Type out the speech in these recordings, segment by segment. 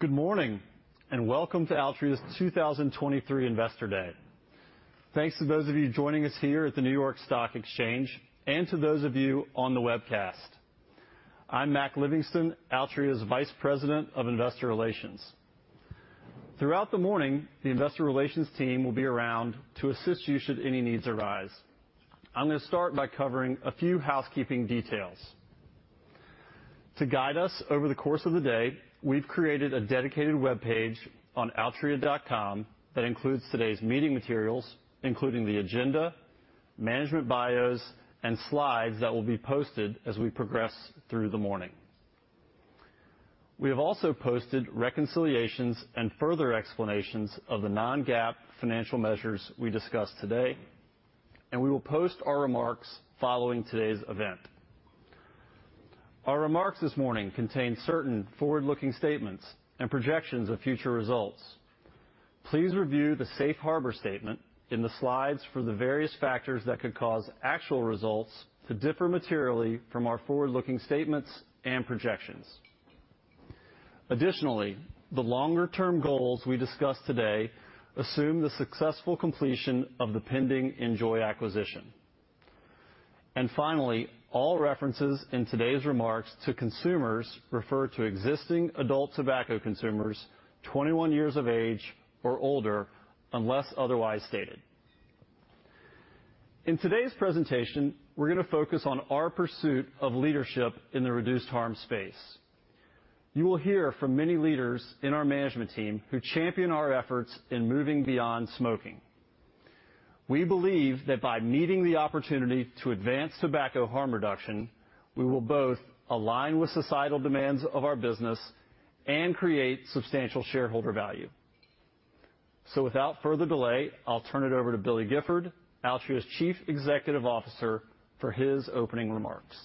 Good morning. Welcome to Altria's 2023 Investor Day. Thanks to those of you joining us here at the New York Stock Exchange and to those of you on the webcast. I'm Mac Livingston, Altria's Vice President of Investor Relations. Throughout the morning, the Investor Relations team will be around to assist you should any needs arise. I'm gonna start by covering a few housekeeping details. To guide us over the course of the day, we've created a dedicated webpage on altria.com that includes today's meeting materials, including the agenda, management bios, and slides that will be posted as we progress through the morning. We have also posted reconciliations and further explanations of the non-GAAP financial measures we discuss today. We will post our remarks following today's event. Our remarks this morning contain certain forward-looking statements and projections of future results. Please review the safe harbor statement in the slides for the various factors that could cause actual results to differ materially from our forward-looking statements and projections. Additionally, the longer-term goals we discuss today assume the successful completion of the pending NJOY acquisition. Finally, all references in today's remarks to consumers refer to existing adult tobacco consumers 21 years of age or older, unless otherwise stated. In today's presentation, we're gonna focus on our pursuit of leadership in the reduced harm space. You will hear from many leaders in our management team who champion our efforts in moving beyond smoking. We believe that by meeting the opportunity to advance tobacco harm reduction, we will both align with societal demands of our business and create substantial shareholder value. Without further delay, I'll turn it over to Billy Gifford, Altria's Chief Executive Officer, for his opening remarks.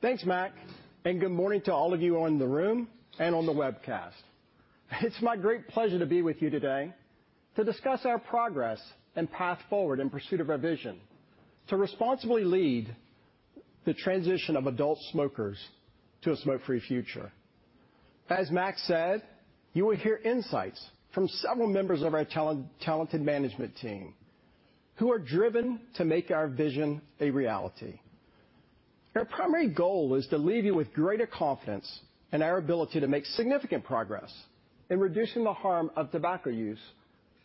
Thanks, Mac. Good morning to all of you all in the room and on the webcast. It's my great pleasure to be with you today to discuss our progress and path forward in pursuit of our vision to responsibly lead the transition of adult smokers to a smoke-free future. As Mac said, you will hear insights from several members of our talented management team who are driven to make our vision a reality. Our primary goal is to leave you with greater confidence in our ability to make significant progress in reducing the harm of tobacco use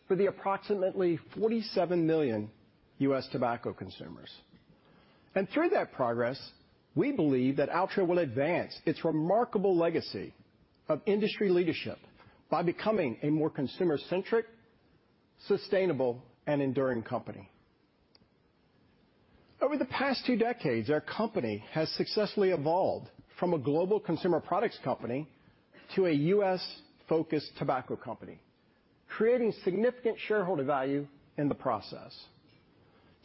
for the approximately 47 million U.S. tobacco consumers. Through that progress, we believe that Altria will advance its remarkable legacy of industry leadership by becoming a more consumer-centric, sustainable, and enduring company. Over the past two decades, our company has successfully evolved from a global consumer products company to a U.S.-focused tobacco company, creating significant shareholder value in the process.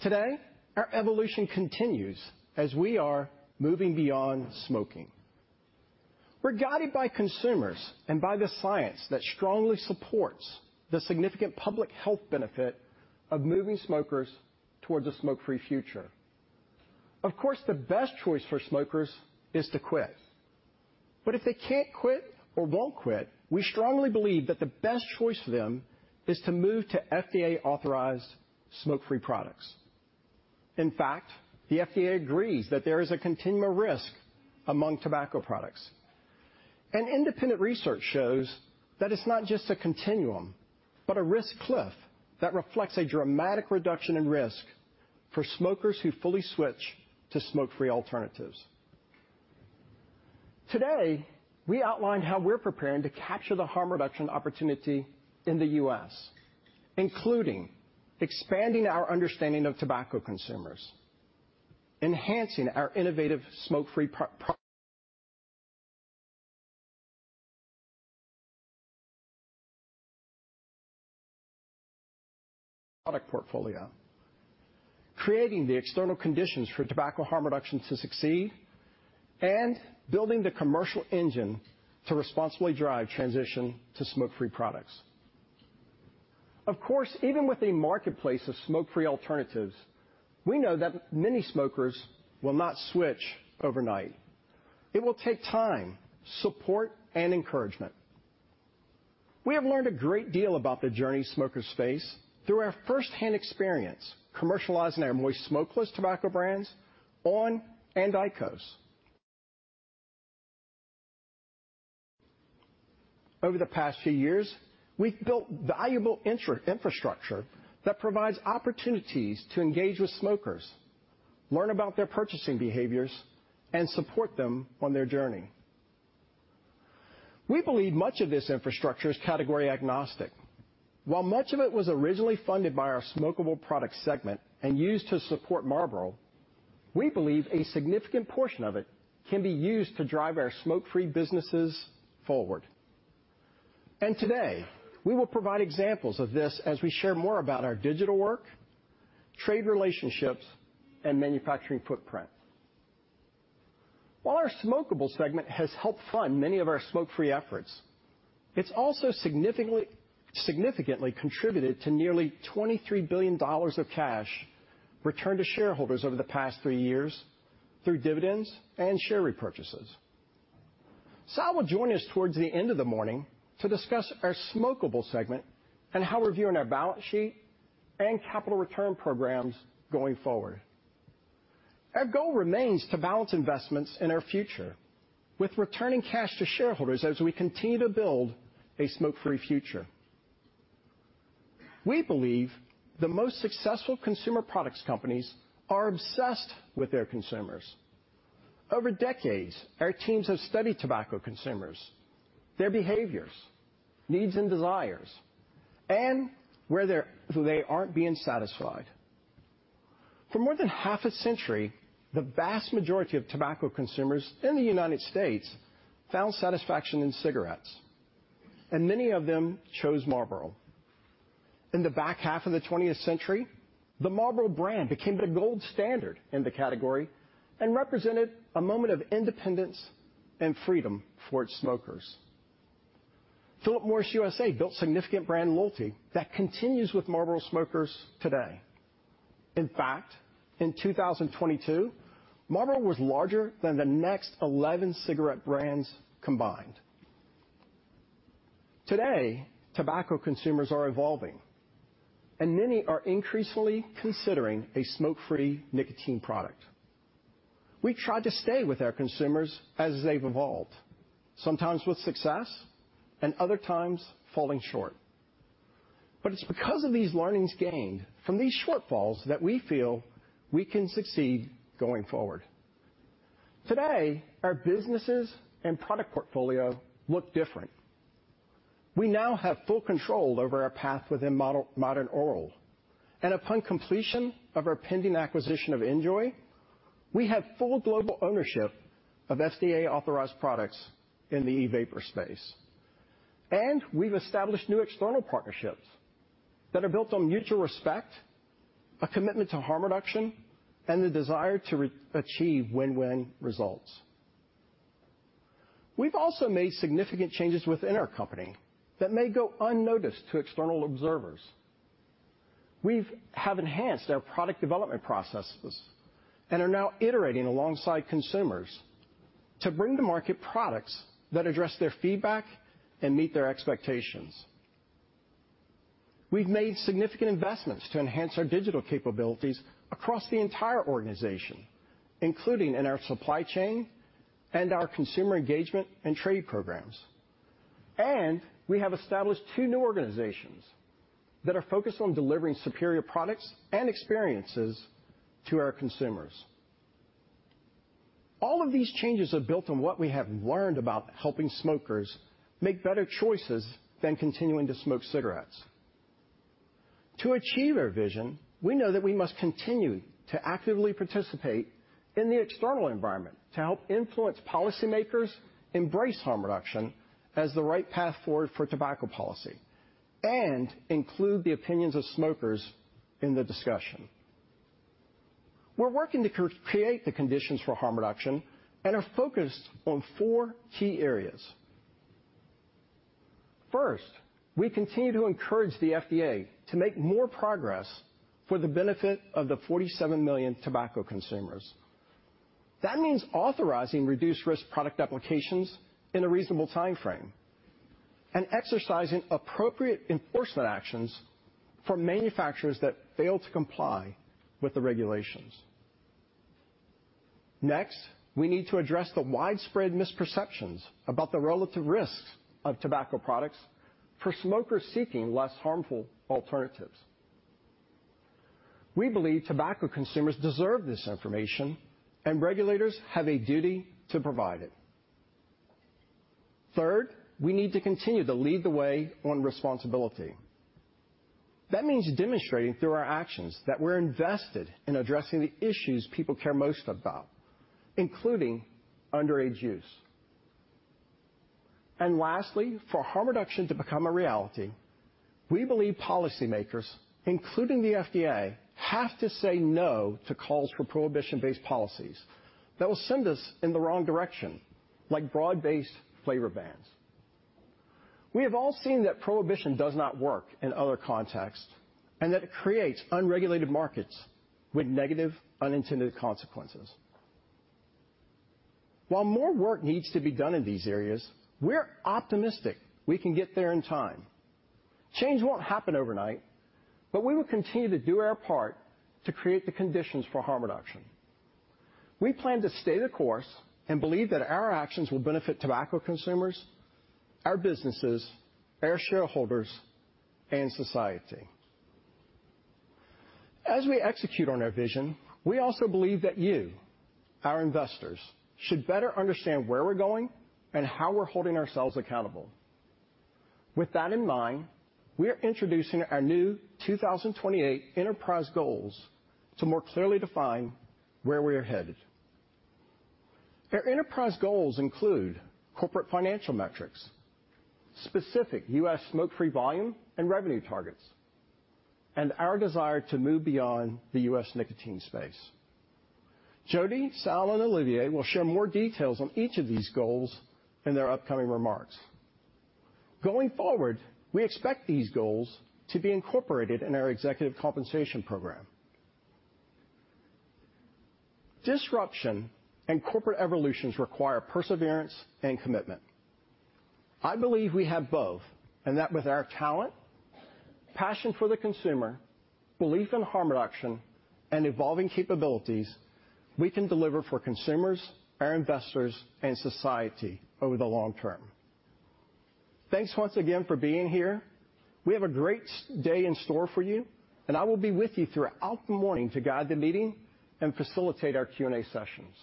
Today, our evolution continues as we are moving beyond smoking. We're guided by consumers and by the science that strongly supports the significant public health benefit of moving smokers towards a smoke-free future. Of course, the best choice for smokers is to quit. If they can't quit or won't quit, we strongly believe that the best choice for them is to move to FDA-authorized smoke-free products. In fact, the FDA agrees that there is a continuum of risk among tobacco products. Independent research shows that it's not just a continuum, but a risk cliff that reflects a dramatic reduction in risk for smokers who fully switch to smoke-free alternatives. Today, we outline how we're preparing to capture the harm reduction opportunity in the U.S., including expanding our understanding of tobacco consumers, enhancing our innovative smoke-free product portfolio, creating the external conditions for tobacco harm reduction to succeed, and building the commercial engine to responsibly drive transition to smoke-free products. Even with a marketplace of smoke-free alternatives, we know that many smokers will not switch overnight. It will take time, support, and encouragement. We have learned a great deal about the journey smokers face through our first-hand experience commercializing our moist smokeless tobacco brands on! and IQOS. Over the past few years, we've built valuable infrastructure that provides opportunities to engage with smokers, learn about their purchasing behaviors, and support them on their journey. We believe much of this infrastructure is category agnostic. While much of it was originally funded by our smokable product segment and used to support Marlboro, we believe a significant portion of it can be used to drive our smoke-free businesses forward. Today, we will provide examples of this as we share more about our digital work, trade relationships, and manufacturing footprint. While our smokable segment has helped fund many of our smoke-free efforts, it's also significantly contributed to nearly $23 billion of cash returned to shareholders over the past three years through dividends and share repurchases. Sal will join us towards the end of the morning to discuss our smokable segment and how we're viewing our balance sheet and capital return programs going forward. Our goal remains to balance investments in our future with returning cash to shareholders as we continue to build a smoke-free future. We believe the most successful consumer products companies are obsessed with their consumers. Over decades, our teams have studied tobacco consumers, their behaviors, needs and desires, and where they aren't being satisfied. For more than half a century, the vast majority of tobacco consumers in the U.S. found satisfaction in cigarettes, and many of them chose Marlboro. In the back half of the twentieth century, the Marlboro brand became the gold standard in the category and represented a moment of independence and freedom for its smokers. Philip Morris USA built significant brand loyalty that continues with Marlboro smokers today. In fact, in 2022, Marlboro was larger than the next 11 cigarette brands combined. Today, tobacco consumers are evolving, and many are increasingly considering a smoke-free nicotine product. We tried to stay with our consumers as they've evolved, sometimes with success and other times falling short. It's because of these learnings gained from these shortfalls that we feel we can succeed going forward. Today, our businesses and product portfolio look different. We now have full control over our path within modern oral, and upon completion of our pending acquisition of NJOY, we have full global ownership of FDA-authorized products in the e-vapor space. We've established new external partnerships that are built on mutual respect, a commitment to harm reduction, and the desire to achieve win-win results. We've also made significant changes within our company that may go unnoticed to external observers. We have enhanced our product development processes and are now iterating alongside consumers to bring to market products that address their feedback and meet their expectations. We've made significant investments to enhance our digital capabilities across the entire organization, including in our supply chain and our consumer engagement and trade programs. We have established two new organizations that are focused on delivering superior products and experiences to our consumers. All of these changes are built on what we have learned about helping smokers make better choices than continuing to smoke cigarettes. To achieve our vision, we know that we must continue to actively participate in the external environment to help influence policymakers embrace harm reduction as the right path forward for tobacco policy and include the opinions of smokers in the discussion. We're working to create the conditions for harm reduction and are focused on four key areas. First, we continue to encourage the FDA to make more progress for the benefit of the 47 million tobacco consumers. That means authorizing reduced-risk product applications in a reasonable timeframe and exercising appropriate enforcement actions for manufacturers that fail to comply with the regulations. Next, we need to address the widespread misperceptions about the relative risks of tobacco products for smokers seeking less harmful alternatives. We believe tobacco consumers deserve this information, and regulators have a duty to provide it. Third, we need to continue to lead the way on responsibility. That means demonstrating through our actions that we're invested in addressing the issues people care most about, including underage use. Lastly, for harm reduction to become a reality, we believe policymakers, including the FDA, have to say no to calls for prohibition-based policies that will send us in the wrong direction, like broad-based flavor bans. We have all seen that prohibition does not work in other contexts and that it creates unregulated markets with negative unintended consequences. While more work needs to be done in these areas, we're optimistic we can get there in time. Change won't happen overnight, but we will continue to do our part to create the conditions for harm reduction. We plan to stay the course and believe that our actions will benefit tobacco consumers, our businesses, our shareholders, and society. As we execute on our vision, we also believe that you, our investors, should better understand where we're going and how we're holding ourselves accountable. With that in mind, we're introducing our new 2028 Enterprise Goals to more clearly define where we are headed. Our Enterprise Goals include corporate financial metrics, specific U.S. smoke-free volume and revenue targets, and our desire to move beyond the U.S. nicotine space. Jody, Sal, and Olivier will share more details on each of these goals in their upcoming remarks. Going forward, we expect these goals to be incorporated in our executive compensation program. Disruption and corporate evolutions require perseverance and commitment. I believe we have both, and that with our talent, passion for the consumer, belief in harm reduction, and evolving capabilities, we can deliver for consumers, our investors, and society over the long term. Thanks once again for being here. We have a great day in store for you, and I will be with you throughout the morning to guide the meeting and facilitate our Q&A sessions.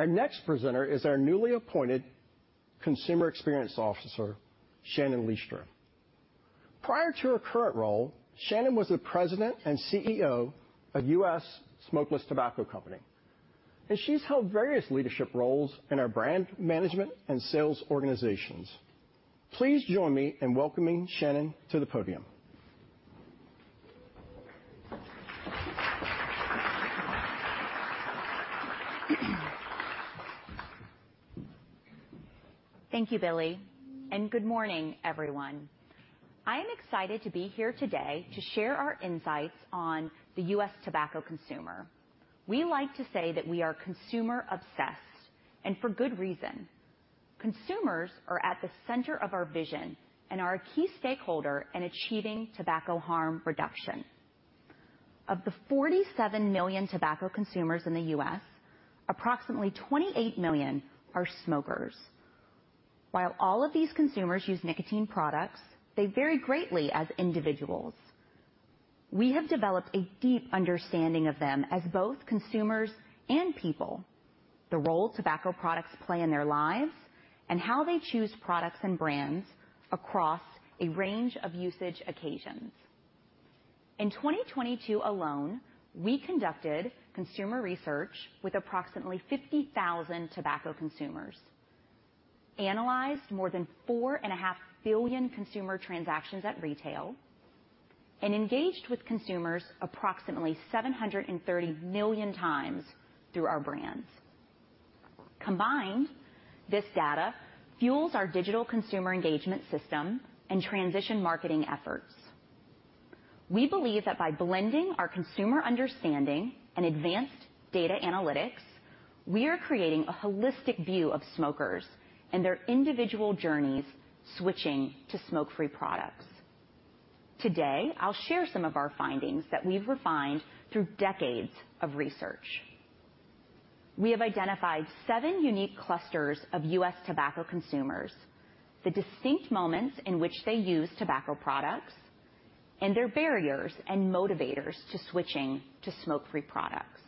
Our next presenter is our newly appointed Consumer Experience Officer, Shannon Leistra. Prior to her current role, Shannon was the president and CEO of U.S. Smokeless Tobacco Company, and she's held various leadership roles in our brand management and sales organizations. Please join me in welcoming Shannon to the podium. Thank you, Billy. Good morning, everyone. I am excited to be here today to share our insights on the U.S. tobacco consumer. We like to say that we are consumer obsessed. For good reason. Consumers are at the center of our vision and are a key stakeholder in achieving tobacco harm reduction. Of the 47 million tobacco consumers in the U.S., approximately 28 million are smokers. While all of these consumers use nicotine products, they vary greatly as individuals. We have developed a deep understanding of them as both consumers and people, the role tobacco products play in their lives, and how they choose products and brands across a range of usage occasions. In 2022 alone, we conducted consumer research with approximately 50,000 tobacco consumers, analyzed more than 4.5 billion consumer transactions at retail, and engaged with consumers approximately 730 million times through our brands. Combined, this data fuels our digital consumer engagement system and transition marketing efforts. We believe that by blending our consumer understanding and advanced data analytics, we are creating a holistic view of smokers and their individual journeys switching to smoke-free products. Today, I'll share some of our findings that we've refined through decades of research. We have identified seven unique clusters of U.S. tobacco consumers, the distinct moments in which they use tobacco products, and their barriers and motivators to switching to smoke-free products.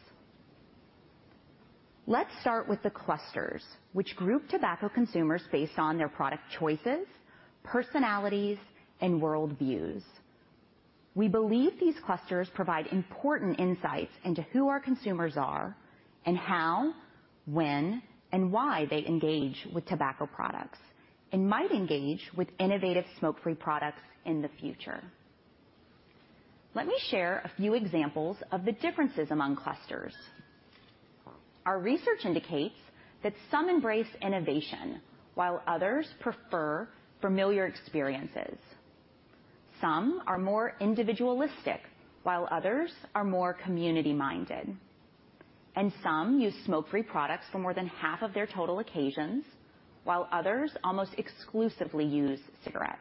Let's start with the clusters, which group tobacco consumers based on their product choices, personalities, and worldviews. We believe these clusters provide important insights into who our consumers are and how, when, and why they engage with tobacco products, and might engage with innovative smoke-free products in the future. Let me share a few examples of the differences among clusters. Our research indicates that some embrace innovation while others prefer familiar experiences. Some are more individualistic while others are more community-minded. Some use smoke-free products for more than half of their total occasions, while others almost exclusively use cigarettes.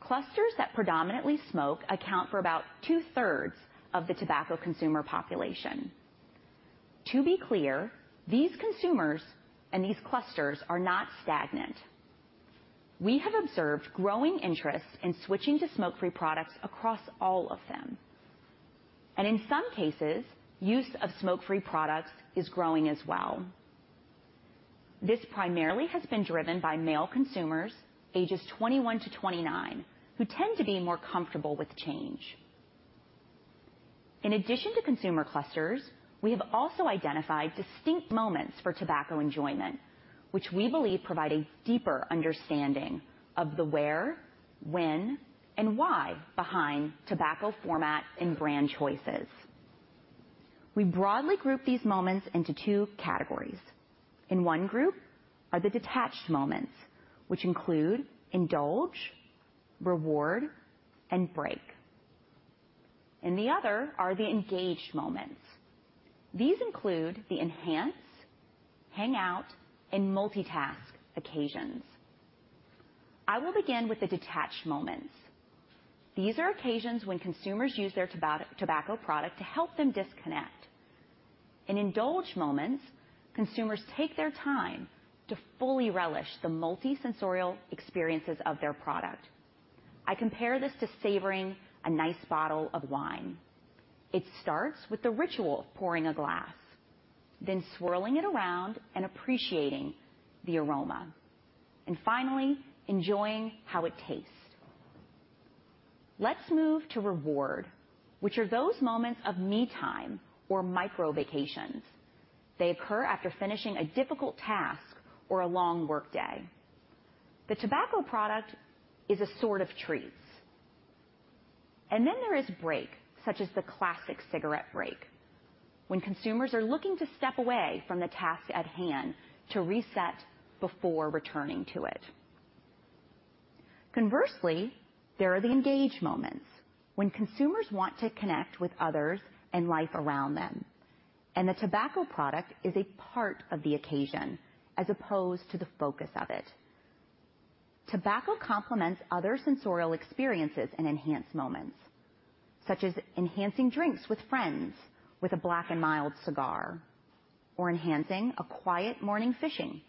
Clusters that predominantly smoke account for about 2/3 of the tobacco consumer population. To be clear, these consumers and these clusters are not stagnant. We have observed growing interest in switching to smoke-free products across all of them, and in some cases, use of smoke-free products is growing as well. This primarily has been driven by male consumers, ages 21 to 29, who tend to be more comfortable with change. In addition to consumer clusters, we have also identified distinct moments for tobacco enjoyment, which we believe provide a deeper understanding of the where, when, and why behind tobacco format and brand choices. We broadly group these moments into two categories. In one group are the detached moments, which include indulge, reward, and break. In the other are the engaged moments. These include the enhance, hang out, and multitask occasions. I will begin with the detached moments. These are occasions when consumers use their tobacco product to help them disconnect. In indulge moments, consumers take their time to fully relish the multi-sensorial experiences of their product. I compare this to savoring a nice bottle of wine. It starts with the ritual of pouring a glass, then swirling it around and appreciating the aroma, and finally, enjoying how it tastes. Let's move to reward, which are those moments of me time or micro vacations. They occur after finishing a difficult task or a long workday. The tobacco product is a sort of treat. There is break, such as the classic cigarette break, when consumers are looking to step away from the task at hand to reset before returning to it. Conversely, there are the engage moments when consumers want to connect with others and life around them, and the tobacco product is a part of the occasion as opposed to the focus of it. Tobacco complements other sensorial experiences and enhanced moments, such as enhancing drinks with friends with a BlackandMild cigar, or enhancing a quiet morning fishing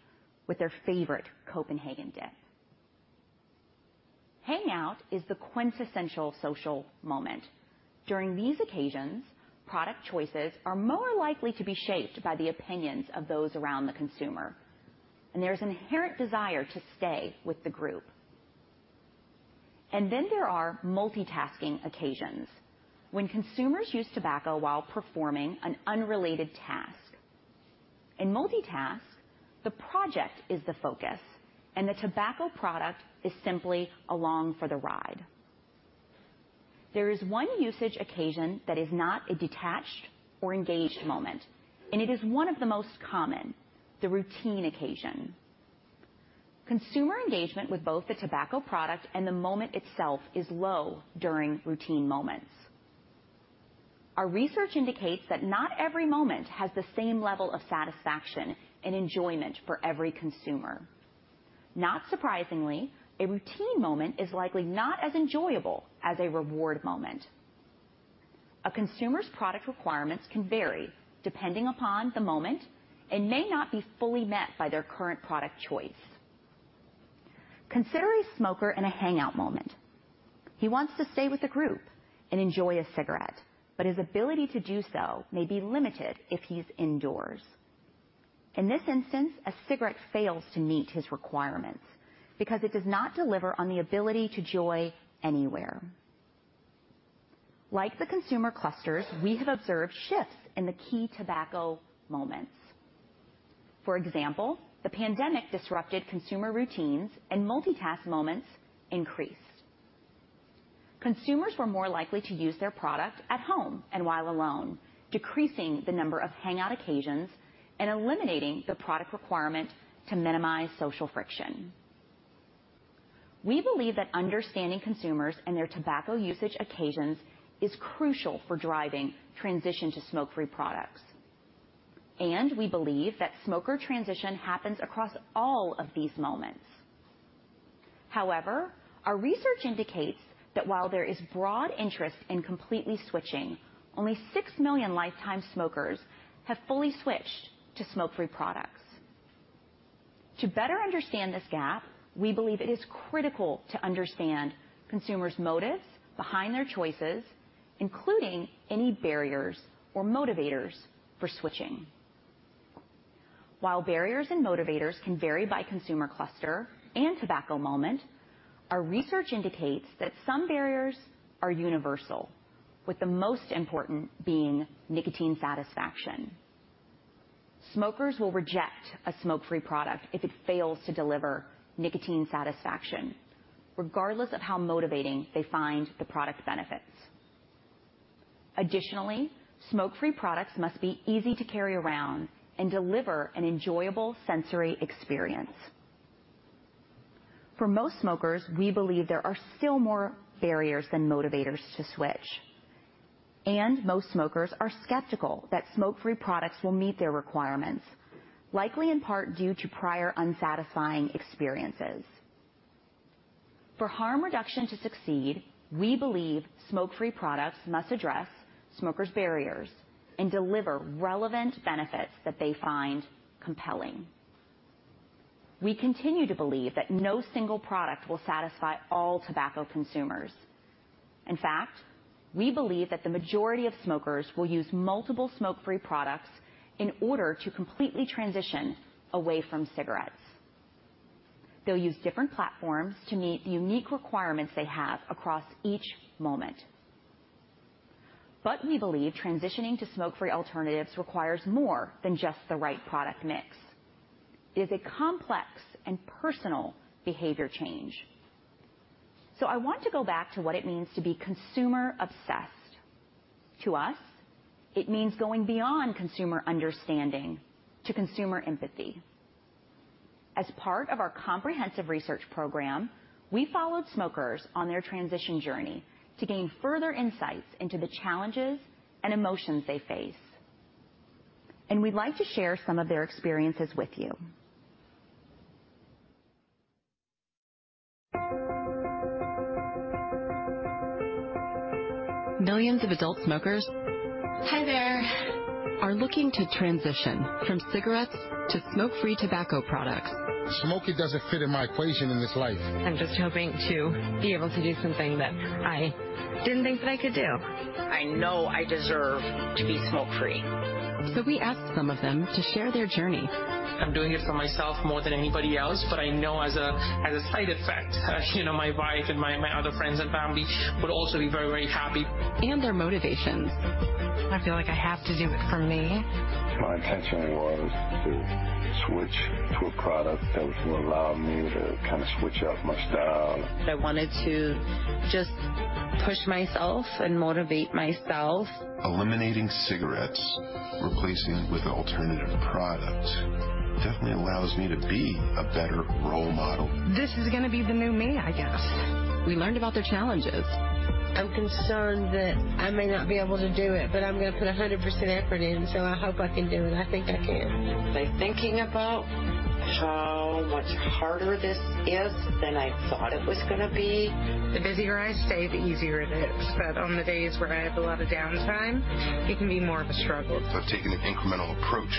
with their favorite Copenhagen dip. Hang out is the quintessential social moment. During these occasions, product choices are more likely to be shaped by the opinions of those around the consumer, and there's inherent desire to stay with the group. There are multitasking occasions when consumers use tobacco while performing an unrelated task. In multitask, the project is the focus, and the tobacco product is simply along for the ride. There is one usage occasion that is not a detached or engaged moment, and it is one of the most common: the routine occasion. Consumer engagement with both the tobacco product and the moment itself is low during routine moments. Our research indicates that not every moment has the same level of satisfaction and enjoyment for every consumer. Not surprisingly, a routine moment is likely not as enjoyable as a reward moment. A consumer's product requirements can vary depending upon the moment and may not be fully met by their current product choice. Consider a smoker in a hangout moment. He wants to stay with the group and enjoy a cigarette, but his ability to do so may be limited if he's indoors. In this instance, a cigarette fails to meet his requirements because it does not deliver on the ability to joy anywhere. Like the consumer clusters, we have observed shifts in the key tobacco moments. For example, the pandemic disrupted consumer routines and multitask moments increased. Consumers were more likely to use their product at home and while alone, decreasing the number of hangout occasions and eliminating the product requirement to minimize social friction. We believe that understanding consumers and their tobacco usage occasions is crucial for driving transition to smoke-free products. We believe that smoker transition happens across all of these moments. However, our research indicates that while there is broad interest in completely switching, only 6 million lifetime smokers have fully switched to smoke-free products. To better understand this gap, we believe it is critical to understand consumers' motives behind their choices, including any barriers or motivators for switching. While barriers and motivators can vary by consumer cluster and tobacco moment, our research indicates that some barriers are universal, with the most important being nicotine satisfaction. Smokers will reject a smoke-free product if it fails to deliver nicotine satisfaction, regardless of how motivating they find the product benefits. Additionally, smoke-free products must be easy to carry around and deliver an enjoyable sensory experience. For most smokers, we believe there are still more barriers than motivators to switch. Most smokers are skeptical that smoke-free products will meet their requirements, likely in part due to prior unsatisfying experiences. For harm reduction to succeed, we believe smoke-free products must address smokers' barriers and deliver relevant benefits that they find compelling. We continue to believe that no single product will satisfy all tobacco consumers. In fact, we believe that the majority of smokers will use multiple smoke-free products in order to completely transition away from cigarettes. They'll use different platforms to meet the unique requirements they have across each moment. We believe transitioning to smoke-free alternatives requires more than just the right product mix. It is a complex and personal behavior change. I want to go back to what it means to be consumer obsessed. To us, it means going beyond consumer understanding to consumer empathy. As part of our comprehensive research program, we followed smokers on their transition journey to gain further insights into the challenges and emotions they face. We'd like to share some of their experiences with you. Millions of adult smokers. Hi there. Are looking to transition from cigarettes to smoke-free tobacco products. Smoking doesn't fit in my equation in this life. I'm just hoping to be able to do something that I didn't think that I could do. I know I deserve to be smoke-free. We asked some of them to share their journey. I'm doing it for myself more than anybody else, but I know as a side effect, you know, my wife and my other friends and family would also be very happy. Their motivations. I feel like I have to do it for me. My intention was to switch to a product that would allow me to kinda switch up my style. I wanted to just push myself and motivate myself. Eliminating cigarettes, replacing with an alternative product definitely allows me to be a better role model. This is gonna be the new me, I guess. We learned about their challenges. I'm concerned that I may not be able to do it, but I'm gonna put 100% effort in, so I hope I can do it. I think I can. By thinking about how much harder this is than I thought it was gonna be. The busier I stay, the easier it is. On the days where I have a lot of downtime, it can be more of a struggle. I've taken an incremental approach.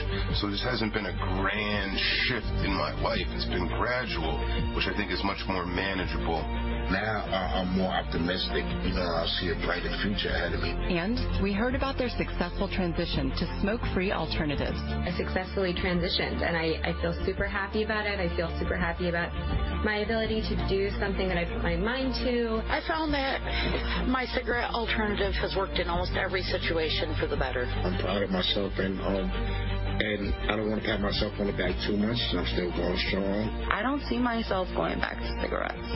This hasn't been a grand shift in my life. It's been gradual, which I think is much more manageable. Now, I'm more optimistic, you know? I see a brighter future ahead of me. We heard about their successful transition to smoke-free alternatives. I successfully transitioned, and I feel super happy about it. I feel super happy about my ability to do something that I put my mind to. I found that my cigarette alternative has worked in almost every situation for the better. I'm proud of myself and I don't wanna pat myself on the back too much 'cause I'm still going strong. I don't see myself going back to cigarettes,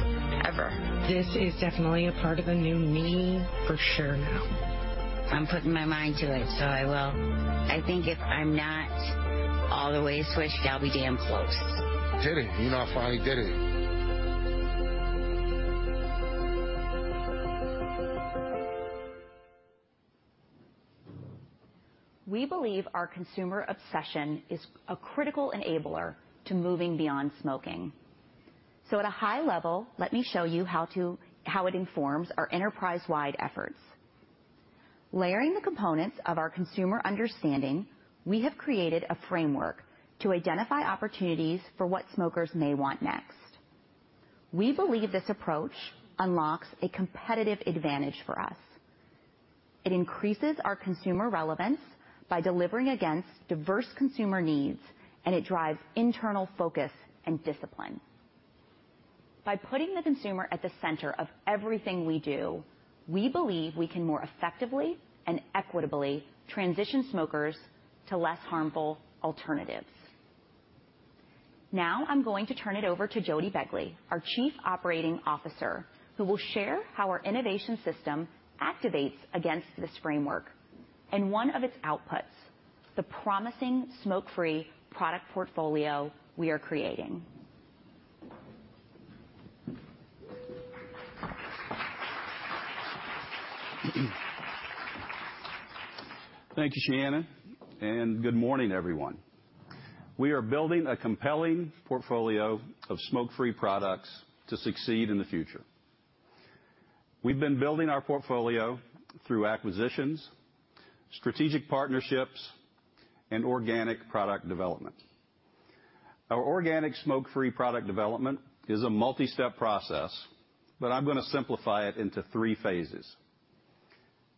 ever. This is definitely a part of the new me for sure now. I'm putting my mind to it, so I will. I think if I'm not all the way switched, I'll be damn close. Did it. You know, I finally did it. We believe our consumer obsession is a critical enabler to moving beyond smoking. At a high level, let me show you how it informs our enterprise-wide efforts. Layering the components of our consumer understanding, we have created a framework to identify opportunities for what smokers may want next. We believe this approach unlocks a competitive advantage for us. It increases our consumer relevance by delivering against diverse consumer needs, and it drives internal focus and discipline. By putting the consumer at the center of everything we do, we believe we can more effectively and equitably transition smokers to less harmful alternatives. Now I'm going to turn it over to Jody Begley, our Chief Operating Officer, who will share how our innovation system activates against this framework, and one of its outputs, the promising smoke-free product portfolio we are creating. Thank you, Shannon. Good morning, everyone. We are building a compelling portfolio of smoke-free products to succeed in the future. We've been building our portfolio through acquisitions, strategic partnerships, and organic product development. Our organic smoke-free product development is a multi-step process, but I'm gonna simplify it into three phases.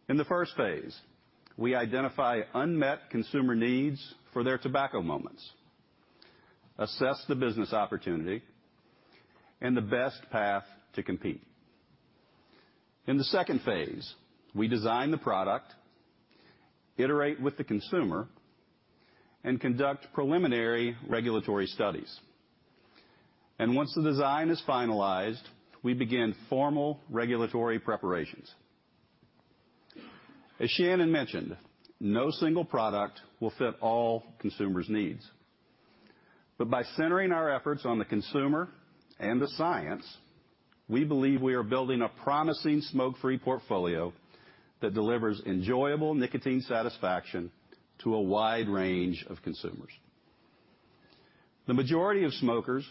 In the first phase, we identify unmet consumer needs for their tobacco moments, assess the business opportunity, and the best path to compete. In the second phase, we design the product, iterate with the consumer, and conduct preliminary regulatory studies. Once the design is finalized, we begin formal regulatory preparations. As Shannon mentioned, no single product will fit all consumers' needs. By centering our efforts on the consumer and the science, we believe we are building a promising smoke-free portfolio that delivers enjoyable nicotine satisfaction to a wide range of consumers. The majority of smokers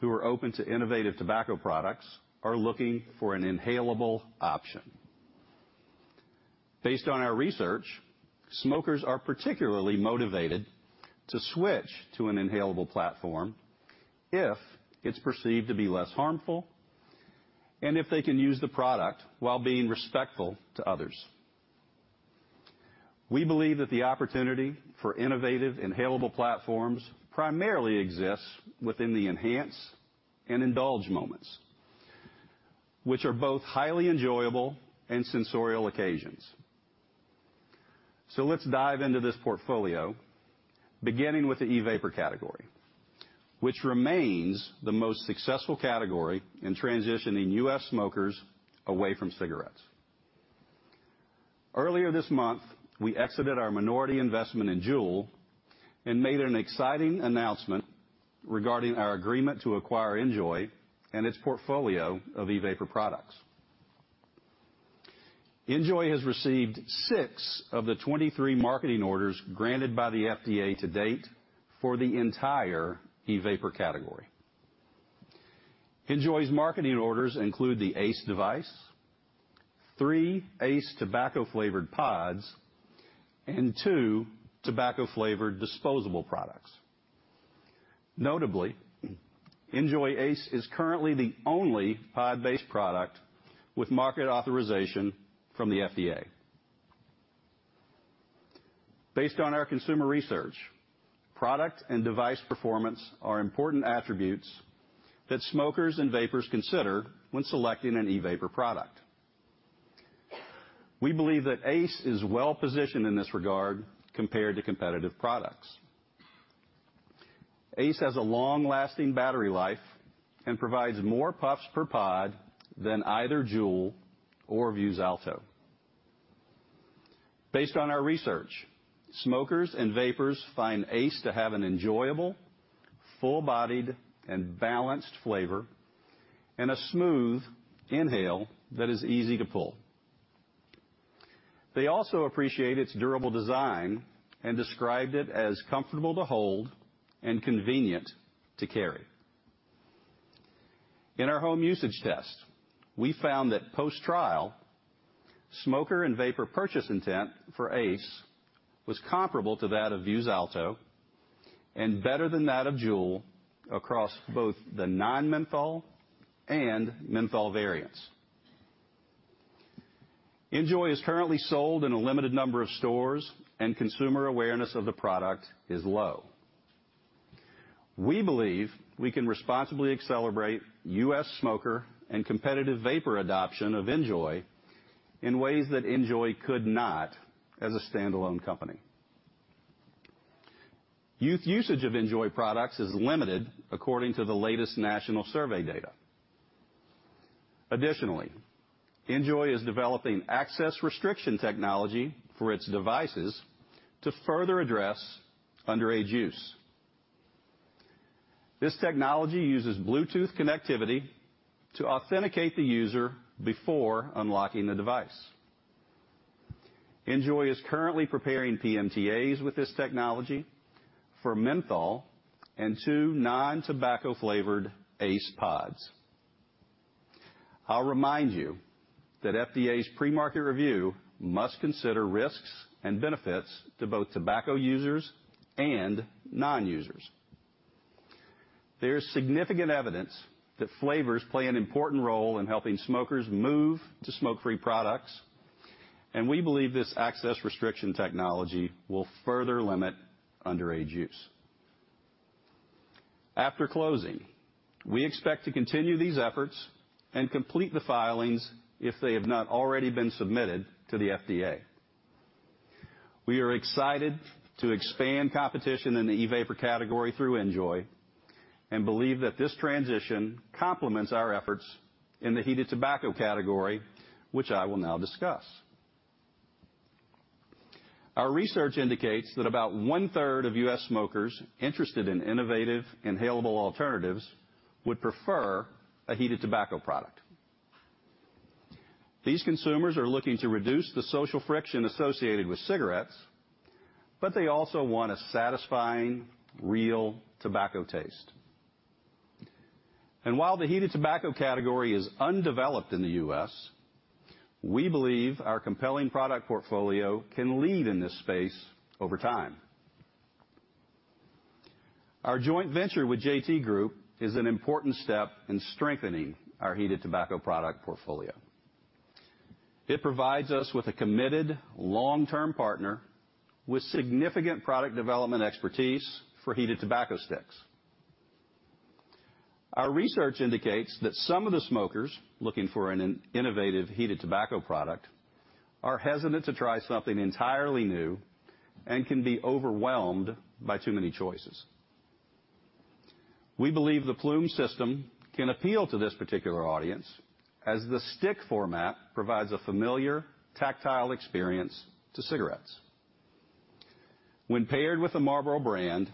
who are open to innovative tobacco products are looking for an inhalable option. Based on our research, smokers are particularly motivated to switch to an inhalable platform if it's perceived to be less harmful and if they can use the product while being respectful to others. We believe that the opportunity for innovative, inhalable platforms primarily exists within the enhance and indulge moments, which are both enjoyable and sensorial locations. Let's dive into this portfolio, beginning with the e-vapor category, which remains the most successful category in transitioning U.S. smokers away from cigarettes. Earlier this month, we exited our minority investment in JUUL and made an exciting announcement regarding our agreement to acquire NJOY and its portfolio of e-vapor products. NJOY has received six of the 23 marketing orders granted by the FDA to date for the entire e-vapor category. NJOY's marketing orders include the ACE device, three ACE tobacco-flavored pods, and two tobacco-flavored disposable products. Notably, NJOY ACE is currently the only pod-based product with market authorization from the FDA. Based on our consumer research, product and device performance are important attributes that smokers and vapers consider when selecting an e-vapor product. We believe that ACE is well-positioned in this regard compared to competitive products. ACE has a long-lasting battery life and provides more puffs per pod than either JUUL or Vuse Alto. Based on our research, smokers and vapers find ACE to have an enjoyable, full-bodied, and balanced flavor and a smooth inhale that is easy to pull. They also appreciate its durable design and described it as comfortable to hold and convenient to carry. In our home usage test, we found that post-trial, smoker and vapor purchase intent for ACE was comparable to that of Vuse Alto and better than that of JUUL across both the non-menthol and menthol variants. NJOY is currently sold in a limited number of stores, and consumer awareness of the product is low. We believe we can responsibly accelerate US smoker and competitive vapor adoption of NJOY in ways that NJOY could not as a standalone company. Youth usage of NJOY products is limited according to the latest national survey data. Additionally, NJOY is developing access restriction technology for its devices to further address underage use. This technology uses Bluetooth connectivity to authenticate the user before unlocking the device. NJOY is currently preparing PMTAs with this technology for menthol and two non-tobacco-flavored ACE pods. I'll remind you that FDA's pre-market review must consider risks and benefits to both tobacco users and non-users. There's significant evidence that flavors play an important role in helping smokers move to smoke-free products, and we believe this access restriction technology will further limit underage use. After closing, we expect to continue these efforts and complete the filings if they have not already been submitted to the FDA. We are excited to expand competition in the e-vapor category through NJOY and believe that this transition complements our efforts in the heated tobacco category, which I will now discuss. Our research indicates that about 1/3 of U.S. smokers interested in innovative inhalable alternatives would prefer a heated tobacco product. These consumers are looking to reduce the social friction associated with cigarettes, but they also want a satisfying, real tobacco taste. While the heated tobacco category is undeveloped in the U.S., we believe our compelling product portfolio can lead in this space over time. Our joint venture with JT Group is an important step in strengthening our heated tobacco product portfolio. It provides us with a committed long-term partner with significant product development expertise for heated tobacco sticks. Our research indicates that some of the smokers looking for an innovative heated tobacco product are hesitant to try something entirely new and can be overwhelmed by too many choices. We believe the Ploom system can appeal to this particular audience, as the stick format provides a familiar tactile experience to cigarettes. When paired with the Marlboro brand,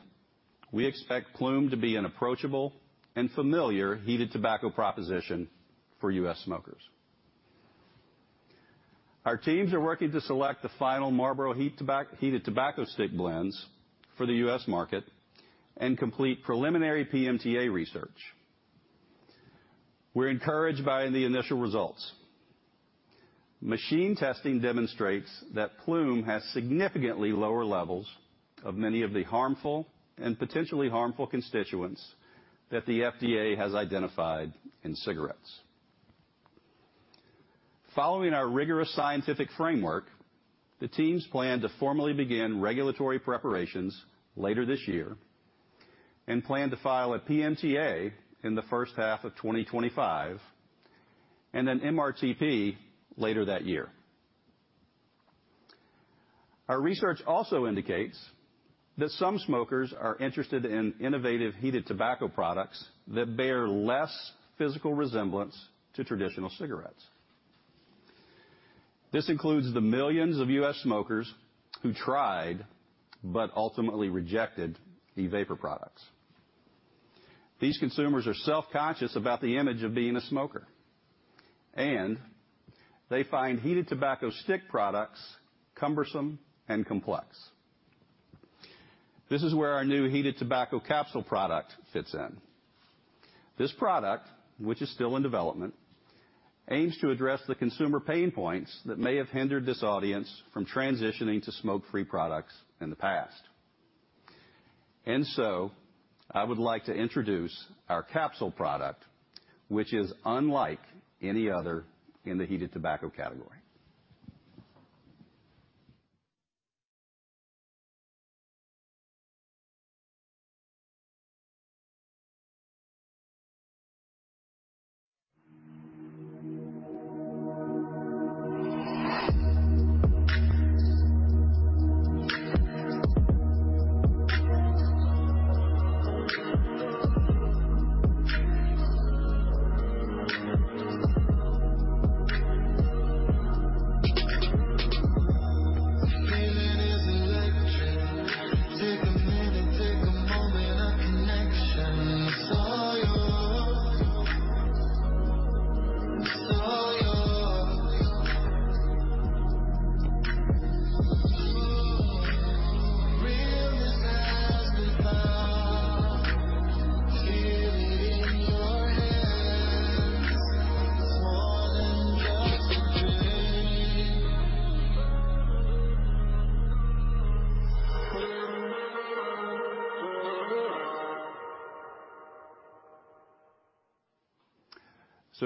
we expect Ploom to be an approachable and familiar heated tobacco proposition for U.S. smokers. Our teams are working to select the final Marlboro heated tobacco stick blends for the U.S. market and complete preliminary PMTA research. We're encouraged by the initial results. Machine testing demonstrates that Ploom has significantly lower levels of many of the Harmful and Potentially Harmful Constituents that the FDA has identified in cigarettes. Following our rigorous scientific framework, the teams plan to formally begin regulatory preparations later this year and plan to file a PMTA in the first half of 2025 and then MRTP later that year. Our research also indicates that some smokers are interested in innovative heated tobacco products that bear less physical resemblance to traditional cigarettes. This includes the millions of U.S. smokers who tried but ultimately rejected e-vapor products. These consumers are self-conscious about the image of being a smoker, and they find heated tobacco stick products cumbersome and complex. This is where our new heated tobacco capsule product fits in. This product, which is still in development, aims to address the consumer pain points that may have hindered this audience from transitioning to smoke-free products in the past. I would like to introduce our capsule product, which is unlike any other in the heated tobacco category.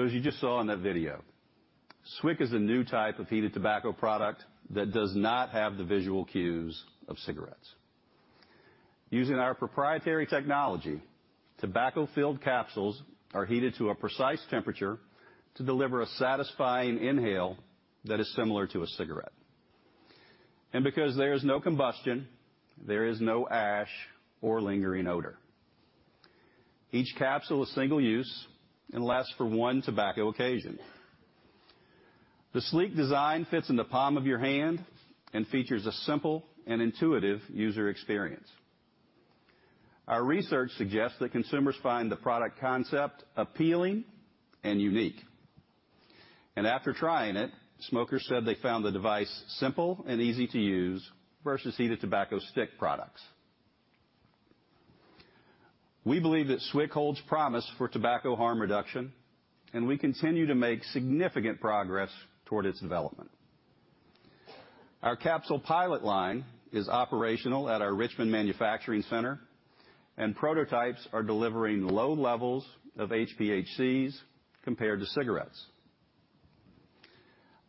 As you just saw in that video, SWIC is a new type of heated tobacco product that does not have the visual cues of cigarettes. Using our proprietary technology, tobacco-filled capsules are heated to a precise temperature to deliver a satisfying inhale that is similar to a cigarette. Because there's no combustion, there is no ash or lingering odor. Each capsule is single use and lasts for one tobacco occasion. The sleek design fits in the palm of your hand and features a simple and intuitive user experience. Our research suggests that consumers find the product concept appealing and unique. After trying it, smokers said they found the device simple and easy to use versus heated tobacco stick products. We believe that SWIC holds promise for tobacco harm reduction, and we continue to make significant progress toward its development. Our capsule pilot line is operational at our Richmond manufacturing center, and prototypes are delivering low levels of HPHCs compared to cigarettes.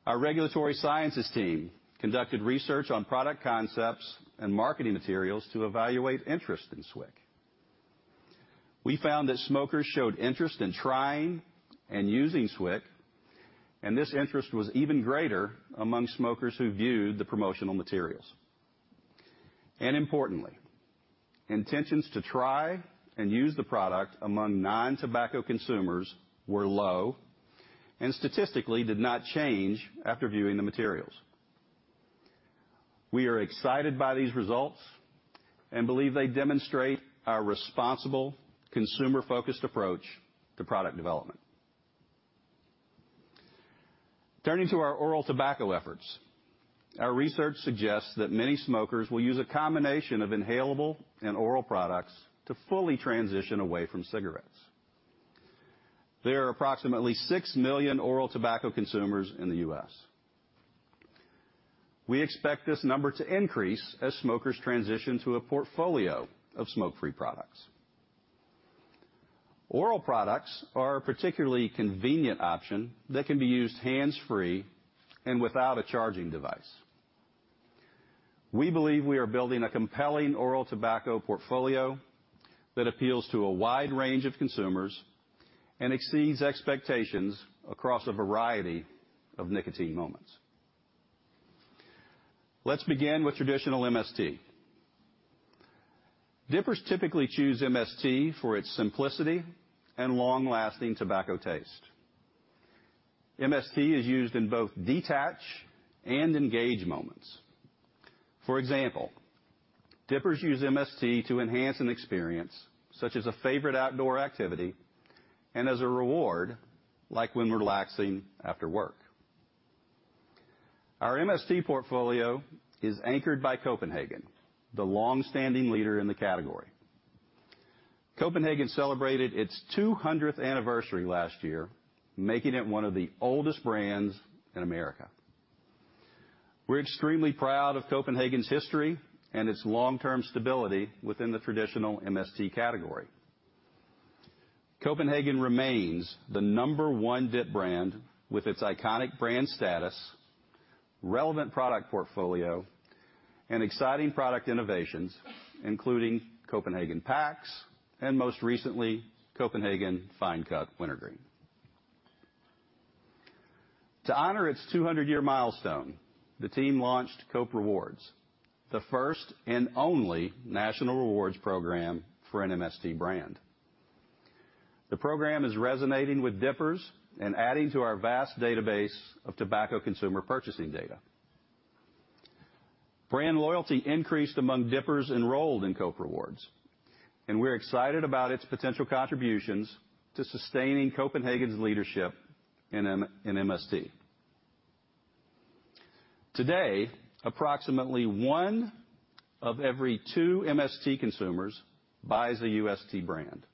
Our regulatory sciences team conducted research on product concepts and marketing materials to evaluate interest in SWIC. This interest was even greater among smokers who viewed the promotional materials. Importantly, intentions to try and use the product among non-tobacco consumers were low and statistically did not change after viewing the materials. We are excited by these results and believe they demonstrate our responsible, consumer-focused approach to product development. Turning to our oral tobacco efforts. Our research suggests that many smokers will use a combination of inhalable and oral products to fully transition away from cigarettes. There are approximately 6 million oral tobacco consumers in the U.S. We expect this number to increase as smokers transition to a portfolio of smoke-free products. Oral products are a particularly convenient option that can be used hands-free and without a charging device. We believe we are building a compelling oral tobacco portfolio that appeals to a wide range of consumers and exceeds expectations across a variety of nicotine moments. Let's begin with traditional MST. Dippers typically choose MST for its simplicity and long-lasting tobacco taste. MST is used in both detach and engage moments. For example, dippers use MST to enhance an experience, such as a favorite outdoor activity, and as a reward, like when relaxing after work. Our MST portfolio is anchored by Copenhagen, the long-standing leader in the category. Copenhagen celebrated its 200th anniversary last year, making it one of the oldest brands in America. We're extremely proud of Copenhagen's history and its long-term stability within the traditional MST category. Copenhagen remains the number 1 dip brand with its iconic brand status, relevant product portfolio, and exciting product innovations, including Copenhagen Packs and, most recently, Copenhagen Fine Cut Wintergreen. To honor its 200-year milestone, the team launched Cope Rewards, the first and only national rewards program for an MST brand. The program is resonating with dippers and adding to our vast database of tobacco consumer purchasing data. Brand loyalty increased among dippers enrolled in Cope Rewards, and we're excited about its potential contributions to sustaining Copenhagen's leadership in MST. Today, approximately one of every two MST consumers buys a UST brand.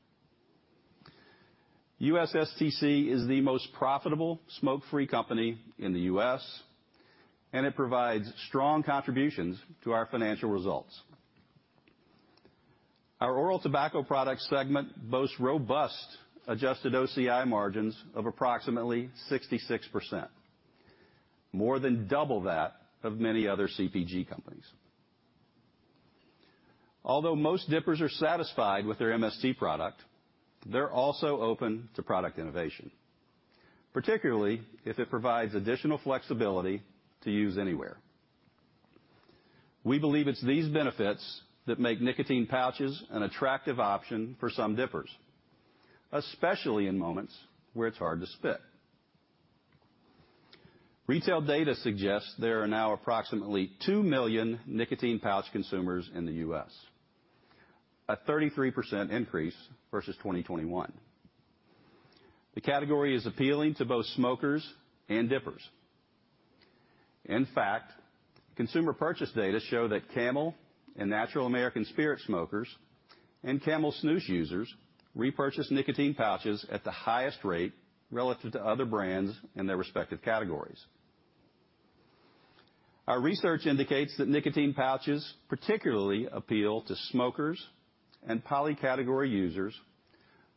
USSTC is the most profitable smoke-free company in the U.S., and it provides strong contributions to our financial results. Our oral tobacco products segment boasts robust adjusted OCI margins of approximately 66%, more than double that of many other CPG companies. Although most dippers are satisfied with their MST product, they're also open to product innovation, particularly if it provides additional flexibility to use anywhere. We believe it's these benefits that make nicotine pouches an attractive option for some dippers, especially in moments where it's hard to spit. Retail data suggests there are now approximately 2 million nicotine pouch consumers in the U.S., a 33% increase versus 2021. The category is appealing to both smokers and dippers. In fact, consumer purchase data show that Camel and Natural American Spirit smokers and Camel Snus users repurchase nicotine pouches at the highest rate relative to other brands in their respective categories. Our research indicates that nicotine pouches particularly appeal to smokers and poly-category users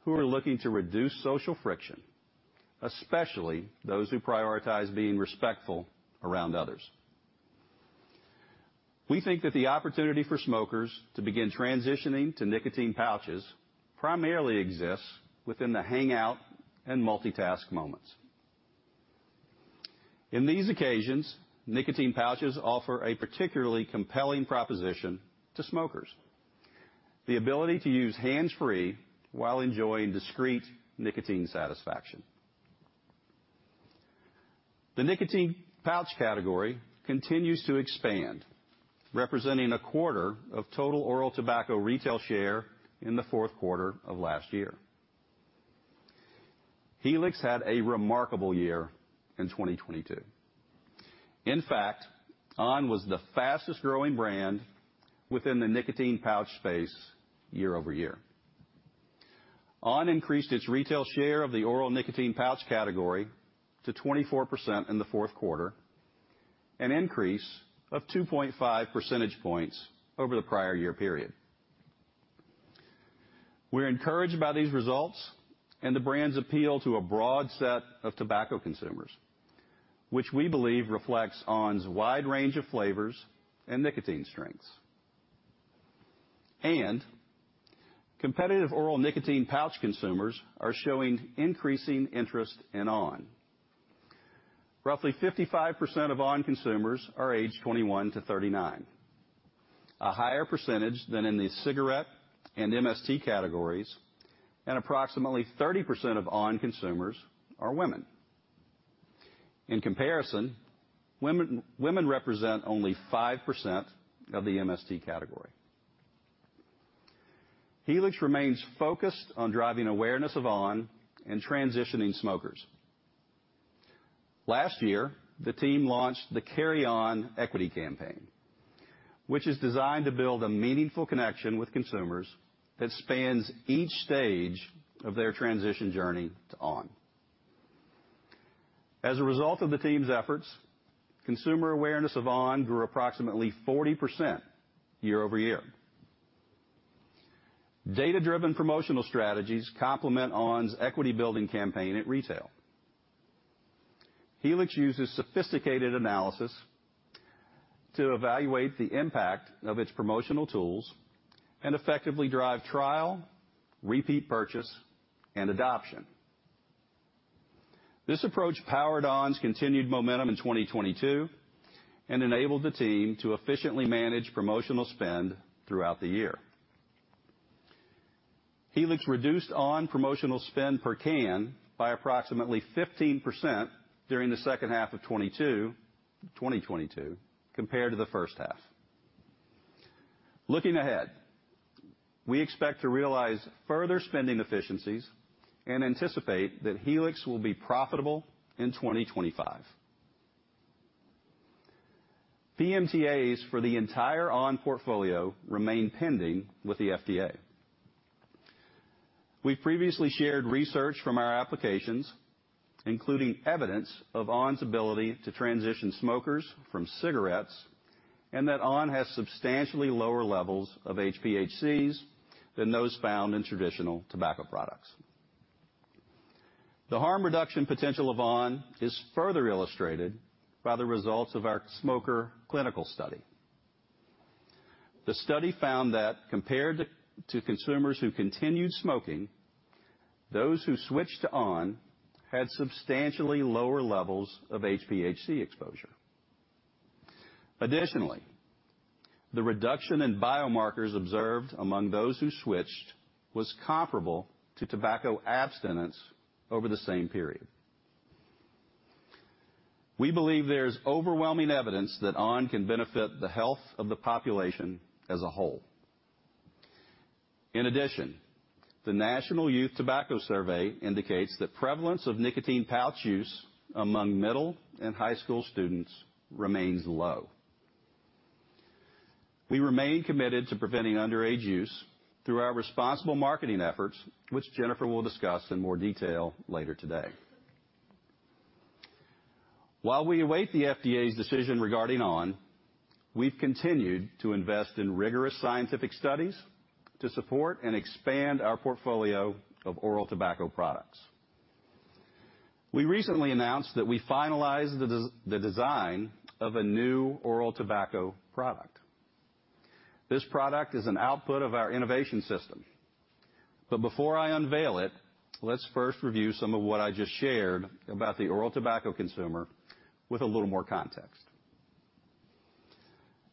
who are looking to reduce social friction, especially those who prioritize being respectful around others. We think that the opportunity for smokers to begin transitioning to nicotine pouches primarily exists within the hangout and multitask moments. In these occasions, nicotine pouches offer a particularly compelling proposition to smokers, the ability to use hands-free while enjoying discreet nicotine satisfaction. The nicotine pouch category continues to expand, representing a quarter of total oral tobacco retail share in the fourth quarter of last year. Helix had a remarkable year in 2022. In fact, on! was the fastest-growing brand within the nicotine pouch space year-over-year. On! increased its retail share of the oral nicotine pouch category to 24% in the fourth quarter, an increase of 2.5 percentage points over the prior year period. We're encouraged by these results and the brand's appeal to a broad set of tobacco consumers, which we believe reflects on!'s wide range of flavors and nicotine strengths. Competitive oral nicotine pouch consumers are showing increasing interest in on! Roughly 55% of on! consumers are age 21-39, a higher percentage than in the cigarette and MST categories, and approximately 30% of on! consumers are women. In comparison, women represent only 5% of the MST category. Helix remains focused on driving awareness of on! and transitioning smokers. Last year, the team launched the Carry on! equity campaign, which is designed to build a meaningful connection with consumers that spans each stage of their transition journey to on! As a result of the team's efforts, consumer awareness of on! grew approximately 40% year-over-year. Data-driven promotional strategies complement on!'s equity building campaign at retail. Helix uses sophisticated analysis to evaluate the impact of its promotional tools and effectively drive trial, repeat purchase, and adoption. This approach powered on!'s continued momentum in 2022 and enabled the team to efficiently manage promotional spend throughout the year. Helix reduced on! promotional spend per can by approximately 15% during the second half of 2022 compared to the first half. Looking ahead, we expect to realize further spending efficiencies and anticipate that Helix will be profitable in 2025. PMTAs for the entire on! portfolio remain pending with the FDA. We previously shared research from our applications, including evidence of on!'s ability to transition smokers from cigarettes, and that on! has substantially lower levels of HPHCs than those found in traditional tobacco products. The harm reduction potential of on! is further illustrated by the results of our smoker clinical study. The study found that compared to consumers who continued smoking, those who switched to on! had substantially lower levels of HPHC exposure. Additionally, the reduction in biomarkers observed among those who switched was comparable to tobacco abstinence over the same period. We believe there's overwhelming evidence that on! can benefit the health of the population as a whole. In addition, the National Youth Tobacco Survey indicates that prevalence of nicotine pouch use among middle and high school students remains low. We remain committed to preventing underage use through our responsible marketing efforts, which Jennifer will discuss in more detail later today. While we await the FDA's decision regarding on!, we've continued to invest in rigorous scientific studies to support and expand our portfolio of oral tobacco products. We recently announced that we finalized the design of a new oral tobacco product. This product is an output of our innovation system. Before I unveil it, let's first review some of what I just shared about the oral tobacco consumer with a little more context.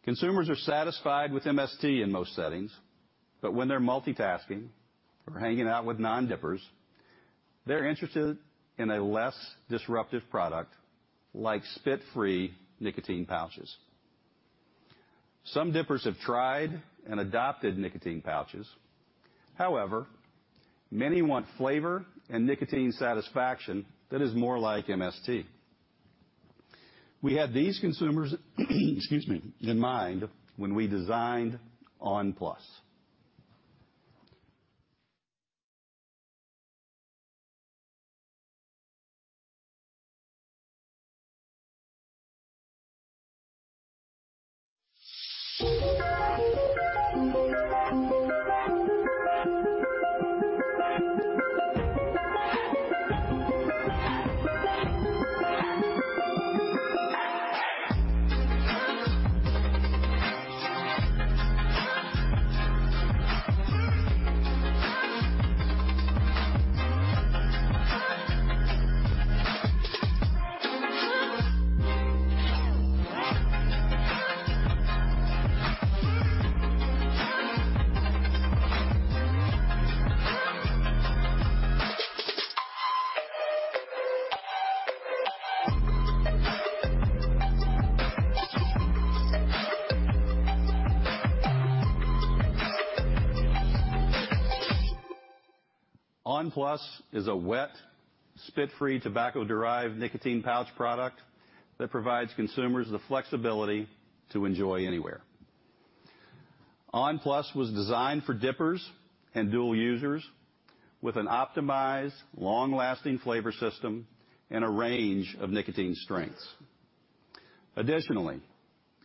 Consumers are satisfied with MST in most settings, but when they're multitasking or hanging out with non-dippers, they're interested in a less disruptive product like spit-free nicotine pouches. Some dippers have tried and adopted nicotine pouches. However, many want flavor and nicotine satisfaction that is more like MST. We had these consumers in mind when we designed on!+. On!+ is a wet, spit-free tobacco derived nicotine pouch product that provides consumers the flexibility to enjoy anywhere. On!+ was designed for dippers and dual users with an optimized, long-lasting flavor system and a range of nicotine strengths.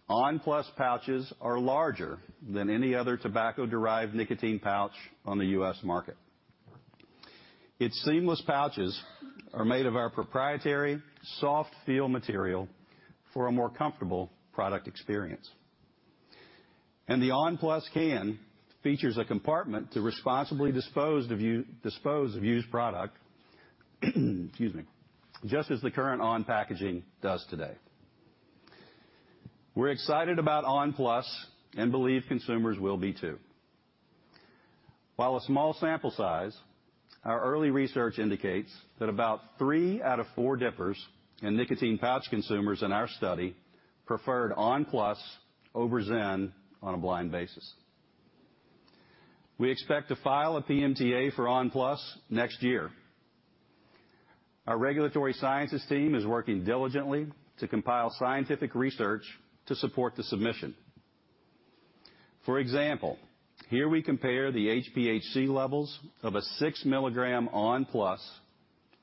On!+ pouches are larger than any other tobacco derived nicotine pouch on the U.S. market. Its seamless pouches are made of our proprietary soft feel material for a more comfortable product experience. The on!+ can features a compartment to responsibly dispose of used product just as the current on! packaging does today. We're excited about on!+ and believe consumers will be too. While a small sample size, our early research indicates that about three out of four dippers and nicotine pouch consumers in our study preferred on!+ over ZYN on a blind basis. We expect to file a PMTA for on!+ next year. Our regulatory sciences team is working diligently to compile scientific research to support the submission. For example, here we compare the HPHC levels of a 6 milligram on!+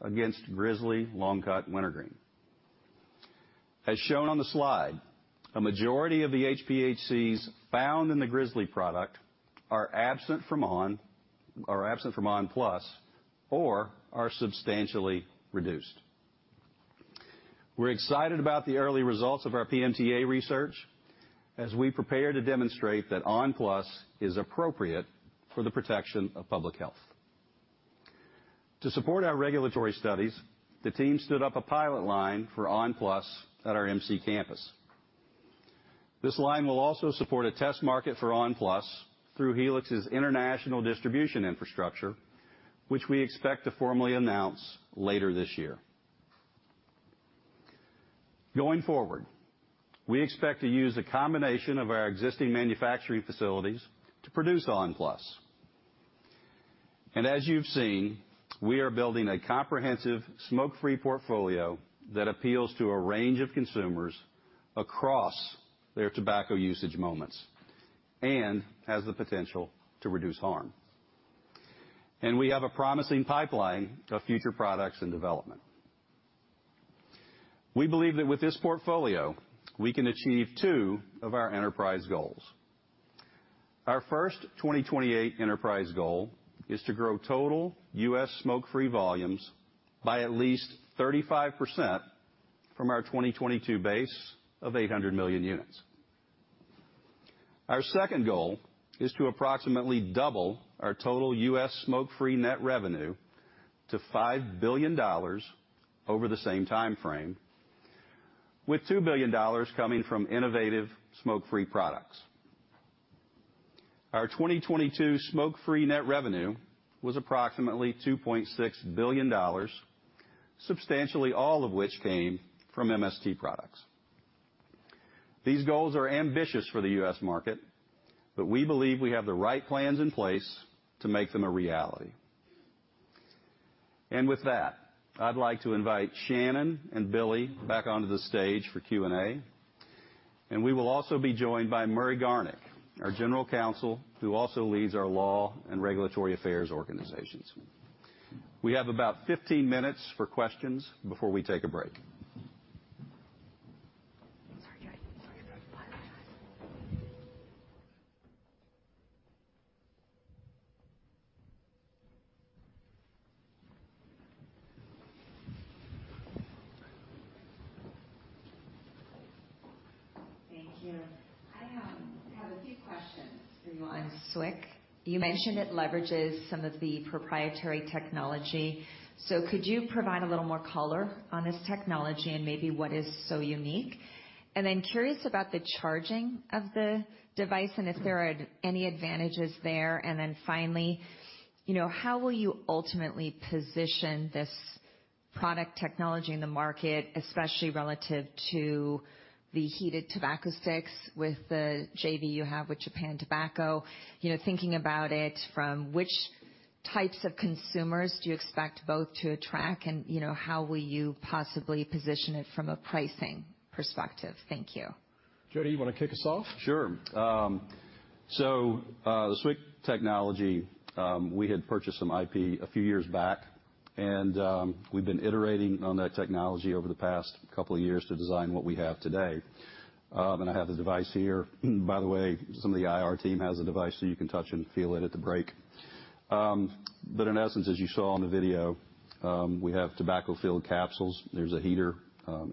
against Grizzly Long Cut Wintergreen. As shown on the slide, a majority of the HPHCs found in the Grizzly product are absent from on!+ or are substantially reduced. We're excited about the early results of our PMTA research as we prepare to demonstrate that on!+ is appropriate for the protection of public health. To support our regulatory studies, the team stood up a pilot line for on!+ at our MC campus. This line will also support a test market for on!+ through Helix's international distribution infrastructure, which we expect to formally announce later this year. Going forward, we expect to use a combination of our existing manufacturing facilities to produce on!+. As you've seen, we are building a comprehensive smoke-free portfolio that appeals to a range of consumers across their tobacco usage moments and has the potential to reduce harm. We have a promising pipeline of future products in development. We believe that with this portfolio, we can achieve two of our Enterprise Goals. Our first 2028 enterprise goal is to grow total U.S. smoke-free volumes by at least 35% from our 2022 base of 800 million units. Our second goal is to approximately double our total U.S. smoke-free net revenue to $5 billion over the same timeframe, with $2 billion coming from innovative smoke-free products. Our 2022 smoke-free net revenue was approximately $2.6 billion, substantially all of which came from MST products. These goals are ambitious for the U.S. market, but we believe we have the right plans in place to make them a reality. With that, I'd like to invite Shannon and Billy back onto the stage for Q&A. We will also be joined by Murray Garnick, our General Counsel, who also leads our law and regulatory affairs organizations. We have about 15 minutes for questions before we take a break. Thank you. I have a few questions. One, SWIC, you mentioned it leverages some of the proprietary technology. Could you provide a little more color on this technology and maybe what is so unique? Curious about the charging of the device and if there are any advantages there. Finally, you know, how will you ultimately position this product technology in the market, especially relative to the heated tobacco sticks with the JV you have with Japan Tobacco? You know, thinking about it from which types of consumers do you expect both to attract and, you know, how will you possibly position it from a pricing perspective? Thank you. Jody, you wanna kick us off? Sure. The SWIC technology, we had purchased some IP a few years back, and we've been iterating on that technology over the past couple of years to design what we have today. I have the device here. By the way, some of the IR team has a device so you can touch and feel it at the break. In essence, as you saw in the video, we have tobacco-filled capsules. There's a heater,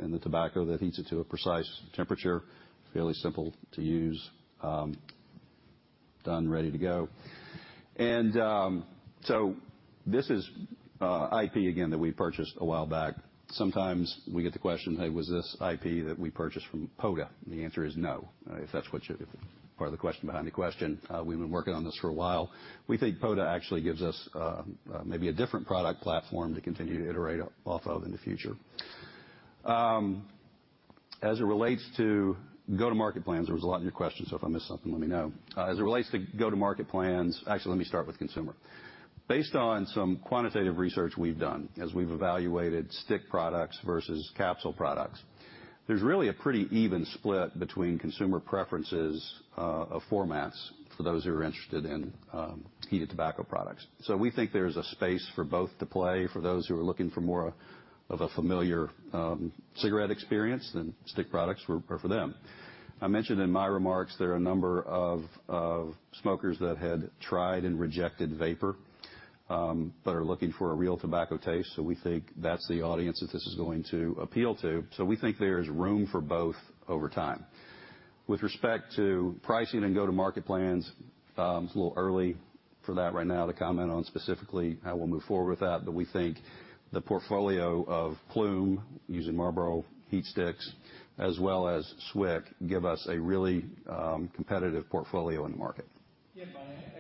in the tobacco that heats it to a precise temperature, fairly simple to use. Done, ready to go. This is IP again that we purchased a while back. Sometimes we get the question, hey, was this IP that we purchased from Poda? The answer is no, if that's part of the question or behind the question. We've been working on this for a while. We think Poda actually gives us maybe a different product platform to continue to iterate off of in the future. As it relates to go-to-market plans, there was a lot in your question, so if I miss something, let me know. As it relates to go-to-market plans. Actually, let me start with consumer. Based on some quantitative research we've done, as we've evaluated stick products versus capsule products, there's really a pretty even split between consumer preferences of formats for those who are interested in heated tobacco products. We think there's a space for both to play. For those who are looking for more of a familiar cigarette experience, stick products work for them. I mentioned in my remarks, there are a number of smokers that had tried and rejected vapor, but are looking for a real tobacco taste, we think that's the audience that this is going to appeal to. We think there is room for both over time. With respect to pricing and go-to-market plans, it's a little early for that right now to comment on specifically how we'll move forward with that. We think the portfolio of Ploom using Marlboro HeatSticks as well as SWIC give us a really competitive portfolio in the market. Yeah. I think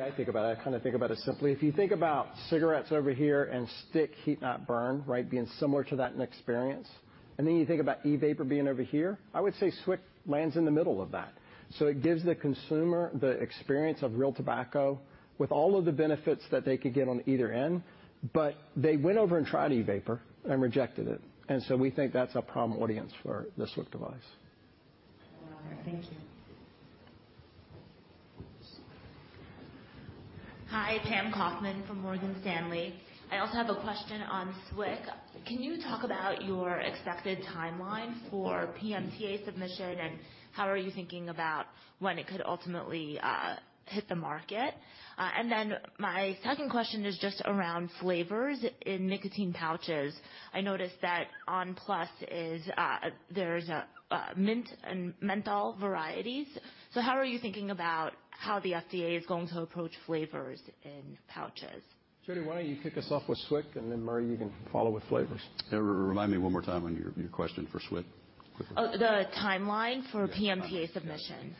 the way I think about it, I kinda think about it simply. If you think about cigarettes over here and stick heat not burn, right, being similar to that in experience, and then you think about e-vapor being over here, I would say SWIC lands in the middle of that. It gives the consumer the experience of real tobacco with all of the benefits that they could get on either end, but they went over and tried e-vapor and rejected it. We think that's a prime audience for the SWIC device. All right. Thank you. Hi, Pam Kaufman from Morgan Stanley. I also have a question on SWIC. Can you talk about your expected timeline for PMTA submission, and how are you thinking about when it could ultimately hit the market? My second question is just around flavors in nicotine pouches. I noticed that on!+ is, there's a mint and menthol varieties. How are you thinking about how the FDA is going to approach flavors in pouches? Jody, why don't you kick us off with SWIC, and then Murray, you can follow with flavors. Remind me one more time on your question for SWIC quickly. The timeline for PMTA submission.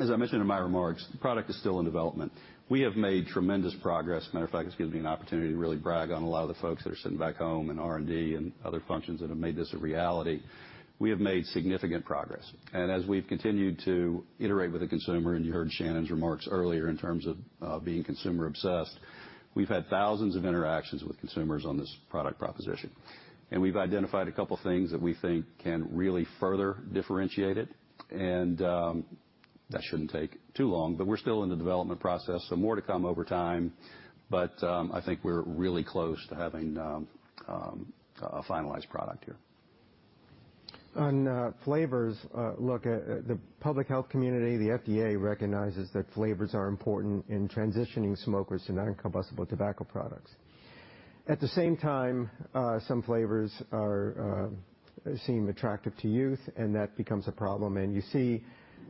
As I mentioned in my remarks, the product is still in development. We have made tremendous progress. Matter of fact, this gives me an opportunity to really brag on a lot of the folks that are sitting back home in R&D and other functions that have made this a reality. We have made significant progress. As we've continued to iterate with the consumer, and you heard Shannon's remarks earlier in terms of being consumer obsessed, we've had thousands of interactions with consumers on this product proposition. We've identified a couple things that we think can really further differentiate it. That shouldn't take too long, but we're still in the development process, so more to come over time. I think we're really close to having a finalized product here. On flavors, look, the public health community, the FDA recognizes that flavors are important in transitioning smokers to non-combustible tobacco products. At the same time, some flavors are seem attractive to youth, and that becomes a problem. You see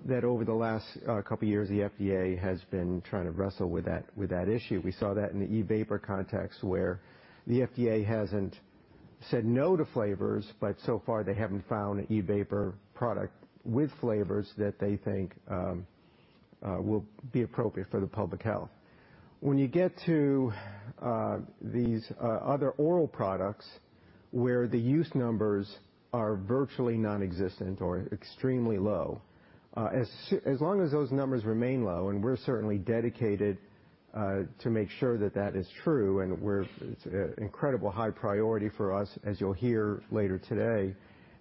that over the last couple years, the FDA has been trying to wrestle with that, with that issue. We saw that in the e-vapor context where the FDA hasn't said no to flavors, but so far they haven't found an e-vapor product with flavors that they think will be appropriate for the public health. When you get to these other oral products where the use numbers are virtually nonexistent or extremely low, as long as those numbers remain low, and we're certainly dedicated to make sure that that is true, and it's incredible high priority for us, as you'll hear later today,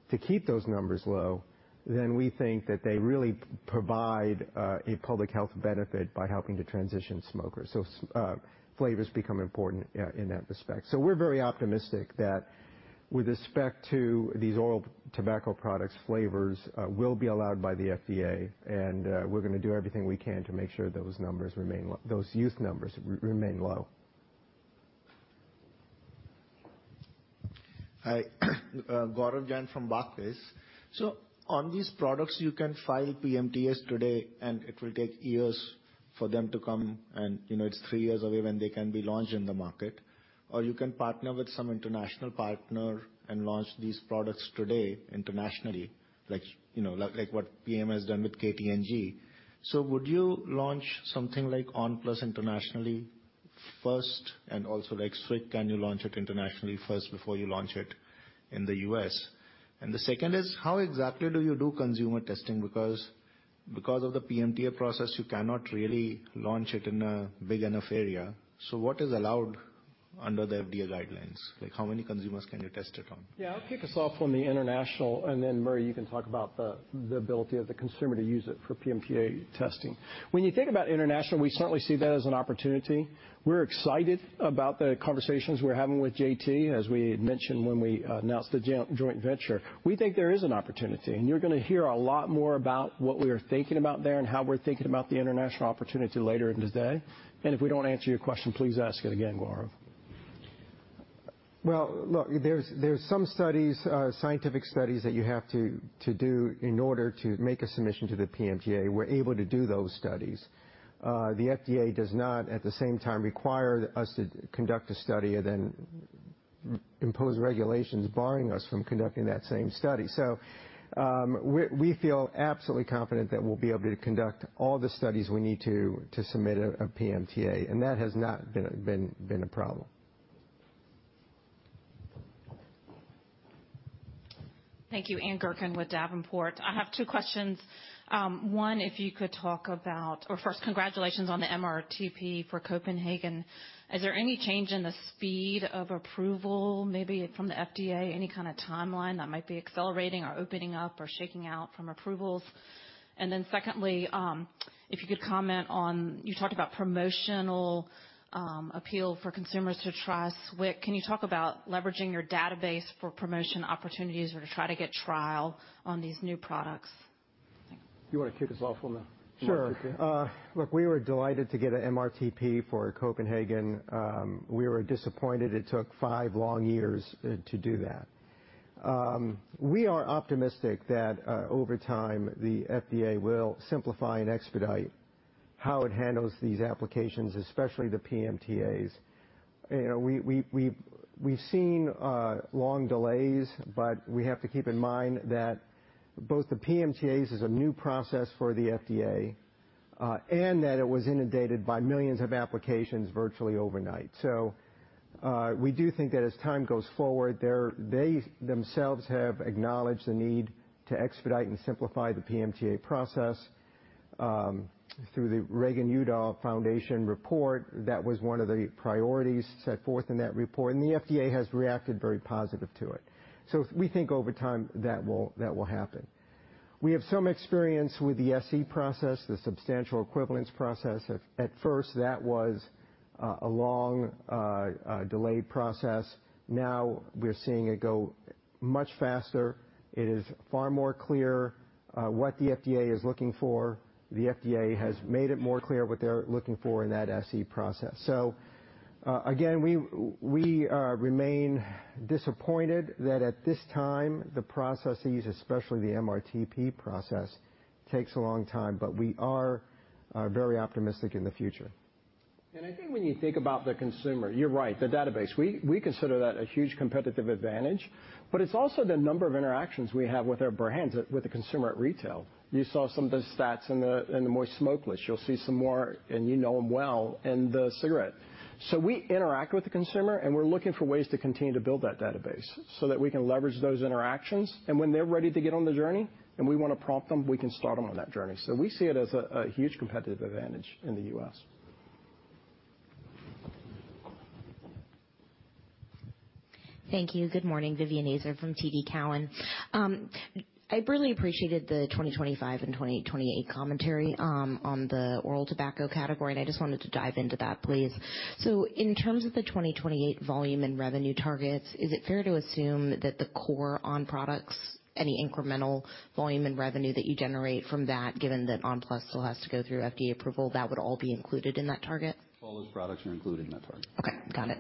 to keep those numbers low, then we think that they really provide a public health benefit by helping to transition smokers. Flavors become important in that respect. We're very optimistic that with respect to these oral tobacco products' flavors will be allowed by the FDA, and we're gonna do everything we can to make sure those numbers remain those youth numbers remain low. Hi. Gaurav Jain from Barclays. On these products, you can file PMTAs today, and it will take years for them to come, and, you know, it's three years away when they can be launched in the market. You can partner with some international partner and launch these products today internationally, you know, like what PM has done with KT&G. Would you launch something like on!+ internationally first and also like SWIC, can you launch it internationally first before you launch it in the U.S.? The second is, how exactly do you do consumer testing? Because of the PMTA process, you cannot really launch it in a big enough area. What is allowed under the FDA guidelines? Like, how many consumers can you test it on? Yeah. I'll kick us off on the international, and then Murray, you can talk about the ability of the consumer to use it for PMTA testing. When you think about international, we certainly see that as an opportunity. We're excited about the conversations we're having with JT, as we had mentioned when we announced the joint venture. We think there is an opportunity, and you're gonna hear a lot more about what we are thinking about there and how we're thinking about the international opportunity later in the day. If we don't answer your question, please ask it again, Gaurav. Well, look, there's some studies, scientific studies that you have to do in order to make a submission to the PMTA. We're able to do those studies. The FDA does not at the same time require us to conduct a study and then impose regulations barring us from conducting that same study. We feel absolutely confident that we'll be able to conduct all the studies we need to submit a PMTA, and that has not been a problem. Thank you. Ann Gurkin with Davenport. I have two questions. First, congratulations on the MRTP for Copenhagen. Is there any change in the speed of approval, maybe from the FDA? Any kind of timeline that might be accelerating or opening up or shaking out from approvals? Secondly, if you could comment on, you talked about promotional appeal for consumers to try SWIC. Can you talk about leveraging your database for promotion opportunities or to try to get trial on these new products? Thanks. You wanna kick us off on the MRTP? Sure. Look, we were delighted to get a MRTP for Copenhagen. We were disappointed it took five long years to do that. We are optimistic that over time, the FDA will simplify and expedite how it handles these applications, especially the PMTAs. You know, we've seen long delays, but we have to keep in mind that both the PMTAs is a new process for the FDA and that it was inundated by millions of applications virtually overnight. We do think that as time goes forward, they themselves have acknowledged the need to expedite and simplify the PMTA process through the Reagan-Udall Foundation report. That was one of the priorities set forth in that report and the FDA has reacted very positive to it. We think over time that will happen. We have some experience with the SE process, the substantial equivalence process. At first that was a long delayed process. Now we're seeing it go much faster. It is far more clear what the FDA is looking for. The FDA has made it more clear what they're looking for in that SE process. Again, we remain disappointed that at this time the processes, especially the MRTP process, takes a long time, but we are very optimistic in the future. I think when you think about the consumer, you're right, the database, we consider that a huge competitive advantage, but it's also the number of interactions we have with our brands with the consumer at retail. You saw some of the stats in the moist smokeless. You'll see some more, and you know 'em well in the cigarette. We interact with the consumer, and we're looking for ways to continue to build that database so that we can leverage those interactions. When they're ready to get on the journey and we wanna prompt them, we can start them on that journey. We see it as a huge competitive advantage in the U.S. Thank you. Good morning. Vivien Azer from TD Cowen. I really appreciated the 2025 and 2028 commentary on the oral tobacco category, and I just wanted to dive into that, please. In terms of the 2028 volume and revenue targets, is it fair to assume that the core on! products, any incremental volume and revenue that you generate from that, given that on!+ still has to go through FDA approval, that would all be included in that target? All those products are included in that target. Okay. Got it.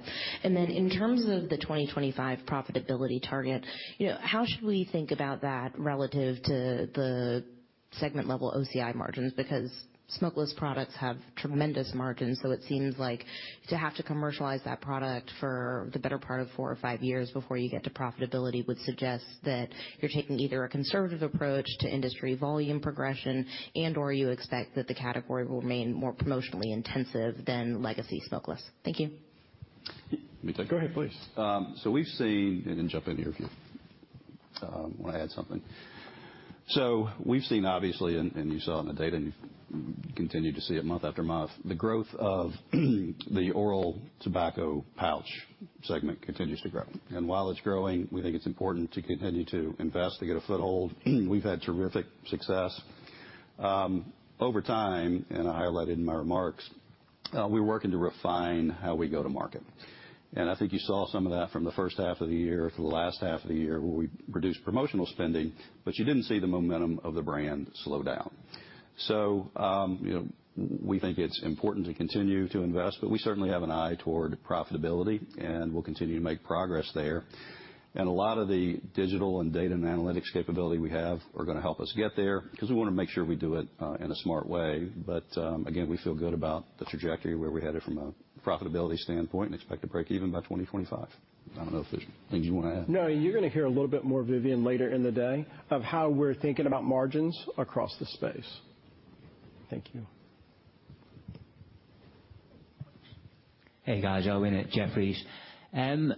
In terms of the 2025 profitability target, you know, how should we think about that relative to the segment level OCI margins? Because smokeless products have tremendous margins, so it seems like to have to commercialize that product for the better part of four or five years before you get to profitability would suggest that you're taking either a conservative approach to industry volume progression and/or you expect that the category will remain more promotionally intensive than legacy smokeless. Thank you. Go ahead, please. Then jump in here if you wanna add something. We've seen obviously, and you saw in the data, and you continue to see it month after month, the growth of the oral tobacco pouch segment continues to grow. While it's growing, we think it's important to continue to invest to get a foothold. We've had terrific success. Over time, and I highlighted in my remarks, we're working to refine how we go to market. I think you saw some of that from the first half of the year to the last half of the year where we reduced promotional spending, but you didn't see the momentum of the brand slow down. You know, we think it's important to continue to invest, but we certainly have an eye toward profitability, and we'll continue to make progress there. A lot of the digital and data and analytics capability we have are gonna help us get there because we wanna make sure we do it in a smart way. Again, we feel good about the trajectory where we're headed from a profitability standpoint and expect to break even by 2025. I do not know if there is things you wanna add. No, you're gonna hear a little bit more, Vivien, later in the day of how we're thinking about margins across the space. Thank you. Hey, guys. Owen at Jefferies. I'm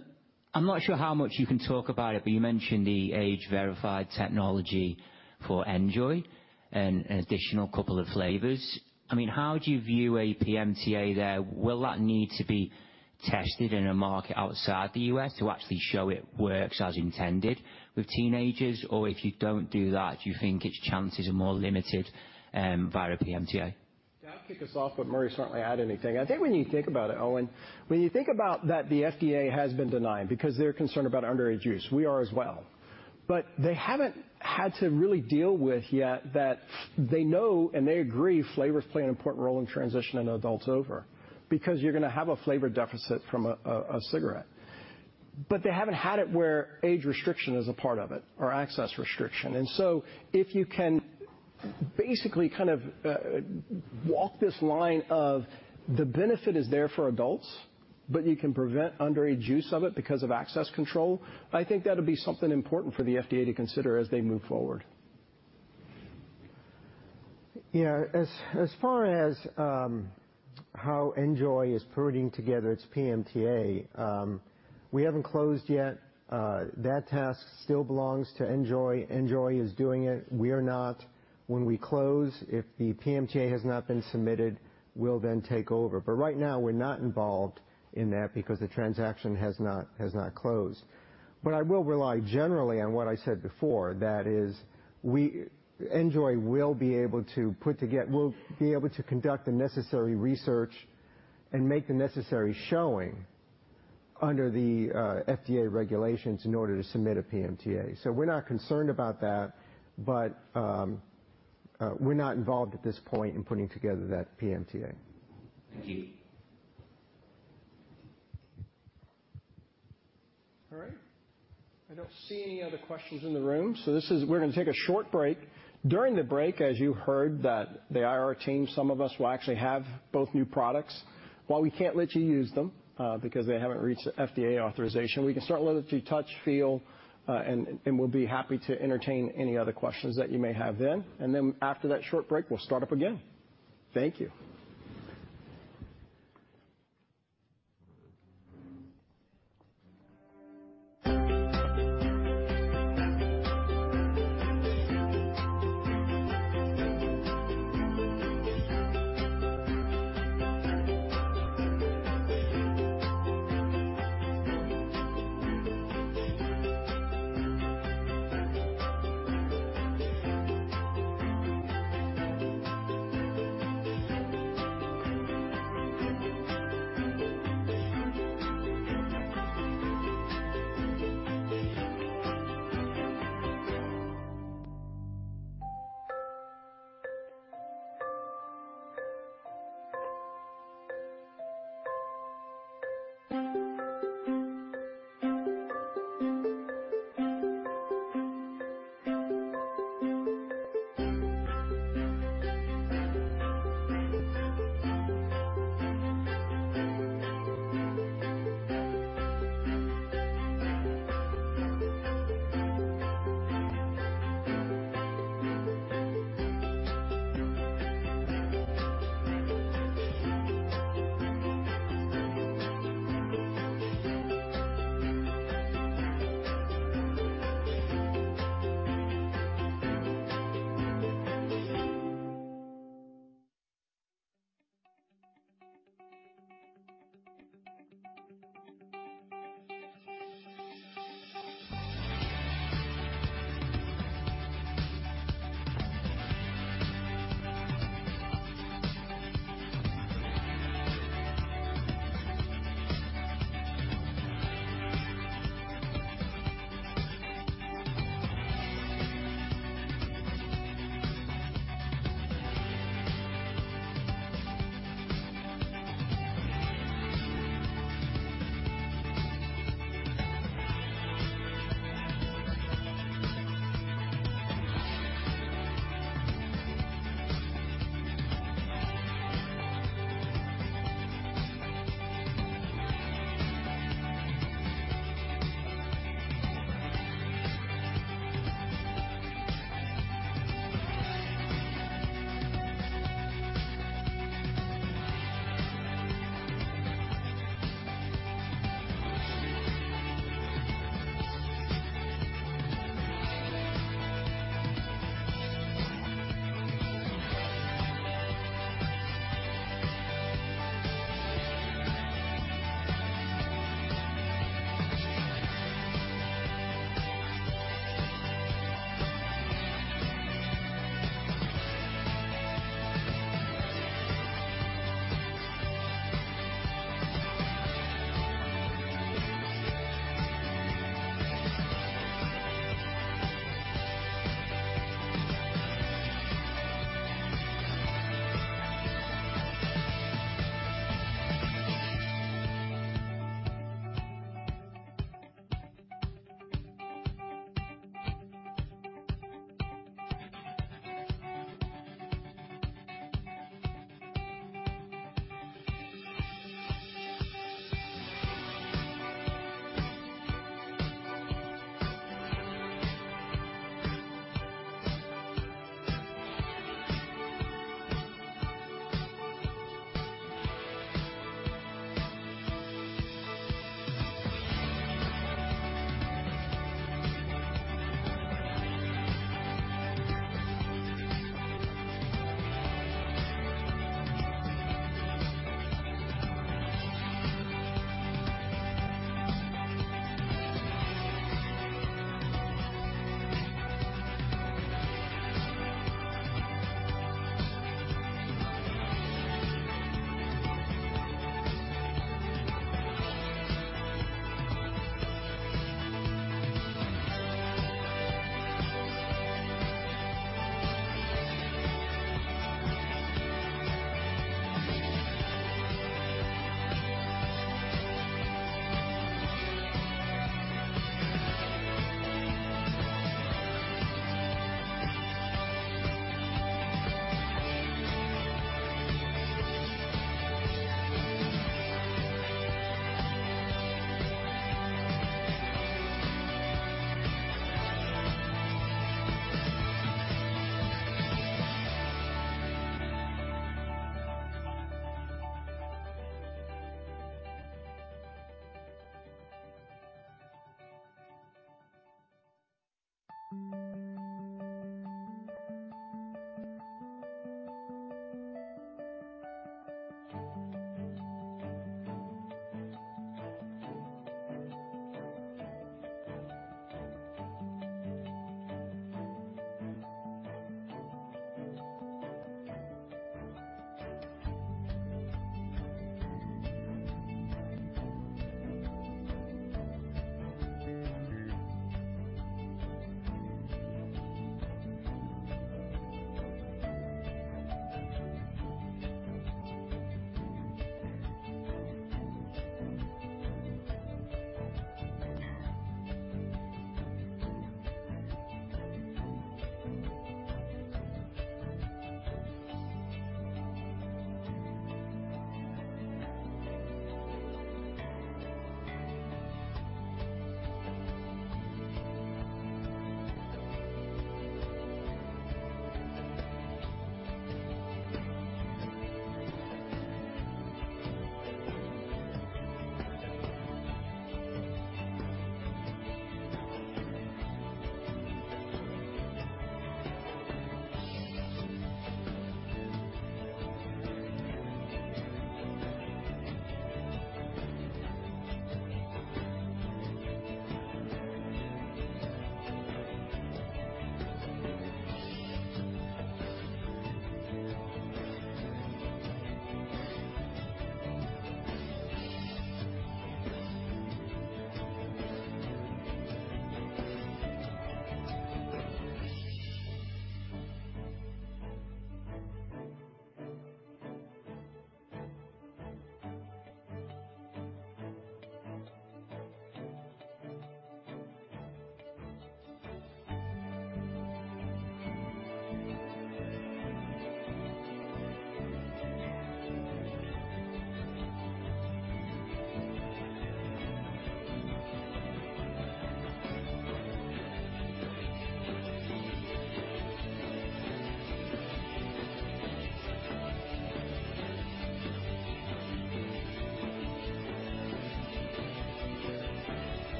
not sure how much you can talk about it, but you mentioned the age-verified technology for NJOY and an additional couple of flavors. I mean, how do you view a PMTA there? Will that need to be tested in a market outside the U.S. to actually show it works as intended with teenagers? If you don't do that, do you think its chances are more limited, via PMTA? Yeah, I'll kick us off. Murray certainly add anything. I think when you think about it, Owen, when you think about that the FDA has been denying because they're concerned about underage use, we are as well. They haven't had to really deal with yet that they know and they agree flavors play an important role in transitioning adults over because you're gonna have a flavor deficit from a cigarette. They haven't had it where age restriction is a part of it or access restriction. If you can basically kind of walk this line of the benefit is there for adults, you can prevent underage use of it because of access control, I think that'll be something important for the FDA to consider as they move forward. Yeah. As far as how NJOY is putting together its PMTA, we haven't closed yet. That task still belongs to NJOY. NJOY is doing it. We are not. When we close, if the PMTA has not been submitted, we'll then take over. Right now we're not involved in that because the transaction has not closed. I will rely generally on what I said before. That is NJOY will be able to conduct the necessary research and make the necessary showing under the FDA regulations in order to submit a PMTA. We're not concerned about that, but we're not involved at this point in putting together that PMTA. Thank you. All right. I don't see any other questions in the room, so this is. We're gonna take a short break. During the break, as you heard, that the IR team, some of us will actually have both new products. While we can't let you use them, because they haven't reached FDA authorization, we can certainly let you touch, feel, and we'll be happy to entertain any other questions that you may have then. Then after that short break, we'll start up again. Thank you.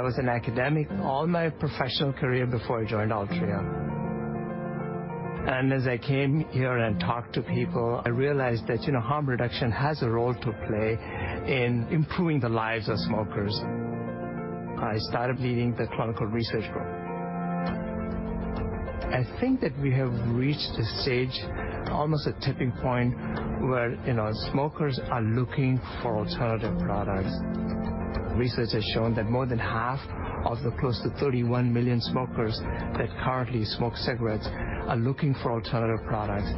I was an academic all my professional career before I joined Altria. As I came here and talked to people, I realized that, you know, harm reduction has a role to play in improving the lives of smokers. I started leading the clinical research role. I think that we have reached a stage, almost a tipping point, where, you know, smokers are looking for alternative products. Research has shown that more than half of the close to 31 million smokers that currently smoke cigarettes are looking for alternative products.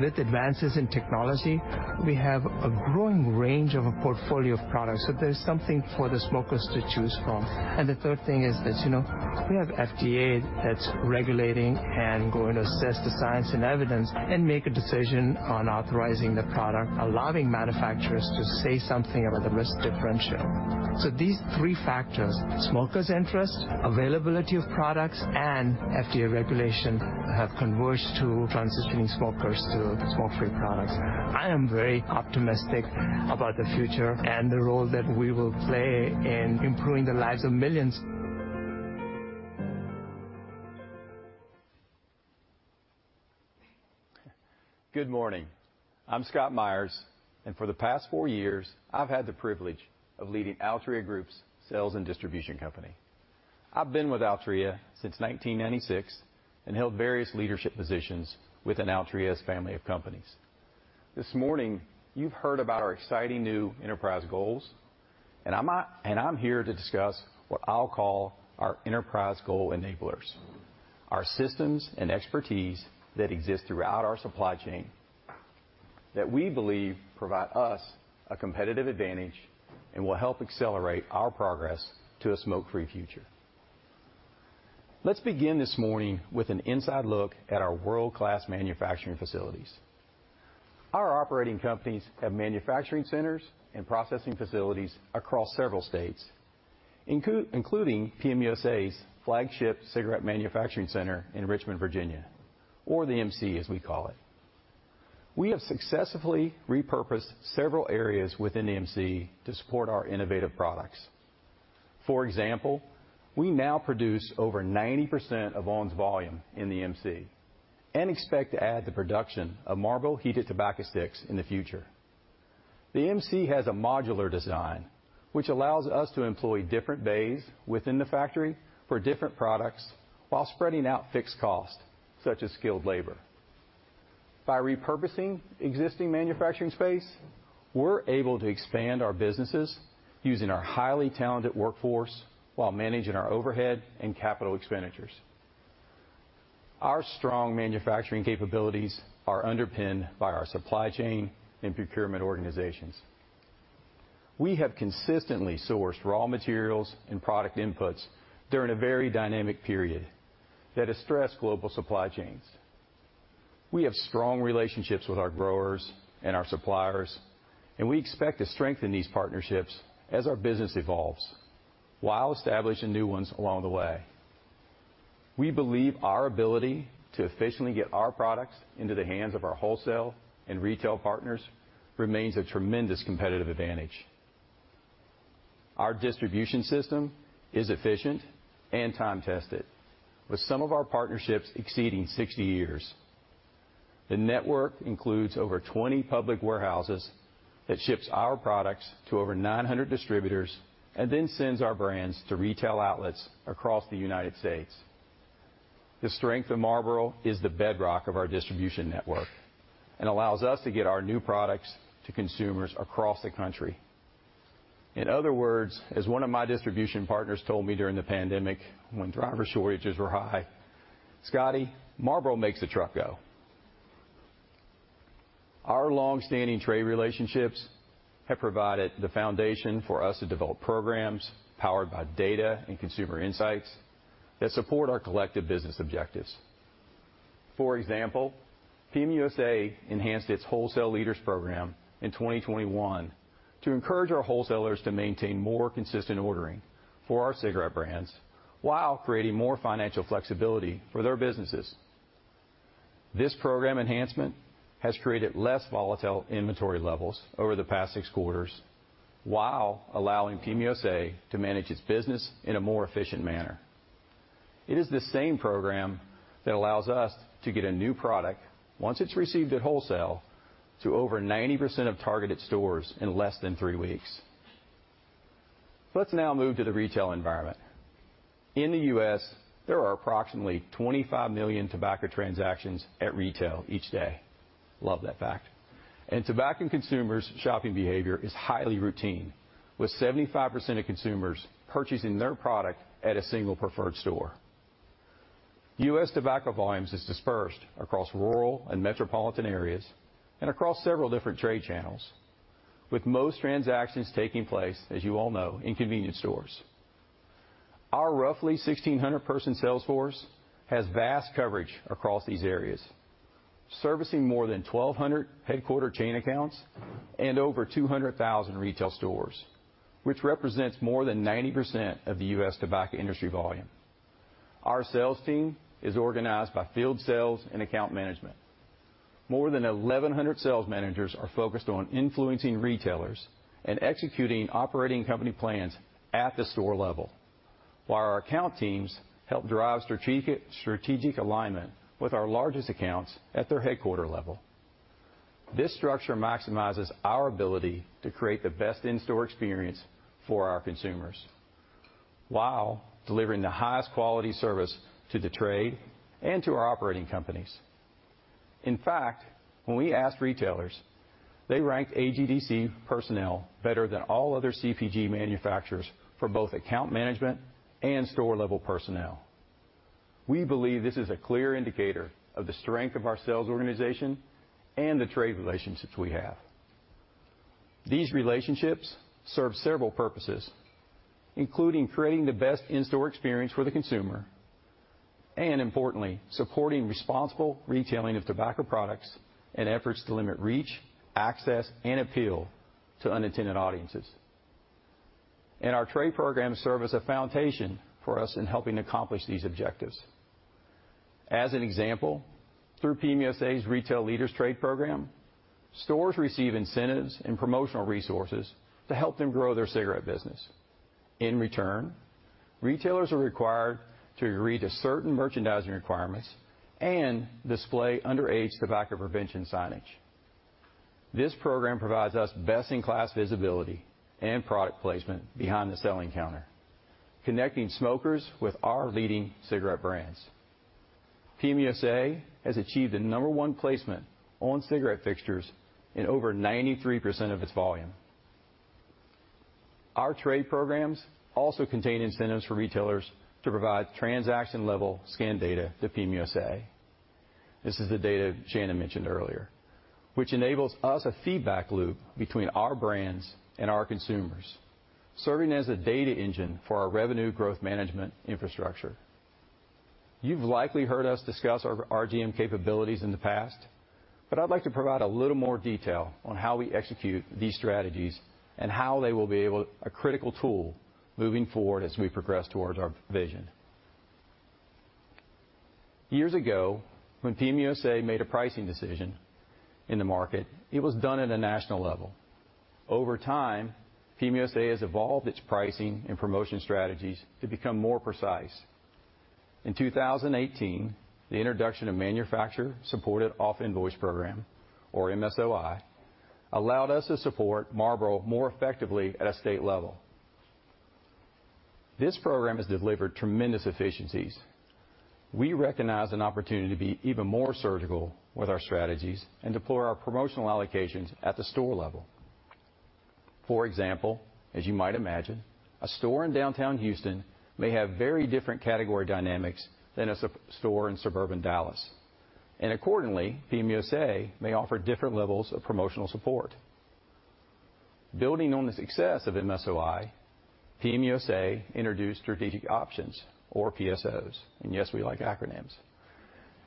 With advances in technology, we have a growing range of a portfolio of products. There's something for the smokers to choose from. The third thing is this, you know, we have FDA that's regulating and going to assess the science and evidence, and make a decision on authorizing the product, allowing manufacturers to say something about the risk differential. These three factors, smokers' interest, availability of products, and FDA regulation, have converged to transitioning smokers to smoke-free products. I am very optimistic about the future and the role that we will play in improving the lives of millions. Good morning. I'm Scott Myers. For the past four years, I've had the privilege of leading Altria Group's sales and distribution company. I've been with Altria since 1996 and held various leadership positions within Altria's family of companies. This morning, you've heard about our exciting new Enterprise Goals, and I'm here to discuss what I'll call our enterprise goal enablers, our systems and expertise that exist throughout our supply chain that we believe provide us a competitive advantage and will help accelerate our progress to a smoke-free future. Let's begin this morning with an inside look at our world-class manufacturing facilities. Our operating companies have manufacturing centers and processing facilities across several states, including PM USA's flagship cigarette manufacturing center in Richmond, Virginia, or the MC as we call it. We have successfully repurposed several areas within the MC to support our innovative products. For example, we now produce over 90% of on!'s volume in the MC and expect to add the production of Marlboro HeatSticks in the future. The MC has a modular design, which allows us to employ different bays within the factory for different products while spreading out fixed costs, such as skilled labor. By repurposing existing manufacturing space, we're able to expand our businesses using our highly talented workforce while managing our overhead and capital expenditures. Our strong manufacturing capabilities are underpinned by our supply chain and procurement organizations. We have consistently sourced raw materials and product inputs during a very dynamic period that has stressed global supply chains. We have strong relationships with our growers and our suppliers, and we expect to strengthen these partnerships as our business evolves while establishing new ones along the way. We believe our ability to efficiently get our products into the hands of our wholesale and retail partners remains a tremendous competitive advantage. Our distribution system is efficient and time-tested, with some of our partnerships exceeding 60 years. The network includes over 20 public warehouses that ships our products to over 900 distributors and then sends our brands to retail outlets across the United States. The strength of Marlboro is the bedrock of our distribution network and allows us to get our new products to consumers across the country. In other words, as one of my distribution partners told me during the pandemic when driver shortages were high, Scotty, Marlboro makes the truck go. Our long-standing trade relationships have provided the foundation for us to develop programs powered by data and consumer insights that support our collective business objectives. For example, PM USA enhanced its Wholesale Leaders Program in 2021 to encourage our wholesalers to maintain more consistent ordering for our cigarette brands while creating more financial flexibility for their businesses. This program enhancement has created less volatile inventory levels over the past six quarters while allowing PM USA to manage its business in a more efficient manner. It is the same program that allows us to get a new product, once it's received at wholesale, to over 90% of targeted stores in less than three weeks. Let's now move to the retail environment. In the U.S., there are approximately 25 million tobacco transactions at retail each day. Love that fact. Tobacco consumers' shopping behavior is highly routine, with 75% of consumers purchasing their product at a single preferred store. U.S. tobacco volumes is dispersed across rural and metropolitan areas and across several different trade channels, with most transactions taking place, as you all know, in convenience stores. Our roughly 1,600 person sales force has vast coverage across these areas, servicing more than 1,200 headquarter chain accounts and over 200,000 retail stores, which represents more than 90% of the U.S. tobacco industry volume. Our sales team is organized by field sales and account management. More than 1,100 sales managers are focused on influencing retailers and executing operating company plans at the store level, while our account teams help drive strategic alignment with our largest accounts at their headquarter level. This structure maximizes our ability to create the best in-store experience for our consumers while delivering the highest quality service to the trade and to our operating companies. In fact, when we asked retailers, they ranked AGDC personnel better than all other CPG manufacturers for both account management and store level personnel. We believe this is a clear indicator of the strength of our sales organization and the trade relationships we have. These relationships serve several purposes, including creating the best in-store experience for the consumer, and importantly, supporting responsible retailing of tobacco products and efforts to limit reach, access, and appeal to unintended audiences. Our trade programs serve as a foundation for us in helping accomplish these objectives. As an example, through PM USA's Retail Leaders trade program, stores receive incentives and promotional resources to help them grow their cigarette business. In return, retailers are required to agree to certain merchandising requirements and display underage tobacco prevention signage. This program provides us best-in-class visibility and product placement behind the selling counter, connecting smokers with our leading cigarette brands. PM USA has achieved the number one placement on cigarette fixtures in over 93% of its volume. Our trade programs also contain incentives for retailers to provide transaction level scan data to PM USA. This is the data Shannon mentioned earlier, which enables us a feedback loop between our brands and our consumers, serving as a data engine for our revenue growth management infrastructure. You've likely heard us discuss our RGM capabilities in the past, but I'd like to provide a little more detail on how we execute these strategies and how they will be a critical tool moving forward as we progress towards our vision. Years ago, when PM USA made a pricing decision in the market, it was done at a national level. Over time, PM USA has evolved its pricing and promotion strategies to become more precise. In 2018, the introduction of Manufacturer Supported Off Invoice program, or MSOI, allowed us to support Marlboro more effectively at a state level. This program has delivered tremendous efficiencies. We recognize an opportunity to be even more surgical with our strategies and deploy our promotional allocations at the store level. For example, as you might imagine, a store in downtown Houston may have very different category dynamics than a store in suburban Dallas, and accordingly, PM USA may offer different levels of promotional support. Building on the success of MSOI, PM USA introduced strategic options or PSOs, and yes, we like acronyms,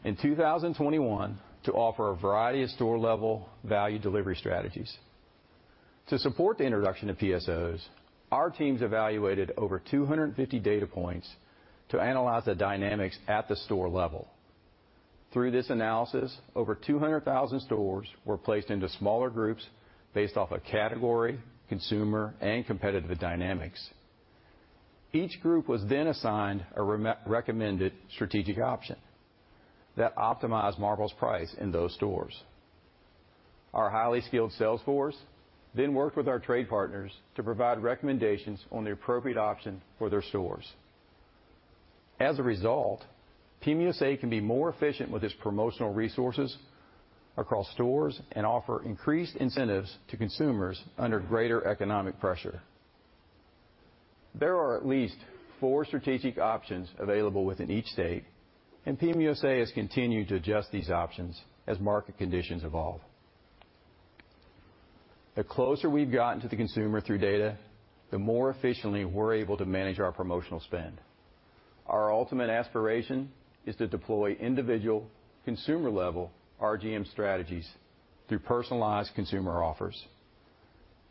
in 2021 to offer a variety of store level value delivery strategies. To support the introduction of PSOs, our teams evaluated over 250 data points to analyze the dynamics at the store level. Through this analysis, over 200,000 stores were placed into smaller groups based off of category, consumer, and competitive dynamics. Each group was then assigned a recommended strategic option that optimized Marlboro's price in those stores. Our highly skilled sales force then worked with our trade partners to provide recommendations on the appropriate option for their stores. As a result, PM USA can be more efficient with its promotional resources across stores and offer increased incentives to consumers under greater economic pressure. There are at least four strategic options available within each state, and PM USA has continued to adjust these options as market conditions evolve. The closer we've gotten to the consumer through data, the more efficiently we're able to manage our promotional spend. Our ultimate aspiration is to deploy individual consumer-level RGM strategies through personalized consumer offers.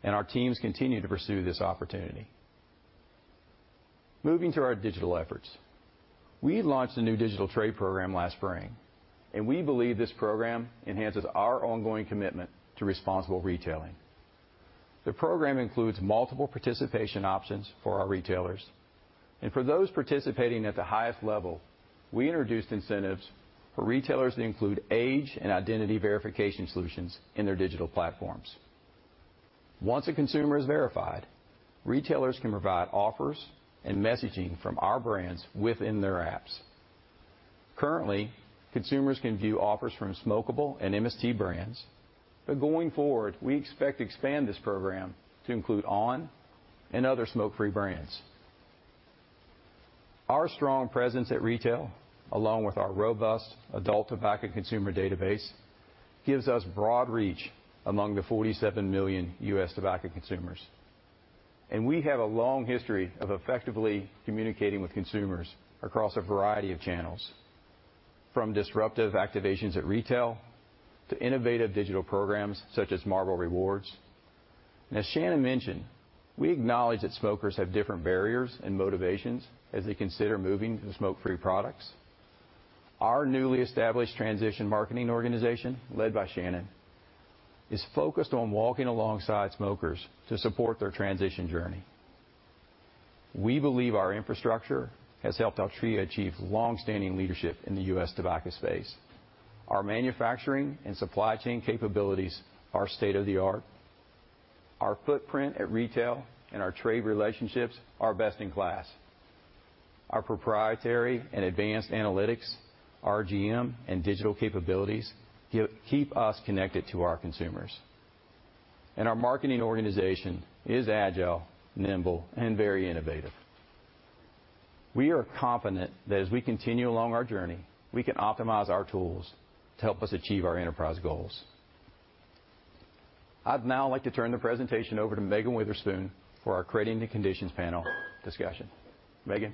Our teams continue to pursue this opportunity. Moving to our digital efforts. We launched a new digital trade program last spring, and we believe this program enhances our ongoing commitment to responsible retailing. The program includes multiple participation options for our retailers. For those participating at the highest level, we introduced incentives for retailers that include age and identity verification solutions in their digital platforms. Once a consumer is verified, retailers can provide offers and messaging from our brands within their apps. Currently, consumers can view offers from smokable and MST brands. Going forward, we expect to expand this program to include on! and other smoke-free brands. Our strong presence at retail, along with our robust adult tobacco consumer database, gives us broad reach among the 47 million U.S. tobacco consumers. We have a long history of effectively communicating with consumers across a variety of channels, from disruptive activations at retail to innovative digital programs such as Marlboro Rewards. As Shannon mentioned, we acknowledge that smokers have different barriers and motivations as they consider moving to smoke-free products. Our newly established transition marketing organization, led by Shannon, is focused on walking alongside smokers to support their transition journey. We believe our infrastructure has helped Altria achieve long-standing leadership in the U.S. tobacco space. Our manufacturing and supply chain capabilities are state-of-the-art. Our footprint at retail and our trade relationships are best in class. Our proprietary and advanced analytics, RGM, and digital capabilities keep us connected to our consumers. Our marketing organization is agile, nimble, and very innovative. We are confident that as we continue along our journey, we can optimize our tools to help us achieve our Enterprise Goals. I'd now like to turn the presentation over to Megan Witherspoon for our Creating the Conditions panel discussion. Megan.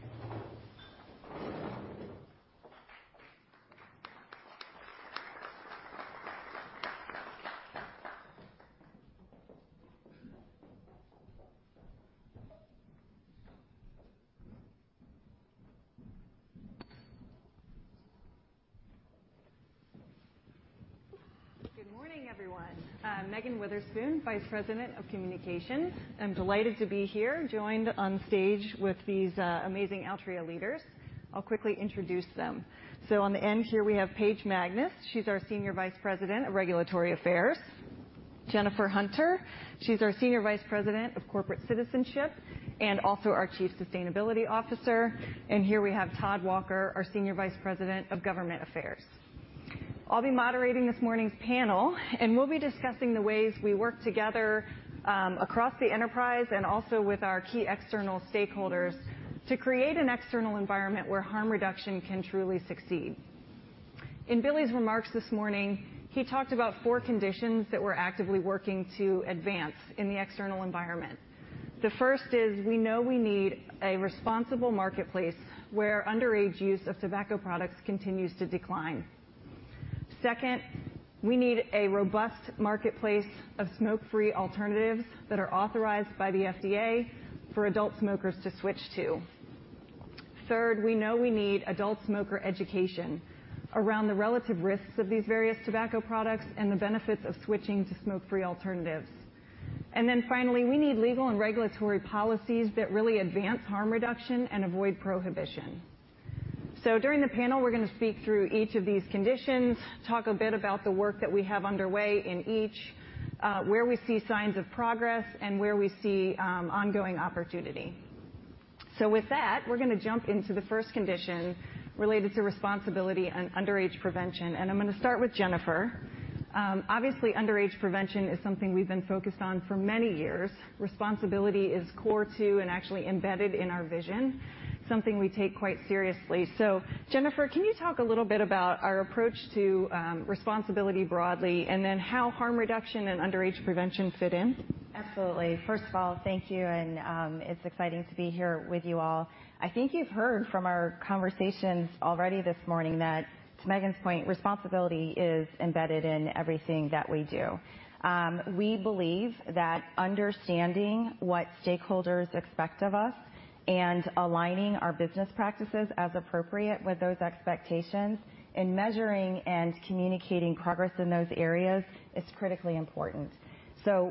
Good morning, everyone. I'm Megan Witherspoon, Vice President of Communications, delighted to be here, joined on stage with these amazing Altria leaders. I'll quickly introduce them. On the end here we have Paige Magness. She's our Senior Vice President of Regulatory Affairs. Jennifer Hunter, she's our Senior Vice President of Corporate Citizenship and also our Chief Sustainability Officer. Here we have Todd Walker, our Senior Vice President of Government Affairs. I'll be moderating this morning's panel, we'll be discussing the ways we work together across the enterprise and also with our key external stakeholders to create an external environment where harm reduction can truly succeed. In Billy's remarks this morning, he talked about four conditions that we're actively working to advance in the external environment. The first is we know we need a responsible marketplace where underage use of tobacco products continues to decline. Second, we need a robust marketplace of smoke-free alternatives that are authorized by the FDA for adult smokers to switch to. Third, we know we need adult smoker education around the relative risks of these various tobacco products and the benefits of switching to smoke-free alternatives. Finally, we need legal and regulatory policies that really advance harm reduction and avoid prohibition. During the panel, we're gonna speak through each of these conditions, talk a bit about the work that we have underway in each, where we see signs of progress and where we see ongoing opportunity. With that, we're gonna jump into the first condition related to responsibility and underage prevention. I'm gonna start with Jennifer. Obviously, underage prevention is something we've been focused on for many years. Responsibility is core to and actually embedded in our vision, something we take quite seriously. Jennifer, can you talk a little bit about our approach to responsibility broadly, and then how harm reduction and underage prevention fit in? Absolutely. First of all, thank you, and it's exciting to be here with you all. I think you've heard from our conversations already this morning that, to Megan's point, responsibility is embedded in everything that we do. We believe that understanding what stakeholders expect of us and aligning our business practices as appropriate with those expectations and measuring and communicating progress in those areas is critically important.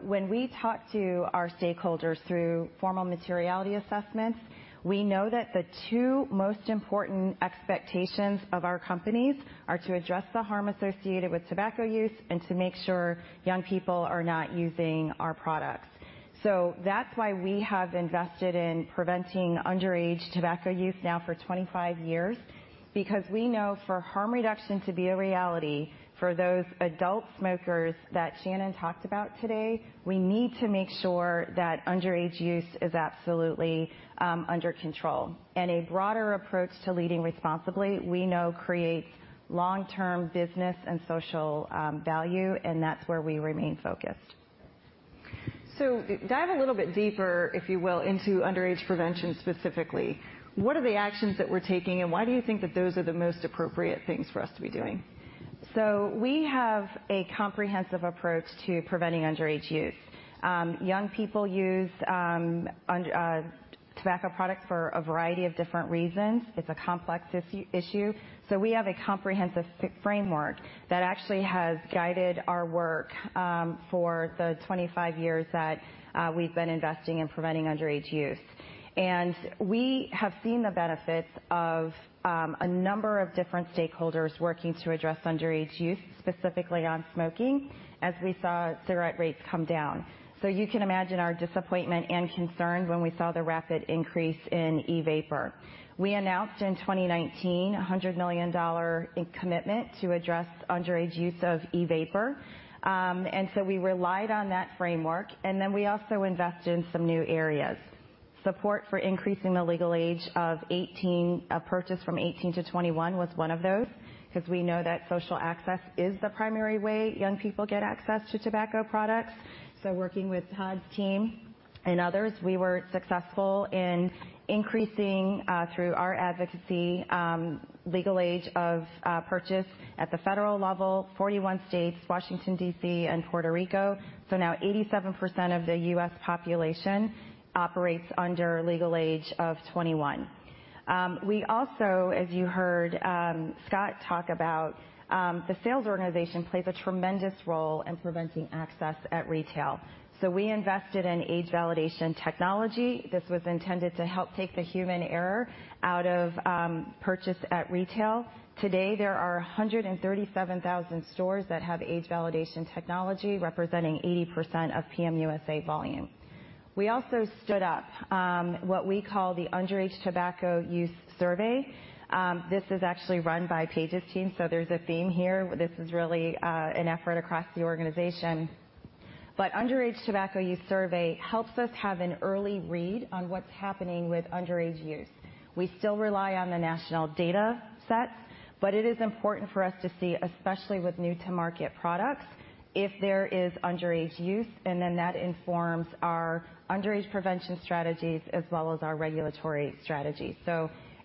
When we talk to our stakeholders through formal materiality assessments, we know that the two most important expectations of our companies are to address the harm associated with tobacco use and to make sure young people are not using our products. That's why we have invested in preventing underage tobacco use now for 25 years, because we know for harm reduction to be a reality for those adult smokers that Shannon talked about today, we need to make sure that underage use is absolutely under control. A broader approach to leading responsibly, we know, creates long-term business and social value, and that's where we remain focused. Dive a little bit deeper, if you will, into underage prevention specifically. What are the actions that we're taking, and why do you think that those are the most appropriate things for us to be doing? We have a comprehensive approach to preventing underage use. Young people use tobacco products for a variety of different reasons. It's a complex issue. We have a comprehensive framework that actually has guided our work for the 25 years that we've been investing in preventing underage use. We have seen the benefits of a number of different stakeholders working to address underage use, specifically on smoking, as we saw cigarette rates come down. You can imagine our disappointment and concern when we saw the rapid increase in e-vapor. We announced in 2019 a $100 million commitment to address underage use of e-vapor. We relied on that framework, and then we also invested in some new areas. Support for increasing the legal age of 18 purchase from 18 to 21 was one of those, ’cause we know that social access is the primary way young people get access to tobacco products. Working with Todd’s team and others, we were successful in increasing through our advocacy legal age of purchase at the federal level, 41 states, Washington D.C. and Puerto Rico. Now 87% of the U.S. population operates under legal age of 21. We also, as you heard, Scott talk about, the sales organization plays a tremendous role in preventing access at retail. We invested in age validation technology. This was intended to help take the human error out of purchase at retail. Today, there are 137,000 stores that have age validation technology, representing 80% of PM USA volume. We also stood up what we call the Underage Tobacco Use Survey. This is actually run by Paige's team, so there's a theme here. This is really an effort across the organization. Underage Tobacco Use Survey helps us have an early read on what's happening with underage youth. We still rely on the national datasets, but it is important for us to see, especially with new to market products, if there is underage use, and then that informs our underage prevention strategies as well as our regulatory strategies.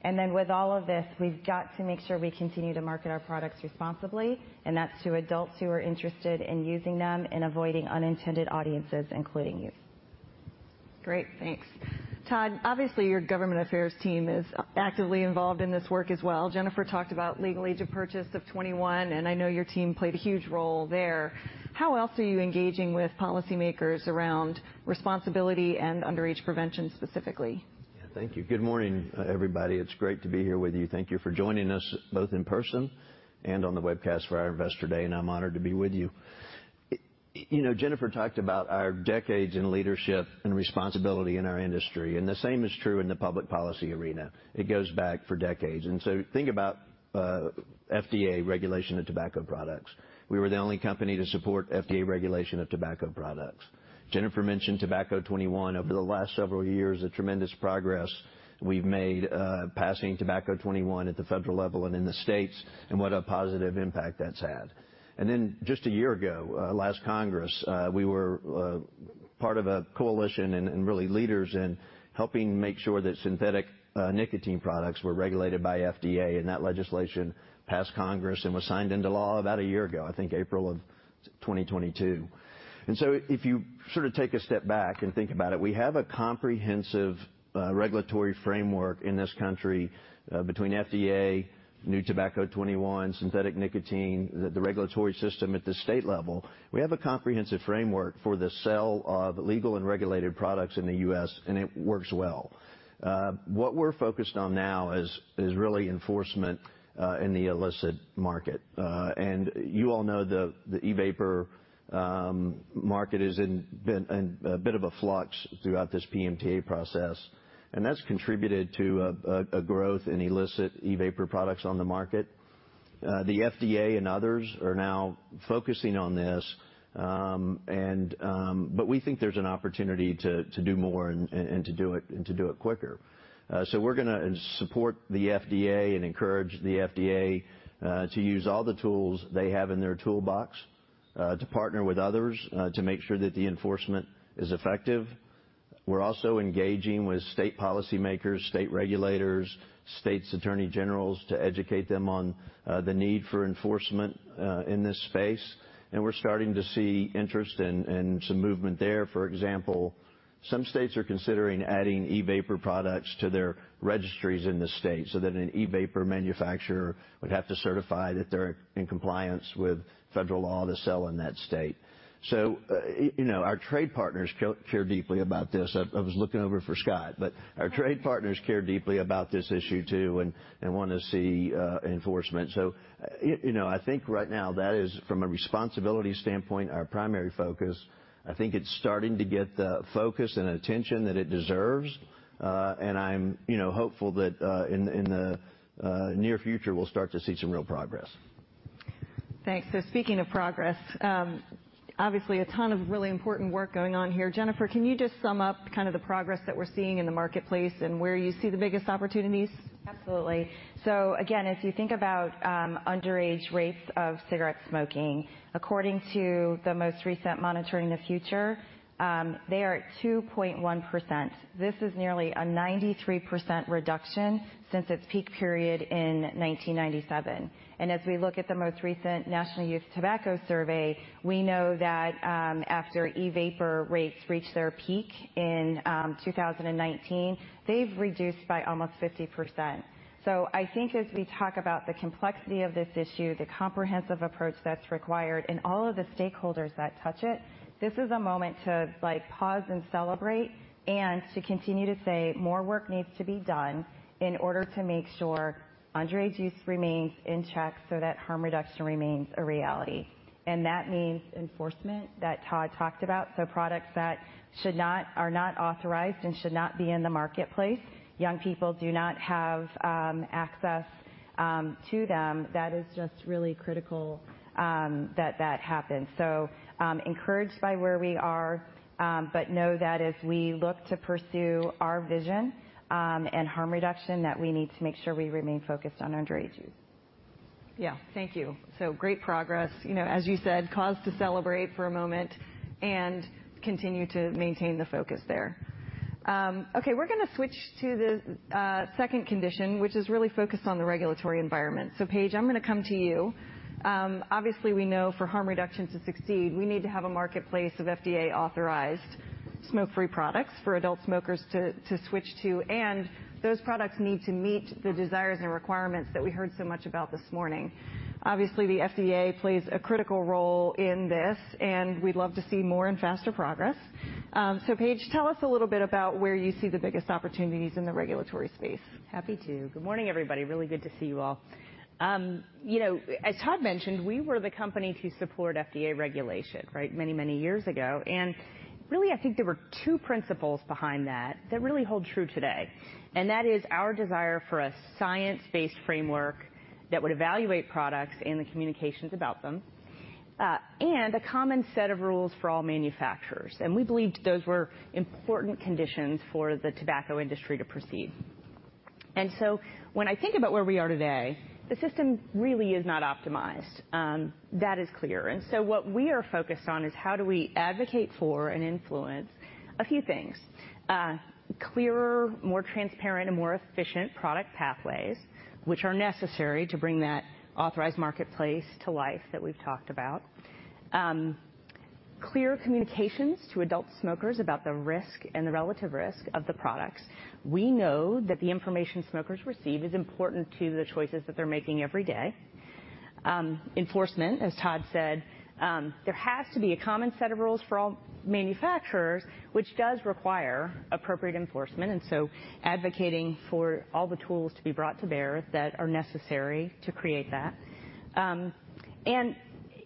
With all of this, we've got to make sure we continue to market our products responsibly, and that's to adults who are interested in using them and avoiding unintended audiences, including youth. Great. Thanks. Todd, obviously your government affairs team is actively involved in this work as well. Jennifer talked about legal age of purchase of 21, I know your team played a huge role there. How else are you engaging with policymakers around responsibility and underage prevention specifically? Thank you. Good morning, everybody. It's great to be here with you. Thank you for joining us both in person and on the webcast for our Investor Day. I'm honored to be with you. You know, Jennifer talked about our decades in leadership and responsibility in our industry. The same is true in the public policy arena. It goes back for decades. Think about FDA regulation of tobacco products. We were the only company to support FDA regulation of tobacco products. Jennifer mentioned Tobacco 21. Over the last several years, the tremendous progress we've made passing Tobacco 21 at the federal level and in the states, and what a positive impact that's had. Just a year ago, last Congress, we were part of a coalition and really leaders in helping make sure that synthetic nicotine products were regulated by FDA, and that legislation passed Congress and was signed into law about a year ago, I think April of 2022. If you sort of take a step back and think about it, we have a comprehensive regulatory framework in this country, between FDA, new Tobacco 21, synthetic nicotine, the regulatory system at the state level. We have a comprehensive framework for the sale of legal and regulated products in the U.S., and it works well. What we're focused on now is really enforcement in the illicit market. You all know the e-vapor market is in a bit of a flux throughout this PMTA process, and that's contributed to a growth in illicit e-vapor products on the market. The FDA and others are now focusing on this. We think there's an opportunity to do more and to do it quicker. We're gonna support the FDA and encourage the FDA to use all the tools they have in their toolbox, to partner with others, to make sure that the enforcement is effective. We're also engaging with state policymakers, state regulators, states' attorneys general to educate them on the need for enforcement in this space. We're starting to see interest and some movement there. For example, some states are considering adding e-vapor products to their registries in the state, so that an e-vapor manufacturer would have to certify that they're in compliance with federal law to sell in that state. You know, our trade partners care deeply about this. I was looking over for Scott, but our trade partners care deeply about this issue too and wanna see enforcement. You know, I think right now that is, from a responsibility standpoint, our primary focus. I think it's starting to get the focus and attention that it deserves. I'm, you know, hopeful that in the near future, we'll start to see some real progress. Thanks. Speaking of progress, obviously a ton of really important work going on here. Jennifer, can you just sum up kind of the progress that we're seeing in the marketplace and where you see the biggest opportunities? Absolutely. Again, if you think about, underage rates of cigarette smoking, according to the most recent Monitoring the Future, they are at 2.1%. This is nearly a 93% reduction since its peak period in 1997. As we look at the most recent National Youth Tobacco Survey, we know that, after e-vapor rates reached their peak in, 2019, they've reduced by almost 50%. I think as we talk about the complexity of this issue, the comprehensive approach that's required, and all of the stakeholders that touch it, this is a moment to, like, pause and celebrate and to continue to say more work needs to be done in order to make sure underage use remains in check so that harm reduction remains a reality. That means enforcement that Todd talked about for products that are not authorized and should not be in the marketplace, young people do not have access to them. That is just really critical that that happens. Encouraged by where we are, but know that as we look to pursue our vision and harm reduction, that we need to make sure we remain focused on underage use. Yeah. Thank you. Great progress. You know, as you said, cause to celebrate for a moment and continue to maintain the focus there. Okay, we're gonna switch to the second condition, which is really focused on the regulatory environment. Paige, I'm gonna come to you. Obviously, we know for harm reduction to succeed, we need to have a marketplace of FDA-authorized smoke-free products for adult smokers to switch to, and those products need to meet the desires and requirements that we heard so much about this morning. Obviously, the FDA plays a critical role in this, and we'd love to see more and faster progress. Paige, tell us a little bit about where you see the biggest opportunities in the regulatory space. Happy to. Good morning, everybody. Really good to see you all. You know, as Todd mentioned, we were the company to support FDA regulation, right? Many, many years ago. Really, I think there were two principles behind that that really hold true today. That is our desire for a science-based framework that would evaluate products and the communications about them, and a common set of rules for all manufacturers. We believed those were important conditions for the tobacco industry to proceed. When I think about where we are today, the system really is not optimized, that is clear. What we are focused on is how do we advocate for and influence a few things? Clearer, more transparent and more efficient product pathways, which are necessary to bring that authorized marketplace to life that we've talked about. Clear communications to adult smokers about the risk and the relative risk of the products. We know that the information smokers receive is important to the choices that they're making every day. Enforcement, as Todd said, there has to be a common set of rules for all manufacturers, which does require appropriate enforcement, and so advocating for all the tools to be brought to bear that are necessary to create that.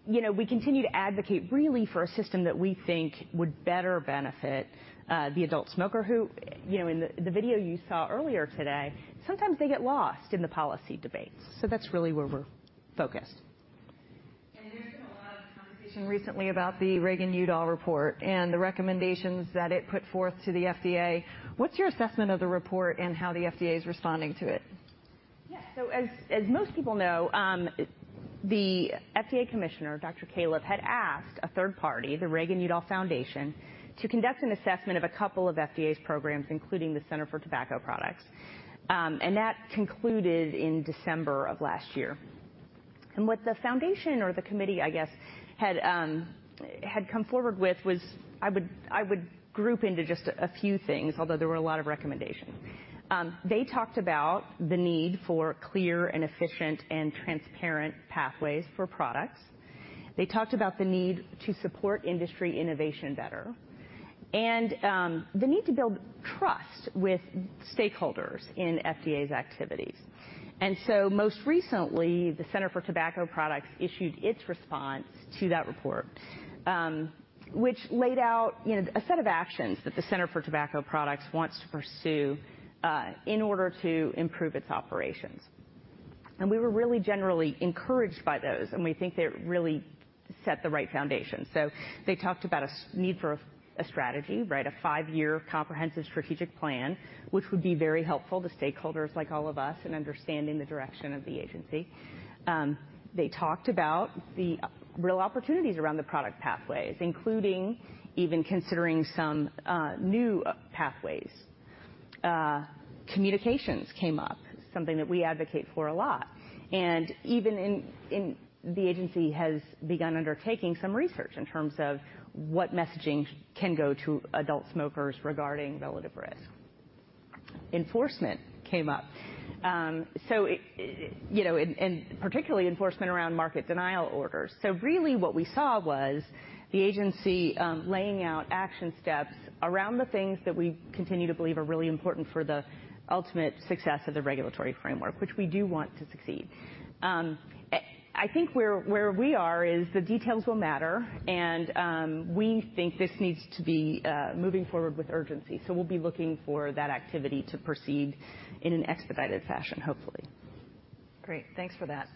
You know, we continue to advocate really for a system that we think would better benefit the adult smoker who, you know, in the video you saw earlier today, sometimes they get lost in the policy debates. That's really where we're focused. There's been a lot of conversation recently about the Reagan-Udall report and the recommendations that it put forth to the FDA. What's your assessment of the report and how the FDA is responding to it? Yeah. As most people know, the FDA Commissioner, Dr. Califf, had asked a third party, the Reagan-Udall Foundation, to conduct an assessment of a couple of FDA's programs, including the Center for Tobacco Products. That concluded in December of last year. What the foundation or the committee, I guess had come forward with was I would group into just a few things, although there were a lot of recommendations. They talked about the need for clear and efficient and transparent pathways for products. They talked about the need to support industry innovation better and the need to build trust with stakeholders in FDA's activities. Most recently, the Center for Tobacco Products issued its response to that report, which laid out, you know, a set of actions that the Center for Tobacco Products wants to pursue in order to improve its operations. We were really generally encouraged by those, and we think they really set the right foundation. They talked about a need for a strategy, right? A five-year comprehensive strategic plan, which would be very helpful to stakeholders like all of us in understanding the direction of the agency. They talked about the real opportunities around the product pathways, including even considering some new pathways. Communications came up, something that we advocate for a lot. Even in the agency has begun undertaking some research in terms of what messaging can go to adult smokers regarding relative risk. Enforcement came up, you know, and particularly enforcement around market denial orders. Really what we saw was the agency laying out action steps around the things that we continue to believe are really important for the ultimate success of the regulatory framework, which we do want to succeed. I think where we are is the details will matter, and we think this needs to be moving forward with urgency. We'll be looking for that activity to proceed in an expedited fashion, hopefully. Great. Thanks for that.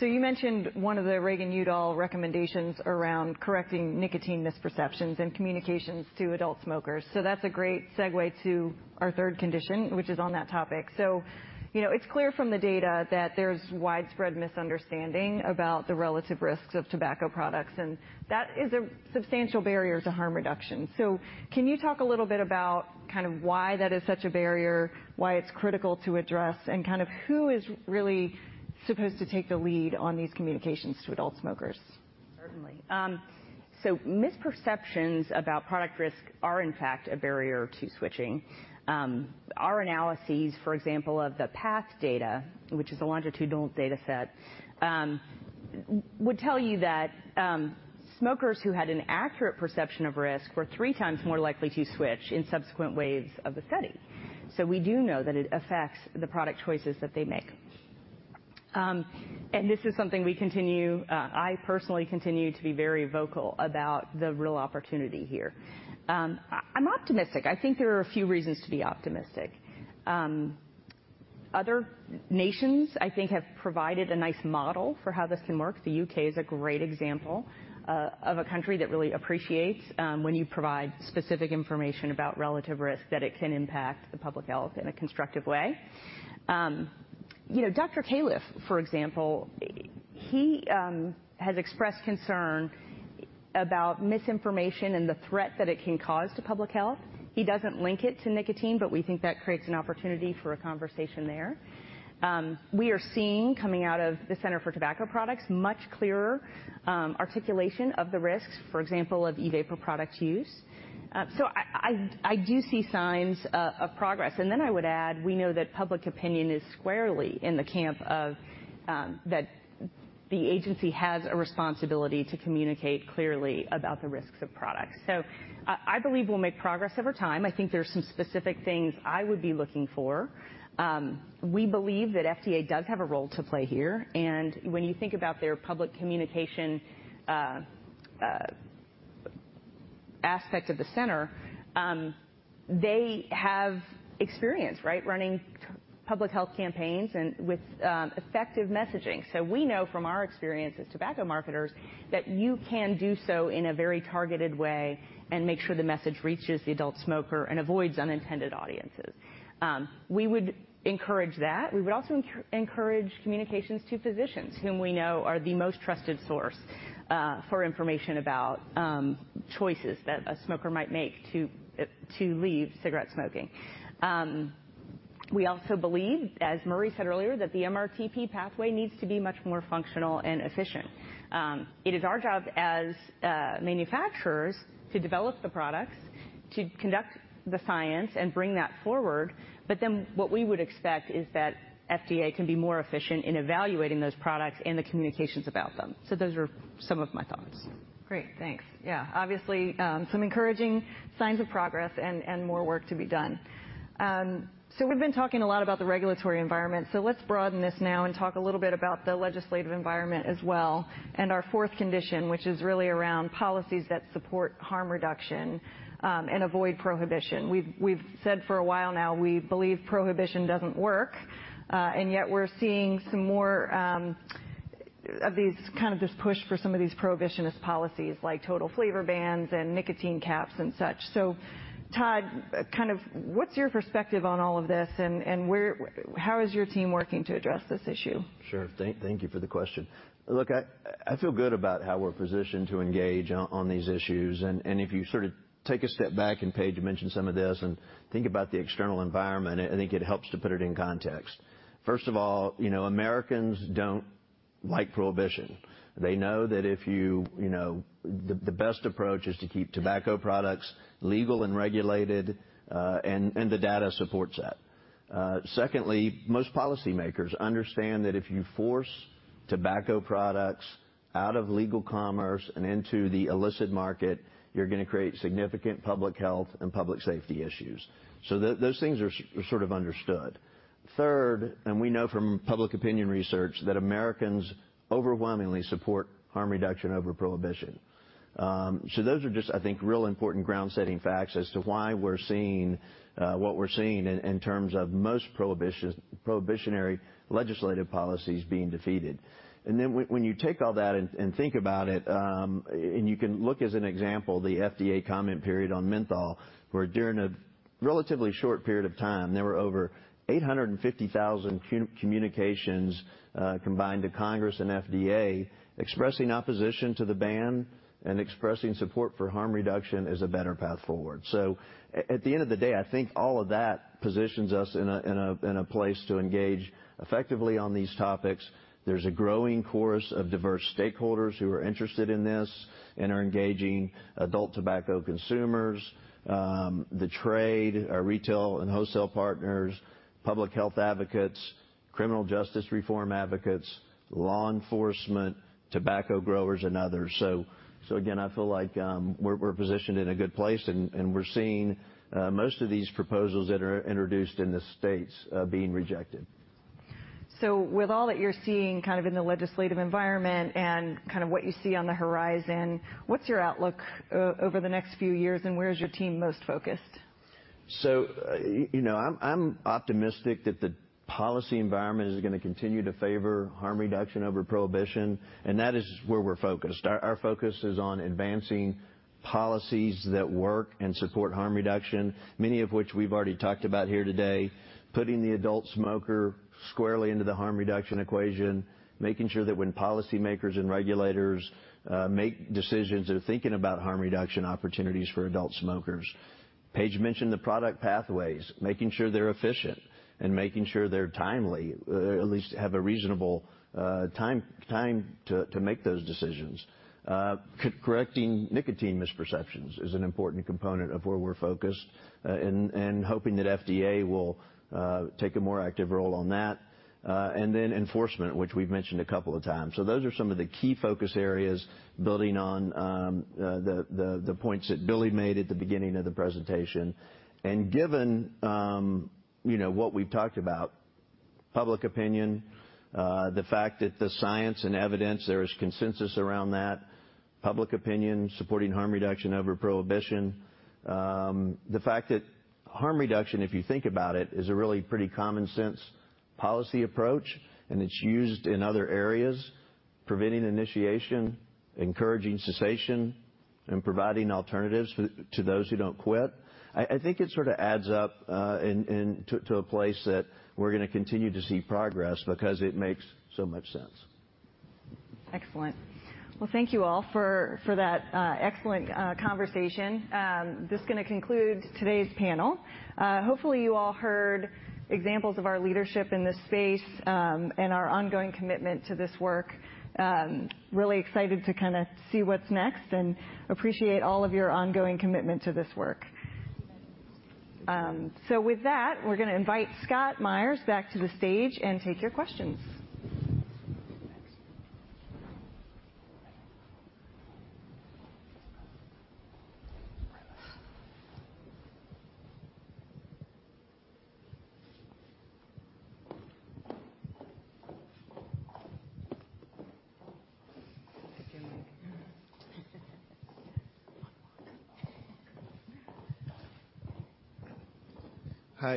You mentioned one of the Reagan-Udall recommendations around correcting nicotine misperceptions and communications to adult smokers. That's a great segue to our third condition, which is on that topic. You know, it's clear from the data that there's widespread misunderstanding about the relative risks of tobacco products, and that is a substantial barrier to harm reduction. Can you talk a little bit about why that is such a barrier, why it's critical to address, and who is really supposed to take the lead on these communications to adult smokers? Certainly. Misperceptions about product risk are in fact a barrier to switching. Our analyses, for example, of the PATH data, which is a longitudinal data set, would tell you that smokers who had an accurate perception of risk were 3x more likely to switch in subsequent waves of the study. We do know that it affects the product choices that they make. This is something we continue, I personally continue to be very vocal about the real opportunity here. I'm optimistic. I think there are a few reasons to be optimistic. Other nations, I think, have provided a nice model for how this can work. The U.K. is a great example of a country that really appreciates, when you provide specific information about relative risk, that it can impact the public health in a constructive way. You know, Dr. Califf, for example, he has expressed concern about misinformation and the threat that it can cause to public health. He doesn't link it to nicotine, but we think that creates an opportunity for a conversation there. We are seeing, coming out of the Center for Tobacco Products, much clearer articulation of the risks, for example, of e-vapor product use. I do see signs of progress. I would add we know that public opinion is squarely in the camp of that the agency has a responsibility to communicate clearly about the risks of products. I believe we'll make progress over time. I think there's some specific things I would be looking for. We believe that FDA does have a role to play here, and when you think about their public communication aspect of the center, they have experience, right, running public health campaigns and with effective messaging. We know from our experience as tobacco marketers that you can do so in a very targeted way and make sure the message reaches the adult smoker and avoids unintended audiences. We would encourage that. We would also encourage communications to physicians, whom we know are the most trusted source for information about choices that a smoker might make to leave cigarette smoking. We also believe, as Murray said earlier, that the MRTP pathway needs to be much more functional and efficient. It is our job as manufacturers to develop the products, to conduct the science and bring that forward, but then what we would expect is that FDA can be more efficient in evaluating those products and the communications about them. Those are some of my thoughts. Great. Thanks. Yeah. Obviously, some encouraging signs of progress and more work to be done. We've been talking a lot about the regulatory environment, let's broaden this now and talk a little bit about the legislative environment as well and our fourth condition, which is really around policies that support harm reduction and avoid prohibition. We've said for a while now we believe prohibition doesn't work, and yet we're seeing some more of these kind of this push for some of these prohibitionist policies, like total flavor bans and nicotine caps and such. Todd, kind of what's your perspective on all of this? How is your team working to address this issue? Sure. Thank you for the question. Look, I feel good about how we're positioned to engage on these issues. If you sort of take a step back, and Paige, you mentioned some of this, and think about the external environment, I think it helps to put it in context. First of all, you know, Americans don't like prohibition. They know that if, you know, the best approach is to keep tobacco products legal and regulated, and the data supports that. Secondly, most policymakers understand that if you force tobacco products out of legal commerce and into the illicit market, you're gonna create significant public health and public safety issues. Those things are sort of understood. Third, we know from public opinion research that Americans overwhelmingly support harm reduction over prohibition. Those are just, I think, real important ground-setting facts as to why we're seeing what we're seeing in terms of most prohibitionary legislative policies being defeated. When you take all that and think about it, and you can look as an example the FDA comment period on menthol, where during a relatively short period of time, there were over 850,000 communications, combined to Congress and FDA expressing opposition to the ban and expressing support for harm reduction as a better path forward. At the end of the day, I think all of that positions us in a place to engage effectively on these topics. There's a growing chorus of diverse stakeholders who are interested in this and are engaging adult tobacco consumers, the trade, our retail and wholesale partners, public health advocates, criminal justice reform advocates, law enforcement, tobacco growers, and others. Again, I feel like, we're positioned in a good place, and we're seeing most of these proposals that are introduced in the states being rejected. With all that you're seeing kind of in the legislative environment and kind of what you see on the horizon, what's your outlook over the next few years, and where is your team most focused? You know, I'm optimistic that the policy environment is gonna continue to favor harm reduction over prohibition, and that is where we're focused. Our focus is on advancing policies that work and support harm reduction, many of which we've already talked about here today. Putting the adult smoker squarely into the harm reduction equation. Making sure that when policymakers and regulators make decisions, they're thinking about harm reduction opportunities for adult smokers. Paige mentioned the product pathways, making sure they're efficient and making sure they're timely, at least have a reasonable time to make those decisions. Correcting nicotine misperceptions is an important component of where we're focused, and hoping that FDA will take a more active role on that. Enforcement, which we've mentioned a couple of times. Those are some of the key focus areas building on the points that Billy made at the beginning of the presentation. Given, you know, what we've talked about, public opinion, the fact that the science and evidence, there is consensus around that. Public opinion supporting harm reduction over prohibition. The fact that harm reduction, if you think about it, is a really pretty common sense policy approach, and it's used in other areas. Preventing initiation, encouraging cessation, and providing alternatives to those who don't quit. I think it sort of adds up to a place that we're gonna continue to see progress because it makes so much sense. Excellent. Well, thank you all for that excellent conversation. This is gonna conclude today's panel. Hopefully you all heard examples of our leadership in this space, and our ongoing commitment to this work. Really excited to kinda see what's next and appreciate all of your ongoing commitment to this work. With that, we're gonna invite Scott Myers back to the stage and take your questions.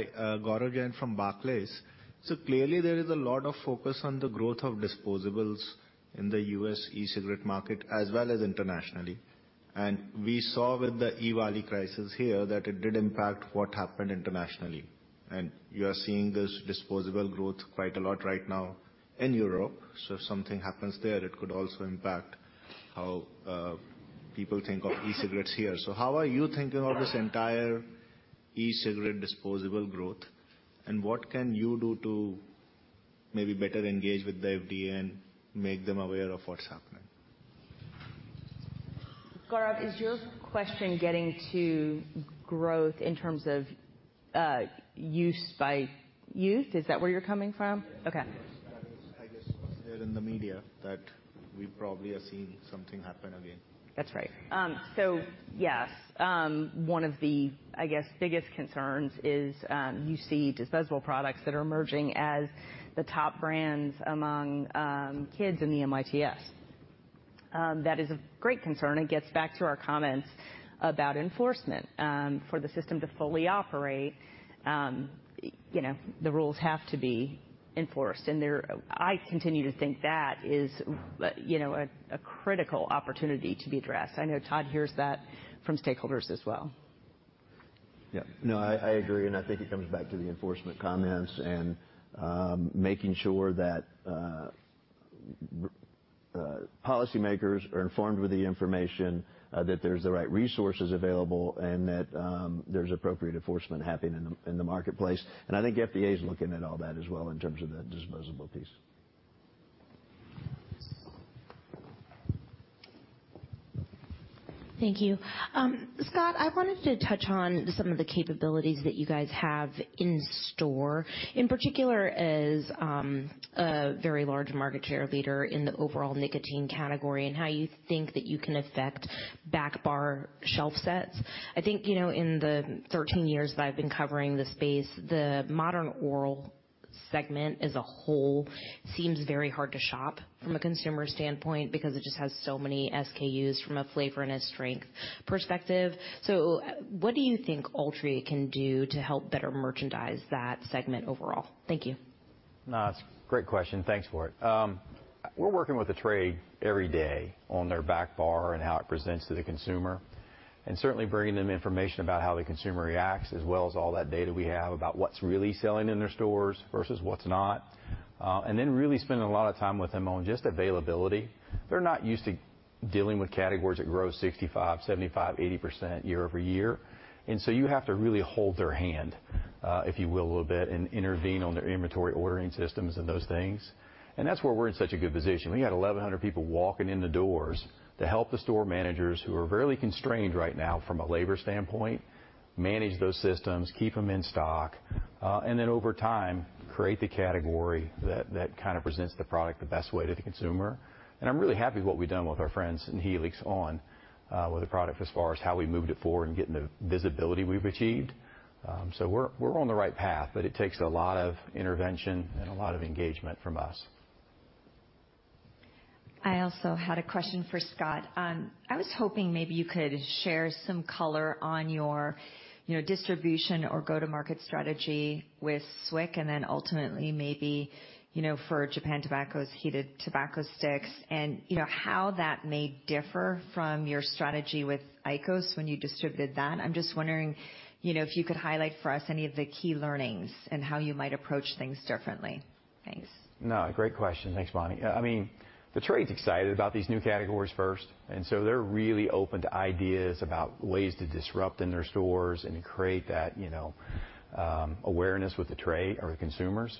Thanks. Thank you. Hi, Gaurav Jain from Barclays. Clearly, there is a lot of focus on the growth of disposables in the U.S. e-cigarette market as well as internationally. We saw with the EVALI crisis here that it did impact what happened internationally. You are seeing this disposable growth quite a lot right now in Europe. If something happens there, it could also impact how people think of e-cigarettes here. How are you thinking of this entire e-cigarette disposable growth, and what can you do to maybe better engage with the FDA and make them aware of what's happening? Gaurav, is your question getting to growth in terms of use by youth? Is that where you're coming from? Yes. Okay. That is, I guess, what's there in the media, that we probably are seeing something happen again. That's right. Yes. One of the, I guess, biggest concerns is, you see disposable products that are emerging as the top brands among kids in the NYTS. That is of great concern and gets back to our comments about enforcement. For the system to fully operate, you know, the rules have to be enforced. There, I continue to think that is, you know, a critical opportunity to be addressed. I know Todd hears that from stakeholders as well. Yeah. o, I agree, and I think it comes back to the enforcement comments and making sure that policymakers are informed with the information, that there's the right resources available, and that there's appropriate enforcement happening in the marketplace. I think FDA is looking at all that as well in terms of the disposable piece. Thank you. Scott, I wanted to touch on some of the capabilities that you guys have in store. In particular as a very large market share leader in the overall nicotine category, and how you think that you can affect back bar shelf sets. I think, you know, in the 13 years that I've been covering the space, the modern oral segment as a whole seems very hard to shop from a consumer standpoint, because it just has so many SKUs from a flavor and a strength perspective. What do you think Altria can do to help better merchandise that segment overall? Thank you. No, it's a great question. Thanks for it. We're working with the trade every day on their back bar and how it presents to the consumer. Certainly bringing them information about how the consumer reacts, as well as all that data we have about what's really selling in their stores versus what's not. Really spending a lot of time with them on just availability. They're not used to dealing with categories that grow 65%, 75%, 80% year-over-year. You have to really hold their hand, if you will, a little bit, and intervene on their inventory ordering systems and those things. That's where we're in such a good position. We got 1,100 people walking in the doors to help the store managers who are really constrained right now from a labor standpoint, manage those systems, keep them in stock, and then over time, create the category that kind of presents the product the best way to the consumer. I'm really happy with what we've done with our friends in Helix on!, with the product as far as how we moved it forward and getting the visibility we've achieved. We're, we're on the right path, but it takes a lot of intervention and a lot of engagement from us. I also had a question for Scott. I was hoping maybe you could share some color on your, you know, distribution or go-to-market strategy with SWIC, and then ultimately maybe, you know, for Japan Tobacco's heated tobacco sticks and, you know, how that may differ from your strategy with IQOS when you distributed that. I'm just wondering, you know, if you could highlight for us any of the key learnings and how you might approach things differently? Thanks. No, great question. Thanks, Bonnie. I mean, the trade's excited about these new categories first. They're really open to ideas about ways to disrupt in their stores and create that, you know, awareness with the trade or the consumers.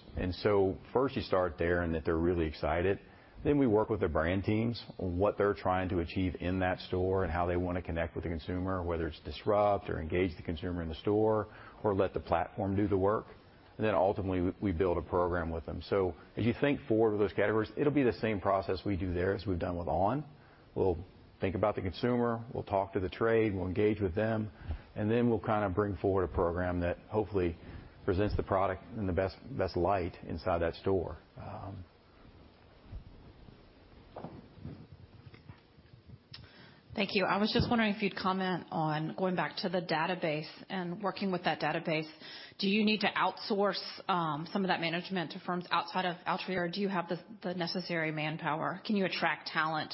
First you start there. They're really excited. We work with the brand teams on what they're trying to achieve in that store and how they wanna connect with the consumer, whether it's disrupt or engage the consumer in the store or let the platform do the work. Ultimately, we build a program with them. As you think forward with those categories, it'll be the same process we do there as we've done with on!. We'll think about the consumer, we'll talk to the trade, we'll engage with them, then we'll kind of bring forward a program that hopefully presents the product in the best light inside that store. Thank you. I was just wondering if you'd comment on going back to the database and working with that database. Do you need to outsource some of that management to firms outside of Altria, or do you have the necessary manpower? Can you attract talent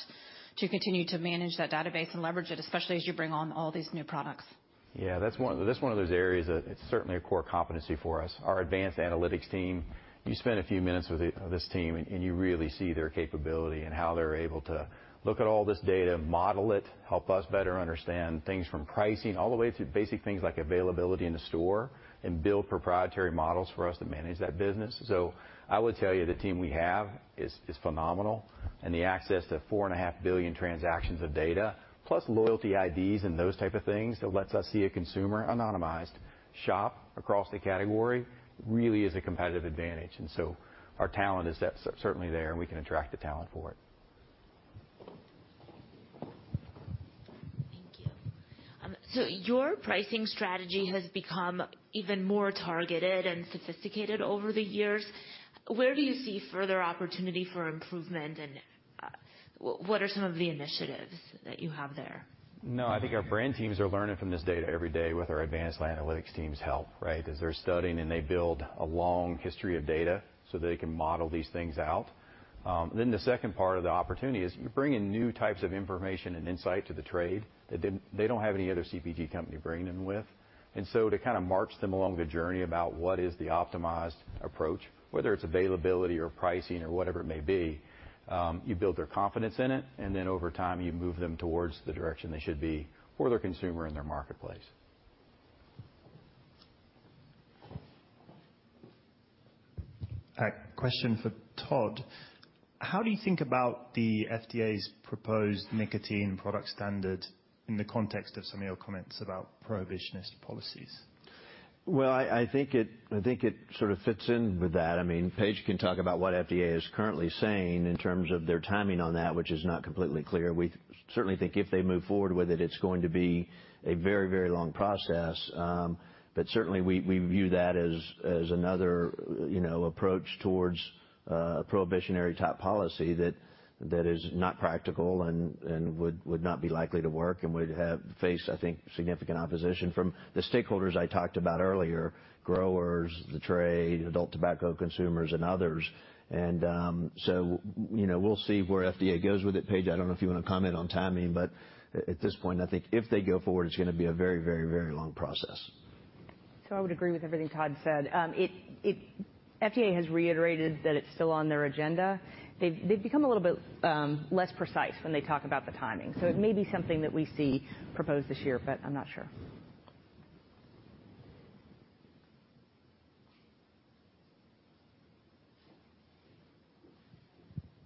to continue to manage that database and leverage it, especially as you bring on all these new products? Yeah, that's one of those areas that it's certainly a core competency for us. Our advanced analytics team, you spend a few minutes with this team and you really see their capability and how they're able to look at all this data, model it, help us better understand things from pricing all the way to basic things like availability in the store, and build proprietary models for us to manage that business. I would tell you, the team we have is phenomenal, and the access to 4.5 billion transactions of data plus loyalty IDs and those type of things that lets us see a consumer anonymized shop across the category really is a competitive advantage. Our talent is that's certainly there, and we can attract the talent for it. Thank you. Your pricing strategy has become even more targeted and sophisticated over the years. Where do you see further opportunity for improvement, and what are some of the initiatives that you have there? No, I think our brand teams are learning from this data every day with our advanced analytics team's help, right? As they're studying and they build a long history of data so they can model these things out. The second part of the opportunity is you bring in new types of information and insight to the trade that they don't have any other CPG company bringing them with. To kind of march them along the journey about what is the optimized approach, whether it's availability or pricing or whatever it may be, you build their confidence in it, and then over time, you move them towards the direction they should be for their consumer and their marketplace. Question for Todd. How do you think about the FDA's proposed nicotine product standard in the context of some of your comments about prohibitionist policies? Well, I think it sort of fits in with that. I mean, Paige can talk about what FDA is currently saying in terms of their timing on that, which is not completely clear. We certainly think if they move forward with it's going to be a very long process. Certainly we view that as another, you know, approach towards a prohibitionary type policy that is not practical and would not be likely to work and would have faced, I think, significant opposition from the stakeholders I talked about earlier, growers, the trade, adult tobacco consumers, and others. You know, we'll see where FDA goes with it. Paige, I don't know if you wanna comment on timing, but at this point, I think if they go forward, it's gonna be a very, very, very long process. I would agree with everything Todd said. FDA has reiterated that it's still on their agenda. They've become a little bit less precise when they talk about the timing. it may be something that we see proposed this year, but I'm not sure.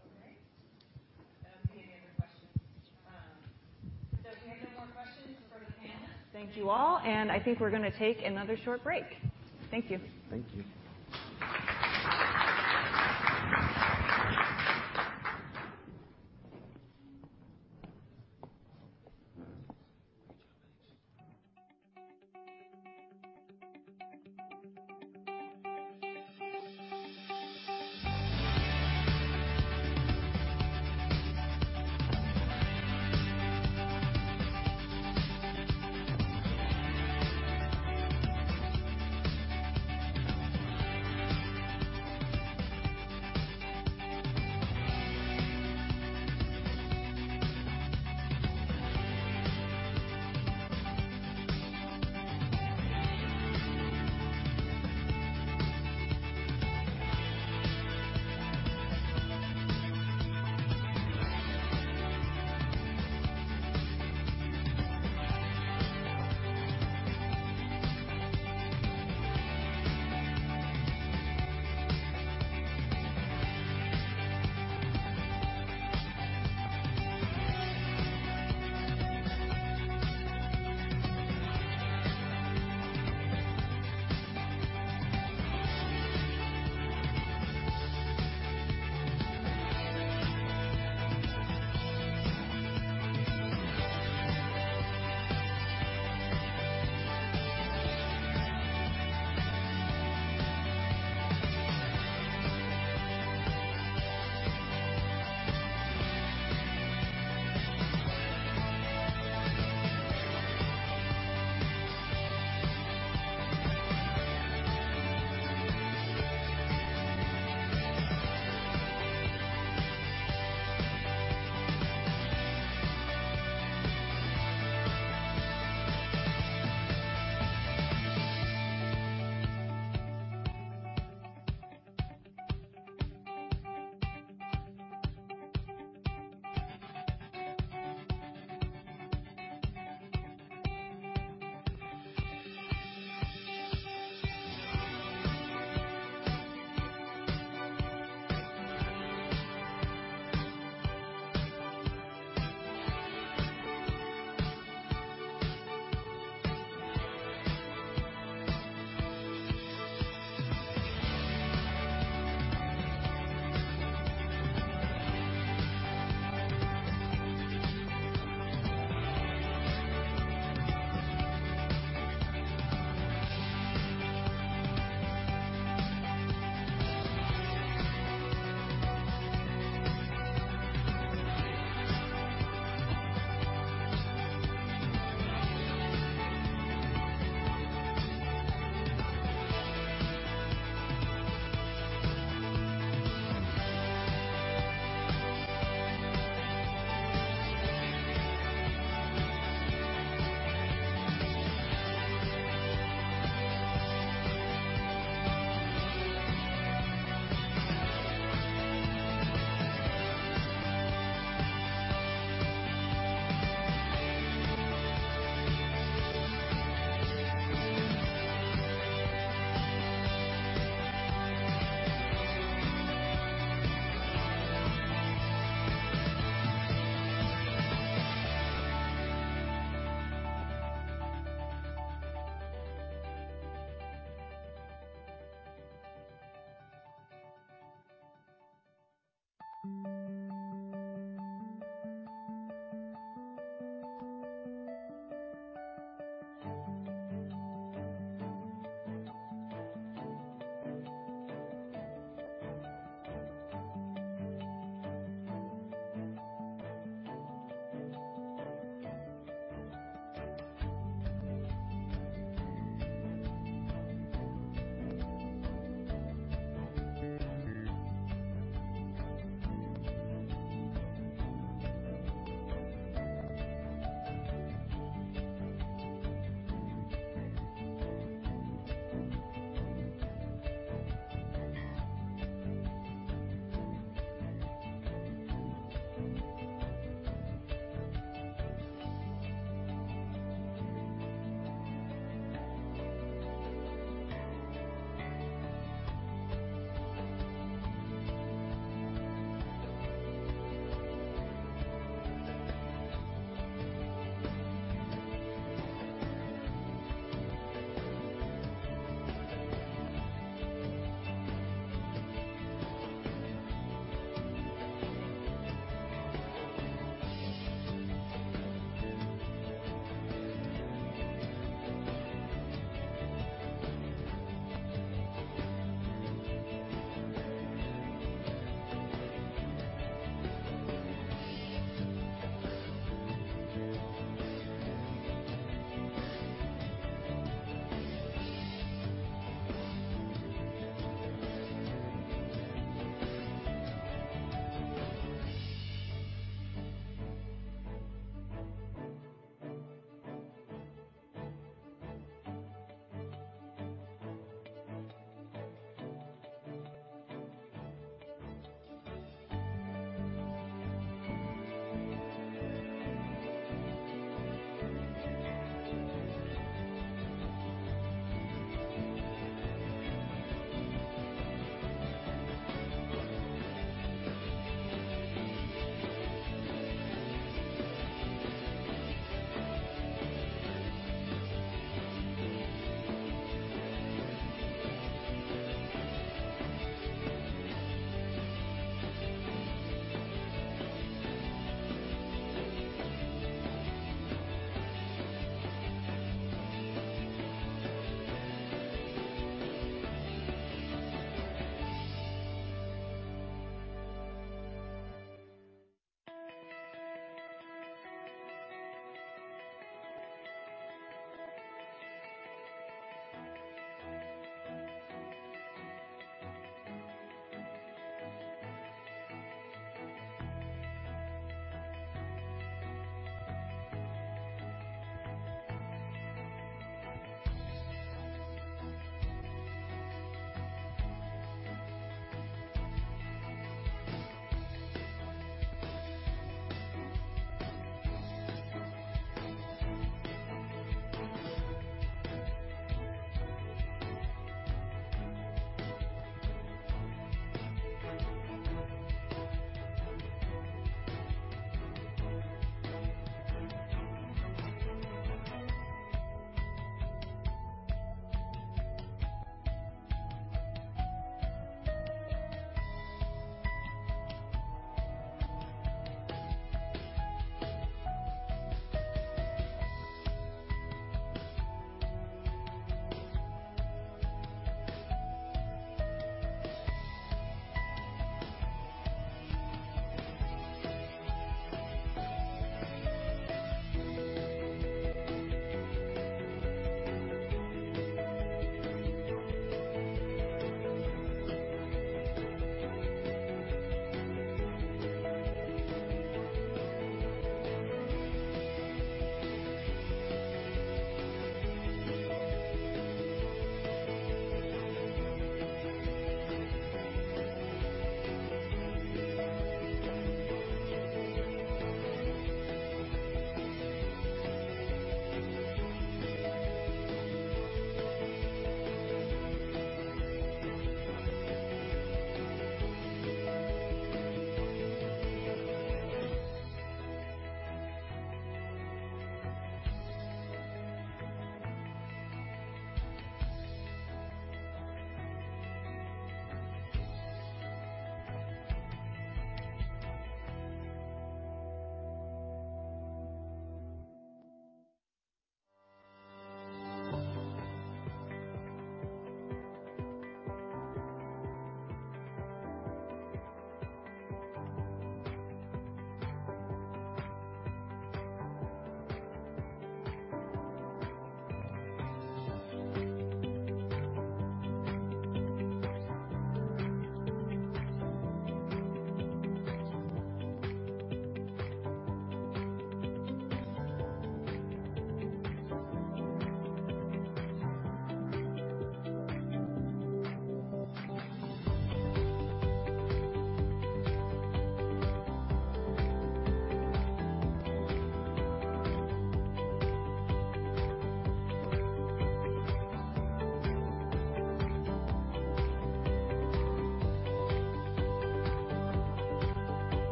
Okay. I don't see any other questions. If you have no more questions for the panel, thank you all, and I think we're gonna take another short break. Thank you. Thank you.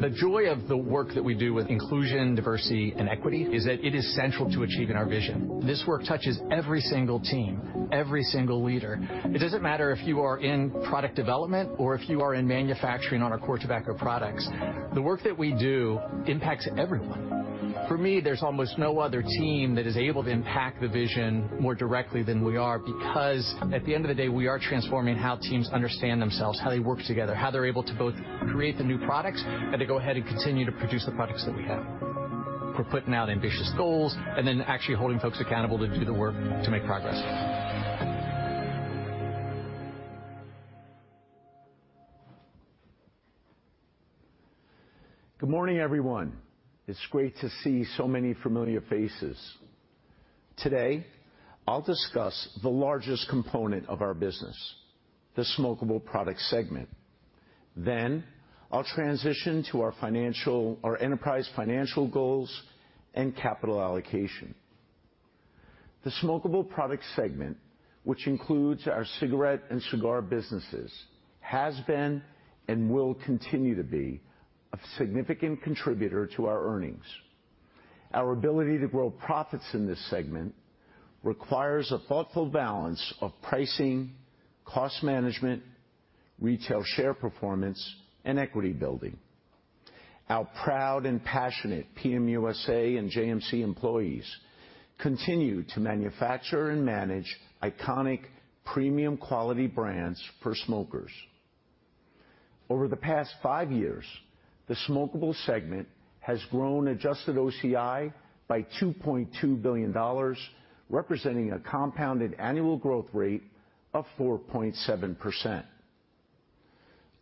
The joy of the work that we do with inclusion, diversity, and equity is that it is central to achieving our vision. This work touches every single team, every single leader. It doesn't matter if you are in product development or if you are in manufacturing on our core tobacco products. The work that we do impacts everyone. For me, there's almost no other team that is able to impact the vision more directly than we are, because at the end of the day, we are transforming how teams understand themselves, how they work together, how they're able to both create the new products and to go ahead and continue to produce the products that we have. We're putting out ambitious goals and then actually holding folks accountable to do the work to make progress. Good morning, everyone. It's great to see so many familiar faces. Today, I'll discuss the largest component of our business, the smokable product segment. I'll transition to our enterprise financial goals and capital allocation. The smokable product segment, which includes our cigarette and cigar businesses, has been and will continue to be a significant contributor to our earnings. Our ability to grow profits in this segment requires a thoughtful balance of pricing, cost management, retail share performance, and equity building. Our proud and passionate PM USA and JMC employees continue to manufacture and manage iconic premium quality brands for smokers. Over the past five years, the smokable segment has grown adjusted OCI by $2.2 billion, representing a compounded annual growth rate of 4.7%.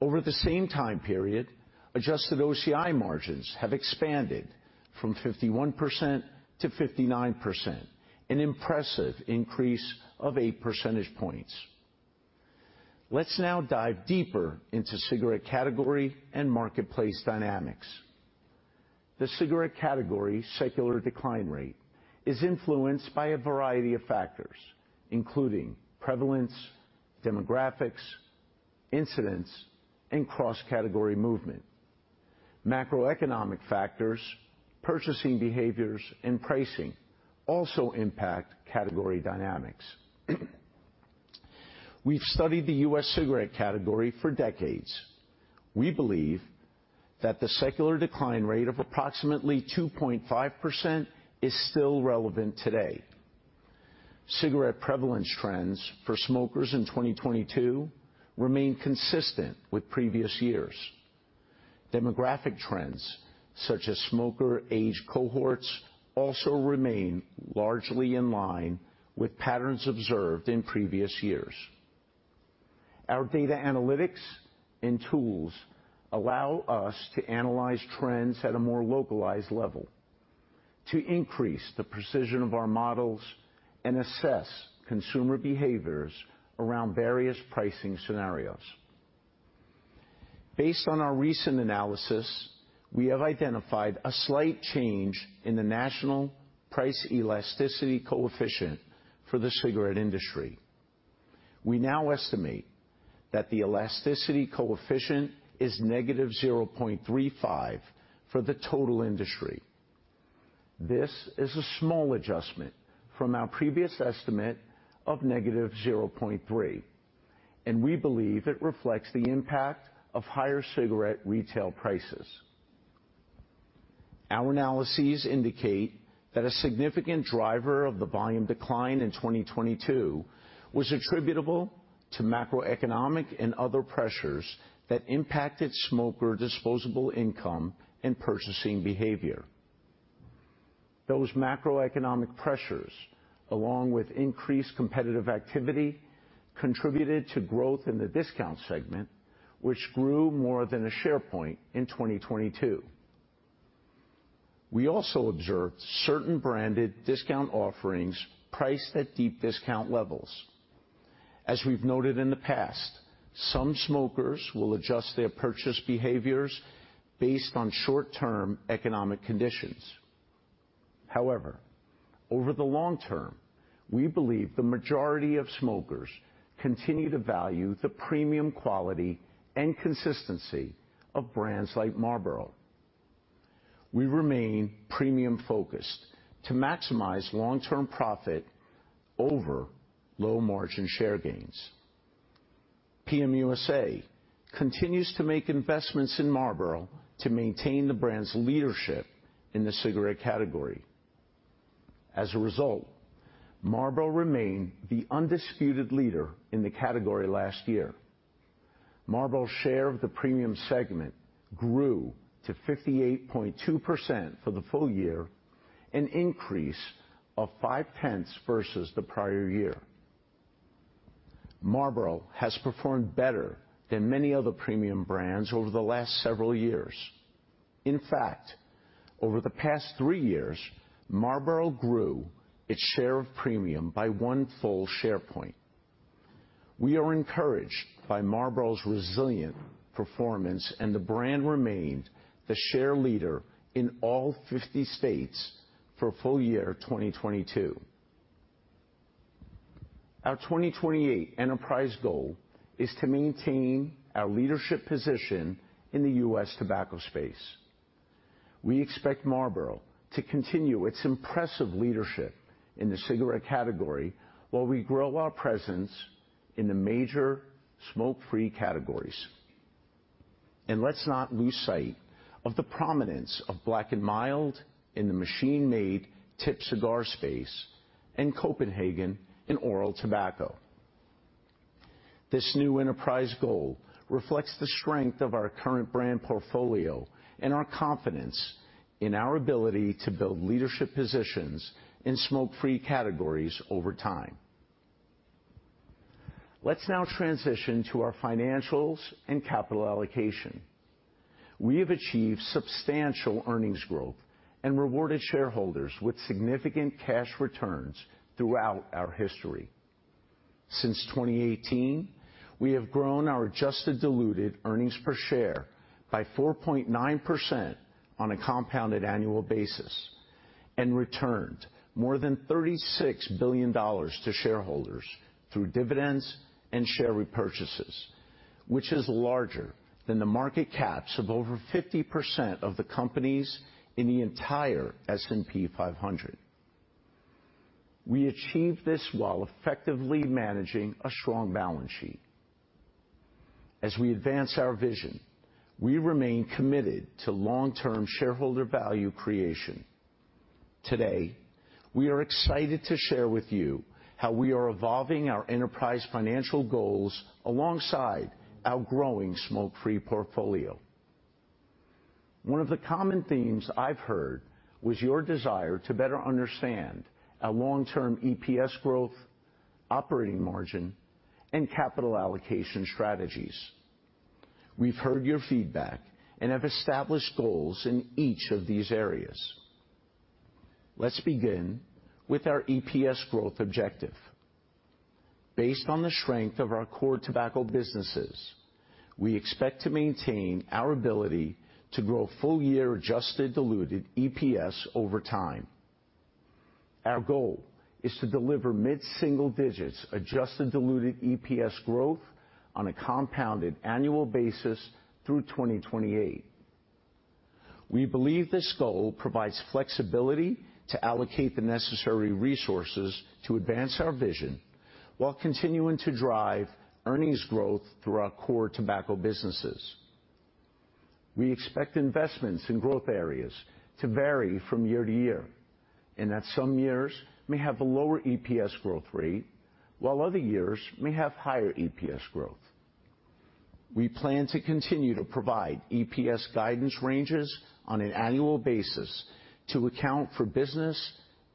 Over the same time period, adjusted OCI margins have expanded from 51% to 59%, an impressive increase of 8 percentage points. Let's now dive deeper into cigarette category and marketplace dynamics. The cigarette category secular decline rate is influenced by a variety of factors, including prevalence, demographics, incidents, and cross-category movement. Macroeconomic factors, purchasing behaviors, and pricing also impact category dynamics. We've studied the U.S. cigarette category for decades. We believe that the secular decline rate of approximately 2.5% is still relevant today. Cigarette prevalence trends for smokers in 2022 remain consistent with previous years. Demographic trends, such as smoker age cohorts, also remain largely in line with patterns observed in previous years. Our data analytics and tools allow us to analyze trends at a more localized level to increase the precision of our models and assess consumer behaviors around various pricing scenarios. Based on our recent analysis, we have identified a slight change in the national price elasticity coefficient for the cigarette industry. We now estimate that the elasticity coefficient is -0.35 for the total industry. This is a small adjustment from our previous estimate of -0.3, and we believe it reflects the impact of higher cigarette retail prices. Our analyses indicate that a significant driver of the volume decline in 2022 was attributable to macroeconomic and other pressures that impacted smoker disposable income and purchasing behavior. Those macroeconomic pressures, along with increased competitive activity, contributed to growth in the discount segment, which grew more than a share point in 2022. We also observed certain branded discount offerings priced at deep discount levels. As we've noted in the past, some smokers will adjust their purchase behaviors based on short-term economic conditions. However, over the long term, we believe the majority of smokers continue to value the premium quality and consistency of brands like Marlboro. We remain premium-focused to maximize long-term profit over low margin share gains. PM USA continues to make investments in Marlboro to maintain the brand's leadership in the cigarette category. As a result, Marlboro remained the undisputed leader in the category last year. Marlboro's share of the premium segment grew to 58.2% for the full year, an increase of 0.5 versus the prior year. Marlboro has performed better than many other premium brands over the last several years. In fact, over the past three years, Marlboro grew its share of premium by one full share point. We are encouraged by Marlboro's resilient performance, and the brand remained the share leader in all 50 states for full year 2022. Our 2028 enterprise goal is to maintain our leadership position in the U.S. tobacco space. We expect Marlboro to continue its impressive leadership in the cigarette category while we grow our presence in the major smoke-free categories. Let's not lose sight of the prominence of BlackandMild in the machine-made tip cigar space and Copenhagen in oral tobacco. This new enterprise goal reflects the strength of our current brand portfolio and our confidence in our ability to build leadership positions in smoke-free categories over time. Let's now transition to our financials and capital allocation. We have achieved substantial earnings growth and rewarded shareholders with significant cash returns throughout our history. Since 2018, we have grown our adjusted diluted earnings per share by 4.9% on a compounded annual basis and returned more than $36 billion to shareholders through dividends and share repurchases, which is larger than the market caps of over 50% of the companies in the entire S&P 500. We achieved this while effectively managing a strong balance sheet. As we advance our vision, we remain committed to long-term shareholder value creation. Today, we are excited to share with you how we are evolving our enterprise financial goals alongside our growing smoke-free portfolio. One of the common themes I've heard was your desire to better understand our long-term EPS growth, operating margin, and capital allocation strategies. We've heard your feedback and have established goals in each of these areas. Let's begin with our EPS growth objective. Based on the strength of our core tobacco businesses, we expect to maintain our ability to grow full year adjusted diluted EPS over time. Our goal is to deliver mid-single digits adjusted diluted EPS growth on a compounded annual basis through 2028. We believe this goal provides flexibility to allocate the necessary resources to advance our vision while continuing to drive earnings growth through our core tobacco businesses. We expect investments in growth areas to vary from year to year, and that some years may have a lower EPS growth rate, while other years may have higher EPS growth. We plan to continue to provide EPS guidance ranges on an annual basis to account for business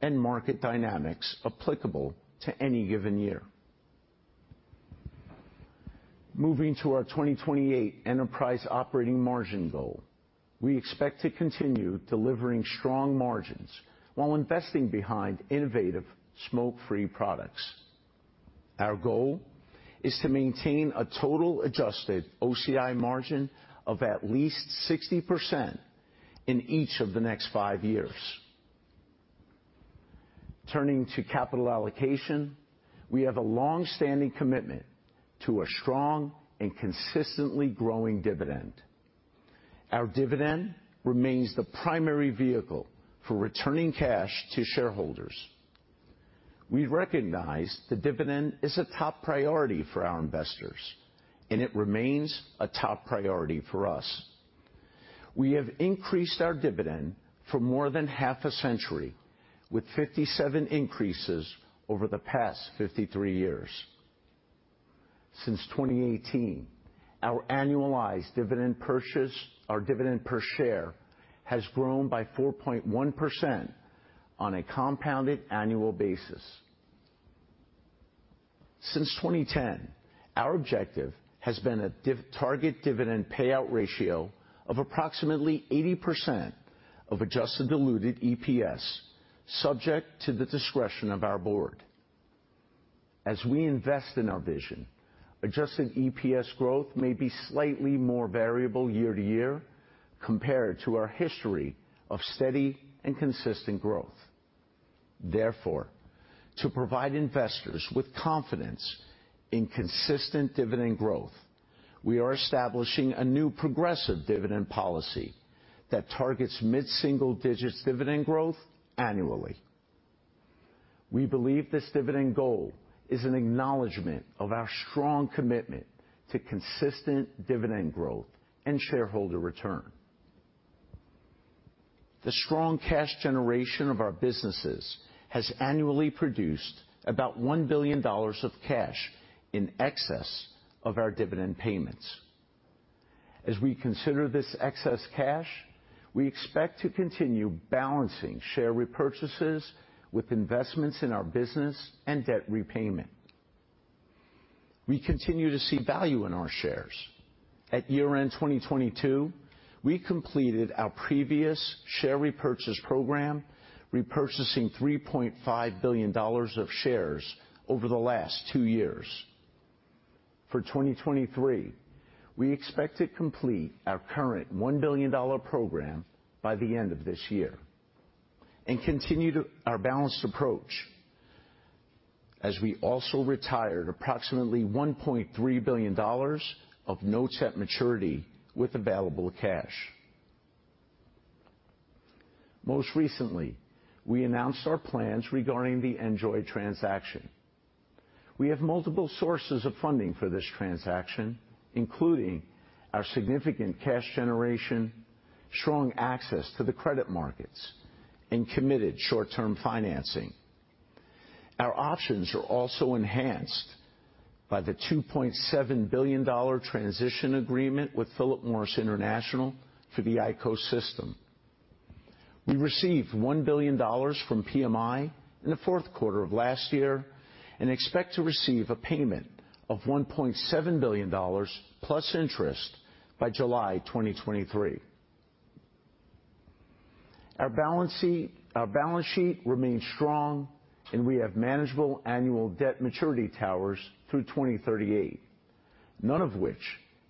and market dynamics applicable to any given year. Moving to our 2028 enterprise operating margin goal. We expect to continue delivering strong margins while investing behind innovative smoke-free products. Our goal is to maintain a total adjusted OCI margin of at least 60% in each of the next five years. Turning to capital allocation, we have a long-standing commitment to a strong and consistently growing dividend. Our dividend remains the primary vehicle for returning cash to shareholders. We recognize the dividend is a top priority for our investors, and it remains a top priority for us. We have increased our dividend for more than half a century, with 57 increases over the past 53 years. Since 2018, our annualized dividend purchase or dividend per share has grown by 4.1% on a compounded annual basis. Since 2010, our objective has been a target dividend payout ratio of approximately 80% of adjusted diluted EPS, subject to the discretion of our board. As we invest in our vision, adjusted EPS growth may be slightly more variable year-to-year compared to our history of steady and consistent growth. Therefore, to provide investors with confidence in consistent dividend growth, we are establishing a new progressive dividend policy that targets mid-single digits dividend growth annually. We believe this dividend goal is an acknowledgment of our strong commitment to consistent dividend growth and shareholder return. The strong cash generation of our businesses has annually produced about $1 billion of cash in excess of our dividend payments. As we consider this excess cash, we expect to continue balancing share repurchases with investments in our business and debt repayment. We continue to see value in our shares. At year-end 2022, we completed our previous share repurchase program, repurchasing $3.5 billion of shares over the last two years. For 2023, we expect to complete our current $1 billion program by the end of this year and continue to our balanced approach as we also retired approximately $1.3 billion of notes at maturity with available cash. Most recently, we announced our plans regarding the NJOY transaction. We have multiple sources of funding for this transaction, including our significant cash generation, strong access to the credit markets, and committed short-term financing. Our options are also enhanced by the $2.7 billion transition agreement with Philip Morris International for the IQOS system. We received $1 billion from PMI in the fourth quarter of last year and expect to receive a payment of $1.7 billion plus interest by July 2023. Our balance sheet remains strong, and we have manageable annual debt maturity towers through 2038, none of which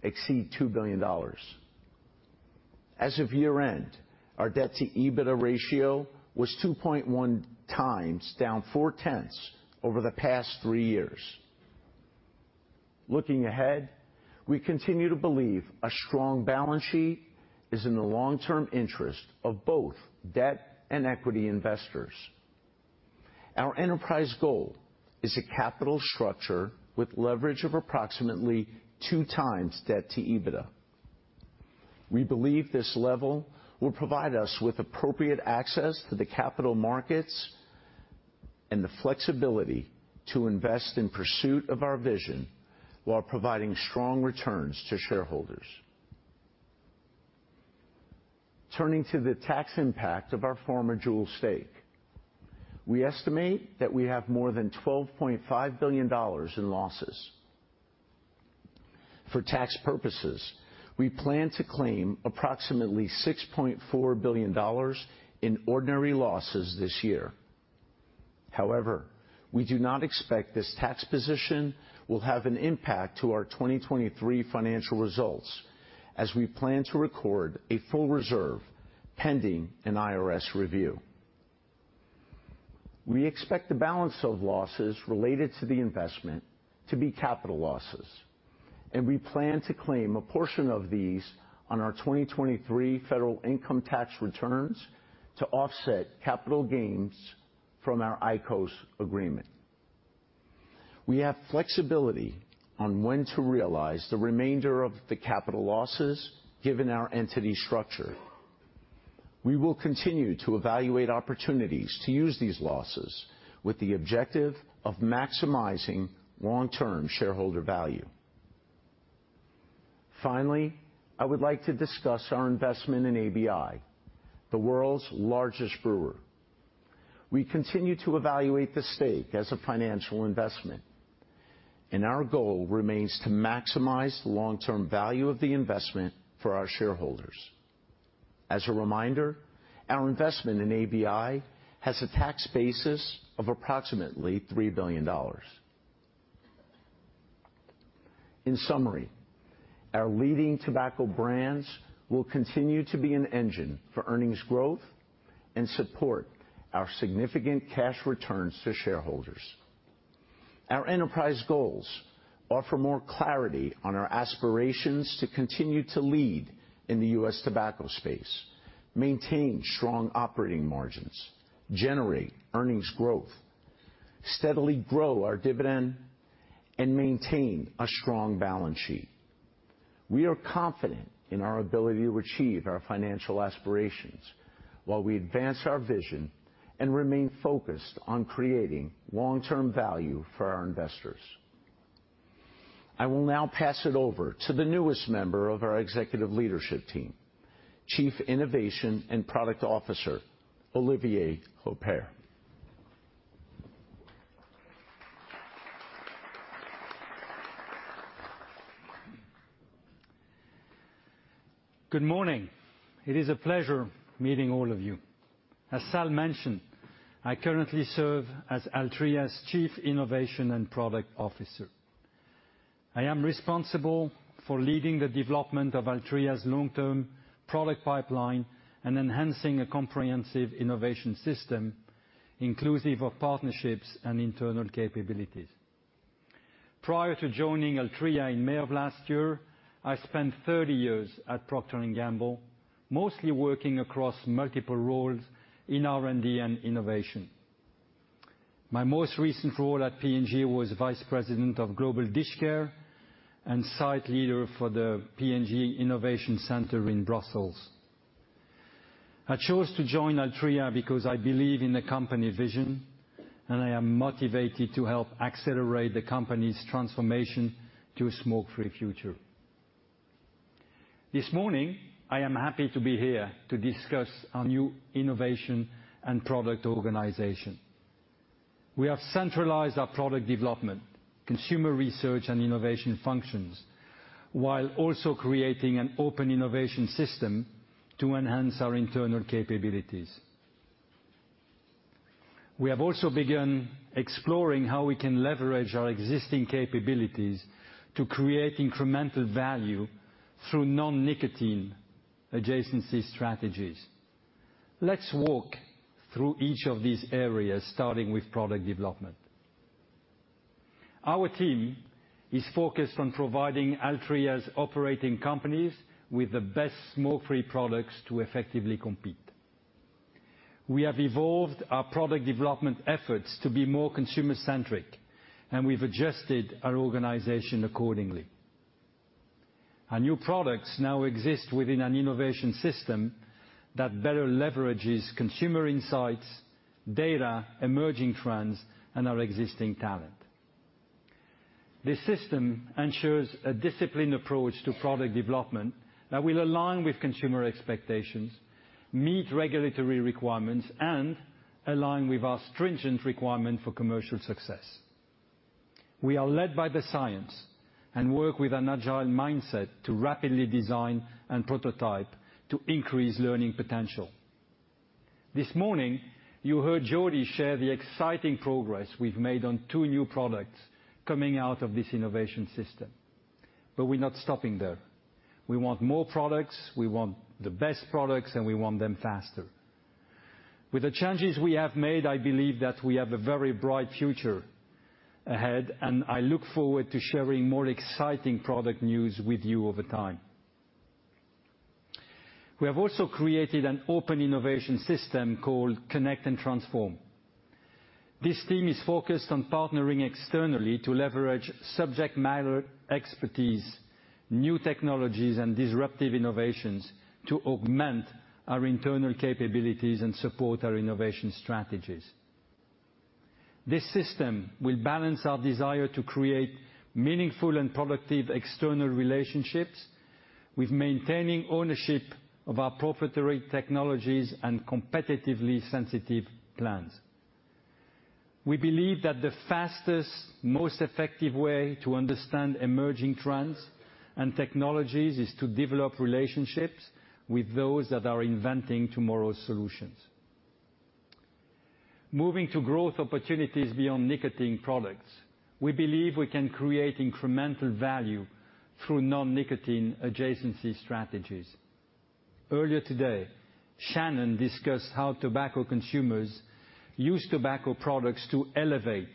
exceed $2 billion. As of year-end, our debt-to-EBITDA ratio was 2.1x, down 0.4 over the past three years. Looking ahead, we continue to believe a strong balance sheet is in the long-term interest of both debt and equity investors. Our enterprise goal is a capital structure with leverage of approximately 2x debt to EBITDA. We believe this level will provide us with appropriate access to the capital markets and the flexibility to invest in pursuit of our vision while providing strong returns to shareholders. Turning to the tax impact of our former JUUL stake, we estimate that we have more than $12.5 billion in losses. For tax purposes, we plan to claim approximately $6.4 billion in ordinary losses this year. We do not expect this tax position will have an impact to our 2023 financial results as we plan to record a full reserve pending an IRS review. We expect the balance of losses related to the investment to be capital losses, and we plan to claim a portion of these on our 2023 federal income tax returns to offset capital gains from our IQOS agreement. We have flexibility on when to realize the remainder of the capital losses given our entity structure. We will continue to evaluate opportunities to use these losses with the objective of maximizing long-term shareholder value. I would like to discuss our investment in ABI, the world's largest brewer. We continue to evaluate the stake as a financial investment, and our goal remains to maximize long-term value of the investment for our shareholders. As a reminder, our investment in ABI has a tax basis of approximately $3 billion. In summary, our leading tobacco brands will continue to be an engine for earnings growth and support our significant cash returns to shareholders. Our Enterprise Goals offer more clarity on our aspirations to continue to lead in the U.S. tobacco space, maintain strong operating margins, generate earnings growth, steadily grow our dividend, and maintain a strong balance sheet. We are confident in our ability to achieve our financial aspirations while we advance our vision and remain focused on creating long-term value for our investors. I will now pass it over to the newest member of our executive leadership team, Chief Innovation and Product Officer, Olivier Houpert. Good morning. It is a pleasure meeting all of you. As Sal mentioned, I currently serve as Altria's Chief Innovation and Product Officer. I am responsible for leading the development of Altria's long-term product pipeline and enhancing a comprehensive innovation system, inclusive of partnerships and internal capabilities. Prior to joining Altria in May of last year, I spent 30 years at Procter & Gamble, mostly working across multiple roles in R&D and innovation. My most recent role at P&G was Vice President of Global Dish Care and Site Leader for the P&G Innovation Center in Brussels. I chose to join Altria because I believe in the company vision, and I am motivated to help accelerate the company's transformation to a smoke-free future. This morning, I am happy to be here to discuss our new innovation and product organization. We have centralized our product development, consumer research, and innovation functions, while also creating an open innovation system to enhance our internal capabilities. We have also begun exploring how we can leverage our existing capabilities to create incremental value through non-nicotine adjacency strategies. Let's walk through each of these areas, starting with product development. Our team is focused on providing Altria's operating companies with the best smoke-free products to effectively compete. We have evolved our product development efforts to be more consumer-centric, and we've adjusted our organization accordingly. Our new products now exist within an innovation system that better leverages consumer insights, data, emerging trends, and our existing talent. This system ensures a disciplined approach to product development that will align with consumer expectations, meet regulatory requirements, and align with our stringent requirement for commercial success. We are led by the science and work with an agile mindset to rapidly design and prototype to increase learning potential. This morning, you heard Jody share the exciting progress we've made on two new products coming out of this innovation system. We're not stopping there. We want more products, we want the best products, and we want them faster. With the changes we have made, I believe that we have a very bright future ahead, and I look forward to sharing more exciting product news with you over time. We have also created an open innovation system called Connect and Transform. This team is focused on partnering externally to leverage subject matter expertise, new technologies, and disruptive innovations to augment our internal capabilities and support our innovation strategies. This system will balance our desire to create meaningful and productive external relationships with maintaining ownership of our proprietary technologies and competitively sensitive plans. We believe that the fastest, most effective way to understand emerging trends and technologies is to develop relationships with those that are inventing tomorrow's solutions. Moving to growth opportunities beyond nicotine products, we believe we can create incremental value through non-nicotine adjacency strategies. Earlier today, Shannon discussed how tobacco consumers use tobacco products to elevate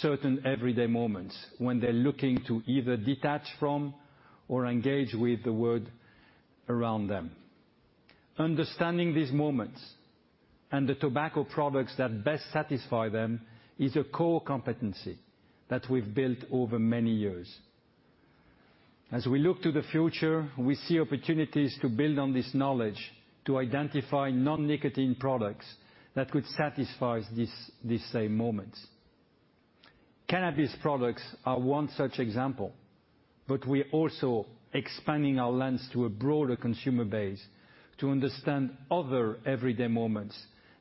certain everyday moments when they're looking to either detach from or engage with the world around them. Understanding these moments and the tobacco products that best satisfy them is a core competency that we've built over many years. As we look to the future, we see opportunities to build on this knowledge to identify non-nicotine products that could satisfy these same moments. Cannabis products are one such example. We're also expanding our lens to a broader consumer base to understand other everyday moments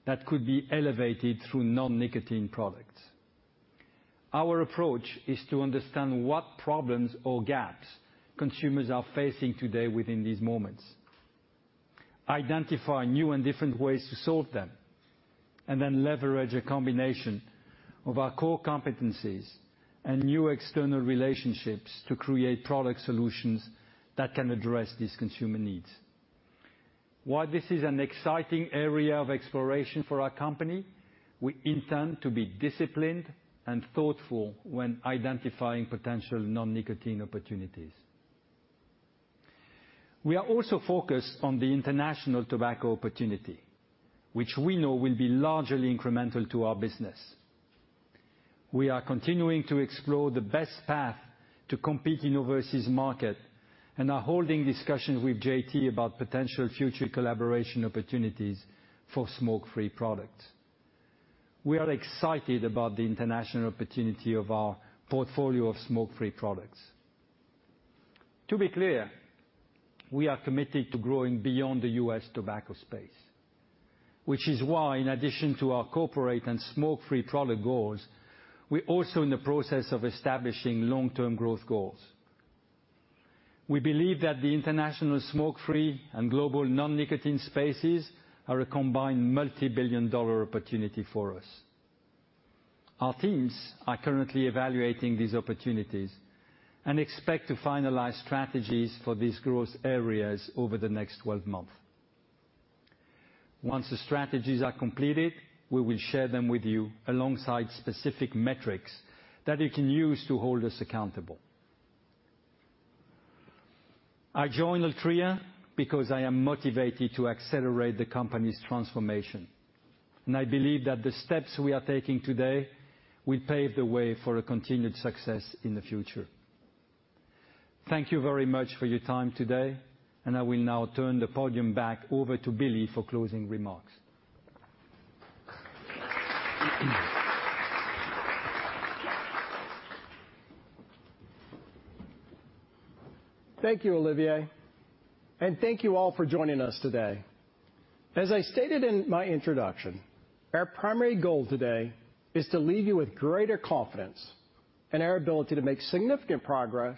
that could be elevated through non-nicotine products. Our approach is to understand what problems or gaps consumers are facing today within these moments, identify new and different ways to solve them, and then leverage a combination of our core competencies and new external relationships to create product solutions that can address these consumer needs. While this is an exciting area of exploration for our company, we intend to be disciplined and thoughtful when identifying potential non-nicotine opportunities. We are also focused on the international tobacco opportunity, which we know will be largely incremental to our business. We are continuing to explore the best path to compete in overseas market and are holding discussions with JT about potential future collaboration opportunities for smoke-free products. We are excited about the international opportunity of our portfolio of smoke-free products. To be clear, we are committed to growing beyond the U.S. tobacco space, which is why in addition to our corporate and smoke-free product goals, we're also in the process of establishing long-term growth goals. We believe that the international smoke-free and global non-nicotine spaces are a combined multi-billion-dollar opportunity for us. Our teams are currently evaluating these opportunities and expect to finalize strategies for these growth areas over the next 12 months. Once the strategies are completed, we will share them with you alongside specific metrics that you can use to hold us accountable. I joined Altria because I am motivated to accelerate the company's transformation. I believe that the steps we are taking today will pave the way for a continued success in the future. Thank you very much for your time today. I will now turn the podium back over to Billy for closing remarks. Thank you, Olivier. Thank you all for joining us today. As I stated in my introduction, our primary goal today is to leave you with greater confidence in our ability to make significant progress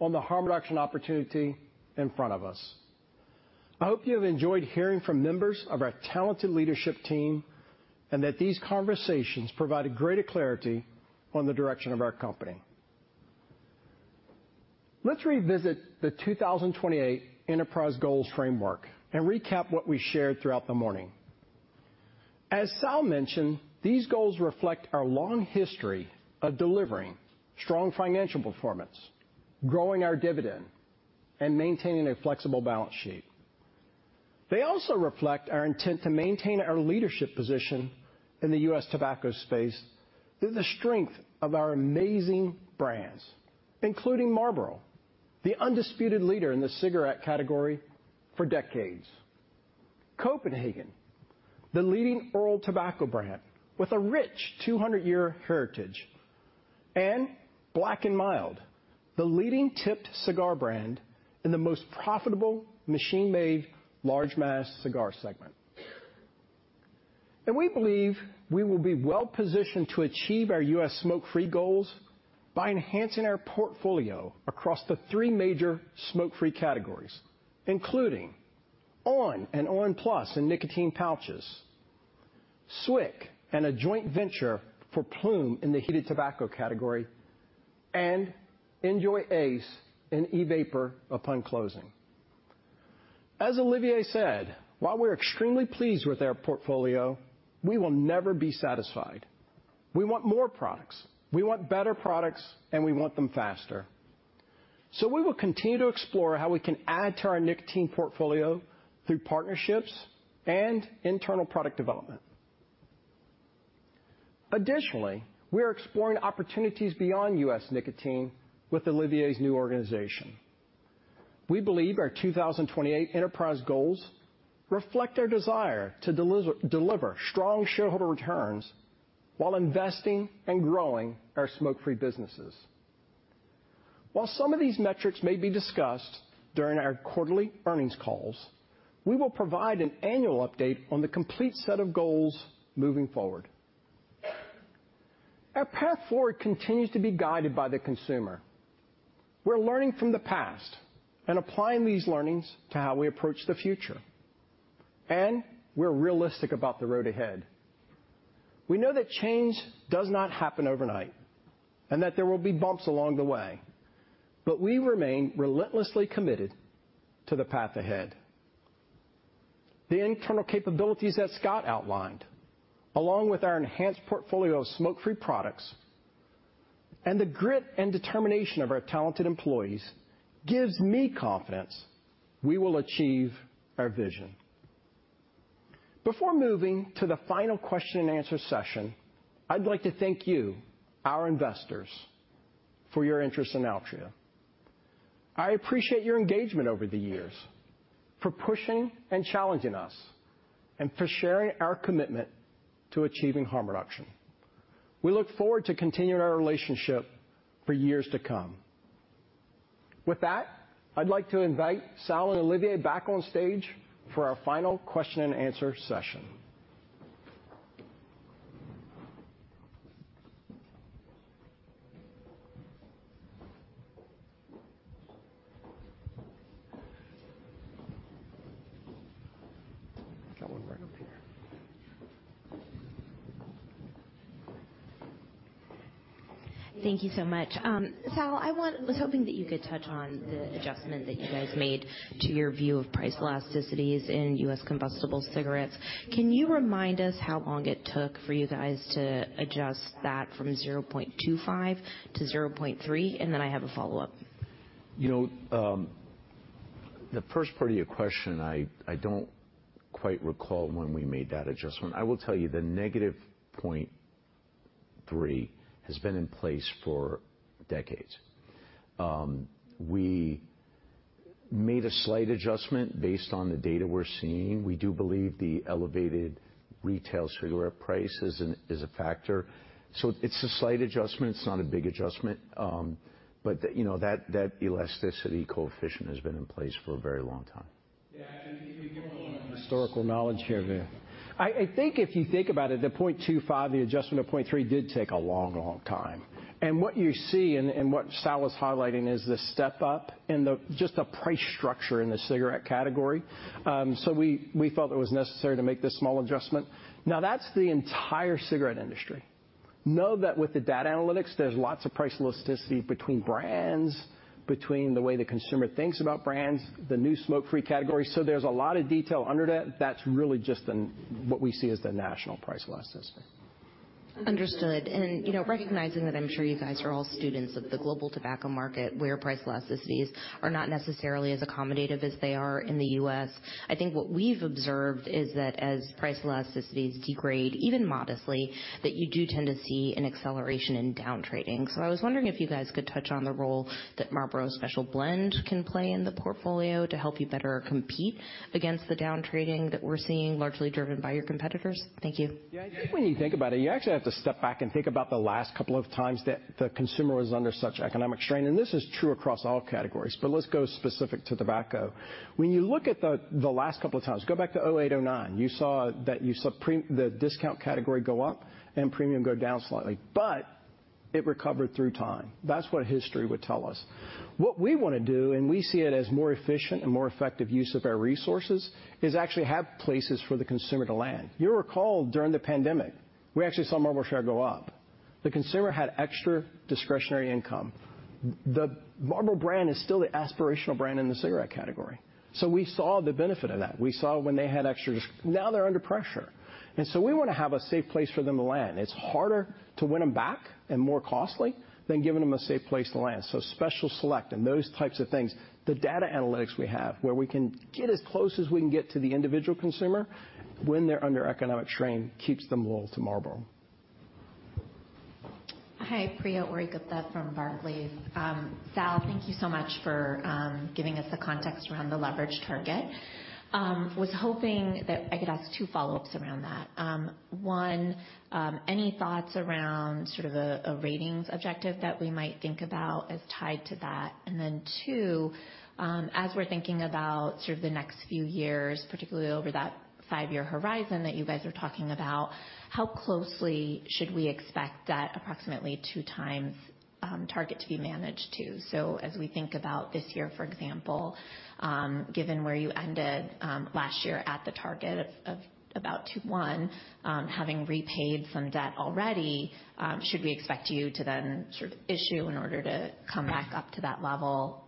on the harm reduction opportunity in front of us. I hope you have enjoyed hearing from members of our talented leadership team. These conversations provided greater clarity on the direction of our company. Let's revisit the 2028 Enterprise Goals framework. Recap what we shared throughout the morning. As Sal mentioned, these goals reflect our long history of delivering strong financial performance, growing our dividend, and maintaining a flexible balance sheet. They also reflect our intent to maintain our leadership position in the U.S. tobacco space through the strength of our amazing brands, including Marlboro, the undisputed leader in the cigarette category for decades, Copenhagen, the leading oral tobacco brand with a rich 200-year heritage, and BlaclandMild, the leading tipped cigar brand in the most profitable machine-made large mass cigar segment. We believe we will be well-positioned to achieve our U.S. smoke-free goals by enhancing our portfolio across the three major smoke-free categories, including on! and on!+ and nicotine pouches, SWIC, and a joint venture for Ploom in the heated tobacco category, and NJOY ACE in e-vapor upon closing. As Olivier said, while we're extremely pleased with our portfolio, we will never be satisfied. We want more products, we want better products, and we want them faster. We will continue to explore how we can add to our nicotine portfolio through partnerships and internal product development. Additionally, we are exploring opportunities beyond U.S. nicotine with Olivier's new organization. We believe our 2028 Enterprise Goals reflect our desire to deliver strong shareholder returns while investing and growing our smoke-free businesses. While some of these metrics may be discussed during our quarterly earnings calls, we will provide an annual update on the complete set of goals moving forward. Our path forward continues to be guided by the consumer. We're learning from the past and applying these learnings to how we approach the future, and we're realistic about the road ahead. We know that change does not happen overnight and that there will be bumps along the way, but we remain relentlessly committed to the path ahead. The internal capabilities that Scott outlined, along with our enhanced portfolio of smoke-free products and the grit and determination of our talented employees, gives me confidence we will achieve our vision. Before moving to the final question-and-answer session, I'd like to thank you, our investors, for your interest in Altria. I appreciate your engagement over the years for pushing and challenging us and for sharing our commitment to achieving harm reduction. We look forward to continuing our relationship for years to come. With that, I'd like to invite Sal and Olivier back on stage for our final question-and-answer session. Got one right over here. Thank you so much. Sal, I was hoping that you could touch on the adjustment that you guys made to your view of price elasticities in U.S. combustible cigarettes. Can you remind us how long it took for you guys to adjust that from 0.25 to 0.3? I have a follow-up. You know, the first part of your question, I don't quite recall when we made that adjustment. I will tell you the -0.3 has been in place for decades. We made a slight adjustment based on the data we're seeing. We do believe the elevated retail cigarette price is a factor. It's a slight adjustment. It's not a big adjustment. You know, that elasticity coefficient has been in place for a very long time. Yeah. Historical knowledge here. I think if you think about it, the 0.25, the adjustment of 0.3 did take a long, long time. What you see and what Sal is highlighting is the step-up and just the price structure in the cigarette category. We felt it was necessary to make this small adjustment. That's the entire cigarette industry. Know that with the data analytics, there's lots of price elasticity between brands, between the way the consumer thinks about brands, the new smoke-free category. There's a lot of detail under that. That's really just what we see as the national price elasticity. Understood. You know, recognizing that I'm sure you guys are all students of the global tobacco market, where price elasticities are not necessarily as accommodative as they are in the U.S., I think what we've observed is that as price elasticities degrade, even modestly, that you do tend to see an acceleration in down trading. I was wondering if you guys could touch on the role that Marlboro Special Blend can play in the portfolio to help you better compete against the down trading that we're seeing largely driven by your competitors. Thank you. Yeah, I think when you think about it, you actually have to step back and think about the last couple of times that the consumer was under such economic strain, and this is true across all categories, but let's go specific to tobacco. When you look at the last couple of times, go back to 2008, 2009, you saw that the discount category go up and premium go down slightly, but it recovered through time. That's what history would tell us. What we wanna do, and we see it as more efficient and more effective use of our resources, is actually have places for the consumer to land. You'll recall, during the pandemic, we actually saw Marlboro share go up. The consumer had extra discretionary income. The Marlboro brand is still the aspirational brand in the cigarette category. We saw the benefit of that. Now they're under pressure, we wanna have a safe place for them to land. It's harder to win them back and more costly than giving them a safe place to land. Special Select and those types of things, the data analytics we have where we can get as close as we can get to the individual consumer when they're under economic strain, keeps them loyal to Marlboro. Hi, Priya Ohri-Gupta from Barclays. Sal, thank you so much for giving us the context around the leverage target. Was hoping that I could ask two follow-ups around that. One, any thoughts around sort of a ratings objective that we might think about as tied to that? Two, as we're thinking about sort of the next few years, particularly over that five-year horizon that you guys are talking about, how closely should we expect that approximately 2x target to be managed to. As we think about this year, for example, given where you ended, last year at the target of about 2.1x, having repaid some debt already, should we expect you to then sort of issue in order to come back up to that level?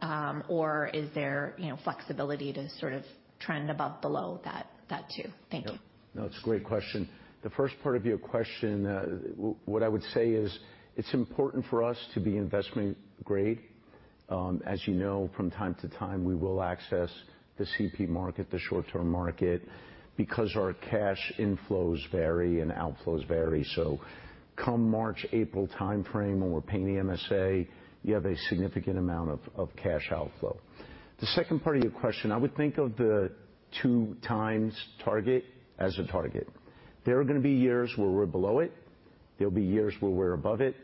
Is there, you know, flexibility to sort of trend above below that too? Thank you. No, it's a great question. The first part of your question, what I would say is it's important for us to be investment grade. As you know, from time to time, we will access the CP market, the short-term market, because our cash inflows vary and outflows vary. Come March, April timeframe, when we're paying the MSA, you have a significant amount of cash outflow. The second part of your question, I would think of the 2x target as a target. There are gonna be years where we're below it, there'll be years where we're above it.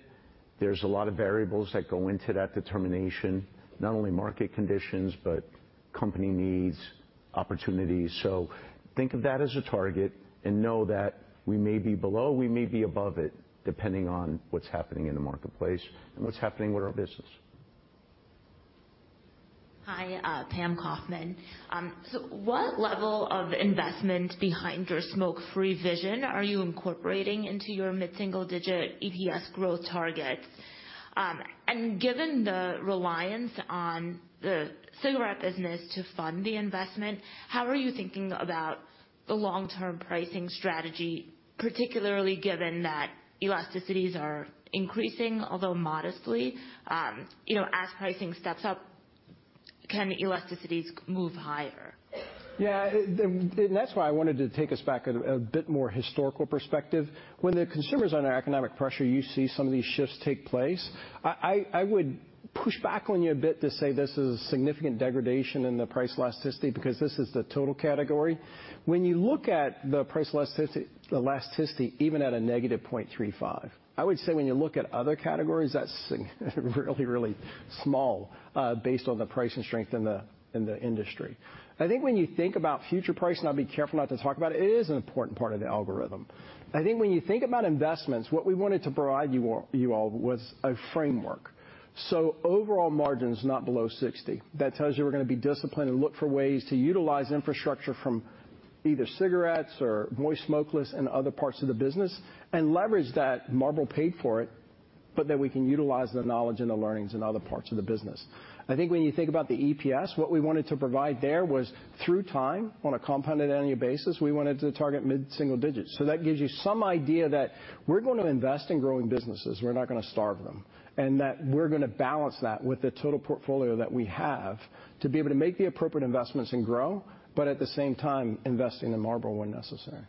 There's a lot of variables that go into that determination, not only market conditions, but company needs, opportunities. Think of that as a target and know that we may be below, we may be above it, depending on what's happening in the marketplace and what's happening with our business. Hi, Pam Kaufman. What level of investment behind your smoke-free vision are you incorporating into your mid-single digit EPS growth targets? Given the reliance on the cigarette business to fund the investment, how are you thinking about the long-term pricing strategy, particularly given that elasticities are increasing, although modestly? You know, as pricing steps up, can elasticities move higher? Yeah, that's why I wanted to take us back a bit more historical perspective. When the consumer's under economic pressure, you see some of these shifts take place. I would push back on you a bit to say this is a significant degradation in the price elasticity because this is the total category. When you look at the price elasticity, even at -0.35, I would say when you look at other categories, that's really, really small, based on the pricing strength in the industry. I think when you think about future pricing, I'll be careful not to talk about it is an important part of the algorithm. I think when you think about investments, what we wanted to provide you all was a framework. Overall margin's not below 60%. That tells you we're gonna be disciplined and look for ways to utilize infrastructure from either cigarettes or moist smokeless and other parts of the business and leverage that. Marlboro paid for it. We can utilize the knowledge and the learnings in other parts of the business. I think when you think about the EPS, what we wanted to provide there was through time, on a compounded annual basis, we wanted to target mid-single digits. That gives you some idea that we're going to invest in growing businesses, we're not gonna starve them, and that we're gonna balance that with the total portfolio that we have to be able to make the appropriate investments and grow, but at the same time, invest in the Marlboro when necessary.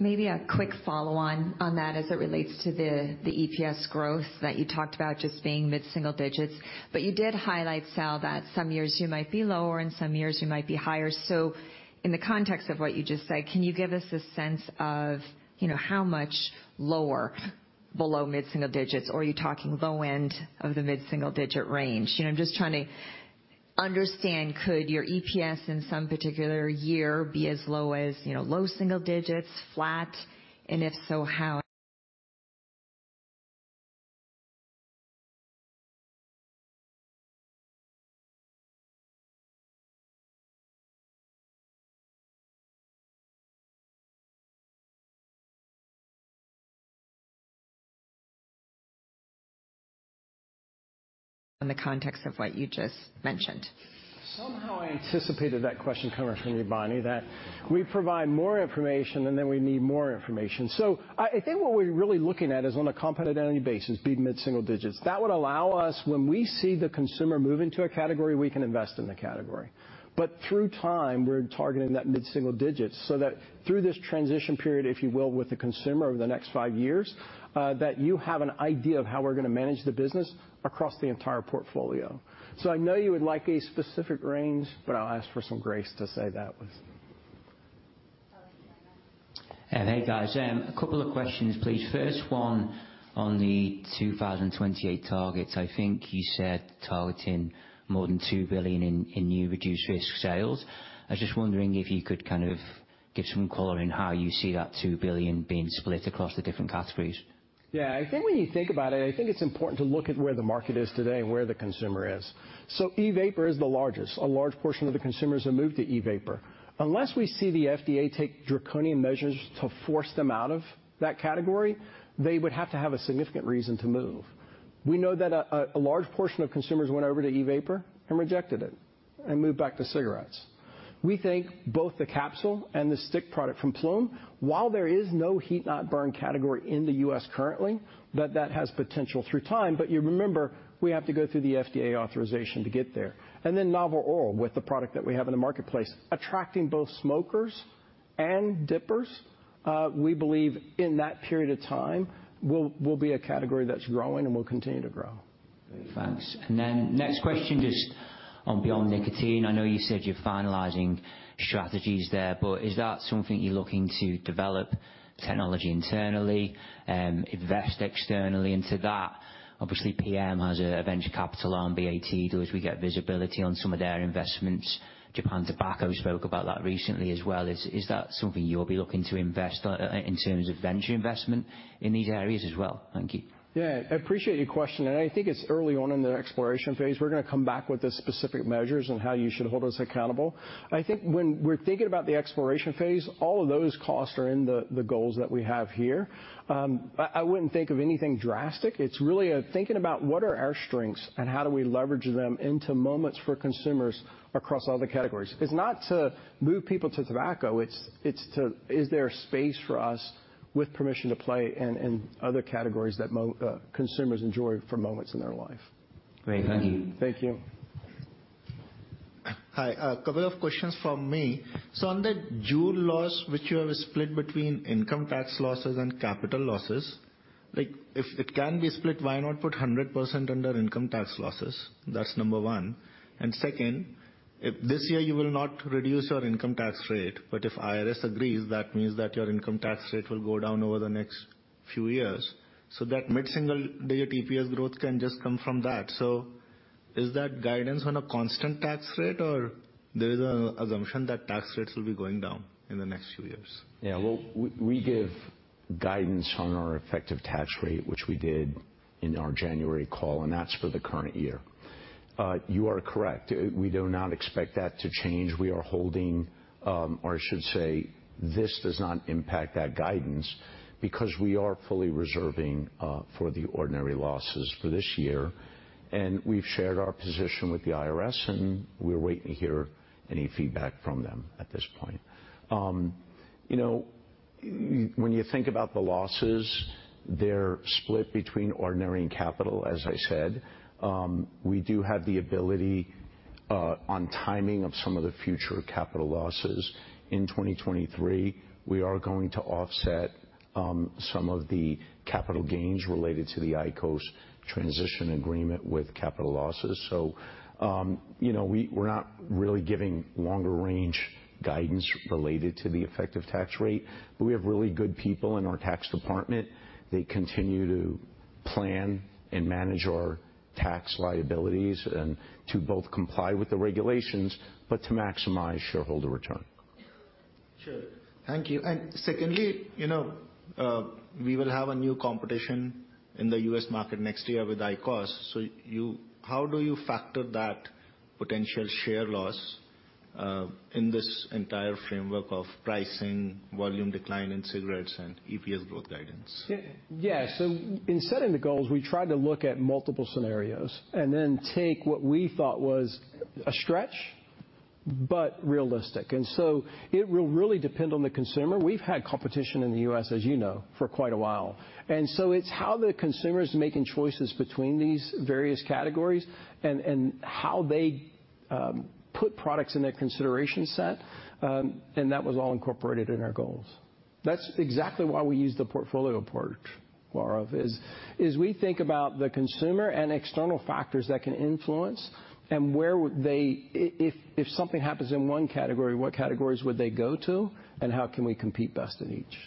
Maybe a quick follow-on on that as it relates to the EPS growth that you talked about just being mid-single digits. You did highlight, Sal, that some years you might be lower and some years you might be higher. In the context of what you just said, can you give us a sense of, you know, how much lower below mid-single digits, or are you talking low end of the mid-single digit range? You know, I'm just trying to understand, could your EPS in some particular year be as low as, you know, low single digits, flat, and if so, how in the context of what you just mentioned? Somehow I anticipated that question coming from you, Bonnie, that we provide more information, and then we need more information. I think what we're really looking at is on a competency basis, being mid-single digits. That would allow us, when we see the consumer moving to a category, we can invest in the category. Through time, we're targeting that mid-single digits, so that through this transition period, if you will, with the consumer over the next five years, that you have an idea of how we're gonna manage the business across the entire portfolio. I know you would like a specific range, but I'll ask for some grace to say that was. All right. Hey, guys. A couple of questions, please. First one on the 2028 targets. I think you said targeting more than $2 billion in new reduced-risk sales. I was just wondering if you could kind of give some color in how you see that $2 billion being split across the different categories. Yeah. I think when you think about it, I think it's important to look at where the market is today and where the consumer is. E-vapor is the largest. A large portion of the consumers have moved to e-vapor. Unless we see the FDA take draconian measures to force them out of that category, they would have to have a significant reason to move. We know that a large portion of consumers went over to e-vapor and rejected it and moved back to cigarettes. We think both the capsule and the stick product from Ploom, while there is no heat-not-burn category in the U.S. currently, that that has potential through time, you remember, we have to go through the FDA authorization to get there. Novel oral with the product that we have in the marketplace, attracting both smokers and dippers, we believe in that period of time will be a category that's growing and will continue to grow. Thanks. Next question just on beyond nicotine. I know you said you're finalizing strategies there, but is that something you're looking to develop technology internally and invest externally into that? Obviously, PM has a venture capital arm, BAT does. We get visibility on some of their investments. Japan Tobacco spoke about that recently as well. Is that something you'll be looking to invest on in terms of venture investment in these areas as well? Thank you. I appreciate your question. I think it's early on in the exploration phase. We're gonna come back with the specific measures on how you should hold us accountable. I think when we're thinking about the exploration phase, all of those costs are in the goals that we have here. I wouldn't think of anything drastic. It's really thinking about what are our strengths and how do we leverage them into moments for consumers across all the categories. It's not to move people to tobacco, is there space for us with permission to play in other categories that consumers enjoy for moments in their life. Great. Thank you. Thank you. Hi. A couple of questions from me. On the JUUL loss, which you have split between income tax losses and capital losses, like, if it can be split, why not put 100% under income tax losses? That's number one. Second, if this year you will not reduce your income tax rate, but if IRS agrees, that means that your income tax rate will go down over the next few years, so that mid-single digit EPS growth can just come from that. Is that guidance on a constant tax rate, or there is an assumption that tax rates will be going down in the next few years? Well, we give guidance on our effective tax rate, which we did in our January call, That's for the current year. You are correct. We do not expect that to change. We are holding, or I should say this does not impact our guidance because we are fully reserving for the ordinary losses for this year, We've shared our position with the IRS, We're waiting to hear any feedback from them at this point. You know, when you think about the losses, they're split between ordinary and capital, as I said. We do have the ability on timing of some of the future capital losses. In 2023, we are going to offset some of the capital gains related to the IQOS transition agreement with capital losses. You know, we're not really giving longer range guidance related to the effective tax rate. We have really good people in our tax department. They continue to plan and manage our tax liabilities and to both comply with the regulations, but to maximize shareholder return. Sure. Thank you. Secondly, you know, we will have a new competition in the U.S. market next year with IQOS, how do you factor that potential share loss in this entire framework of pricing, volume decline in cigarettes, and EPS growth guidance? In setting the goals, we try to look at multiple scenarios and then take what we thought was a stretch but realistic. It will really depend on the consumer. We've had competition in the U.S., as you know, for quite a while. It's how the consumer's making choices between these various categories and how they put products in their consideration set, and that was all incorporated in our goals. That's exactly why we use the portfolio approach, Gaurav, is we think about the consumer and external factors that can influence and where would they if something happens in one category, what categories would they go to, and how can we compete best in each?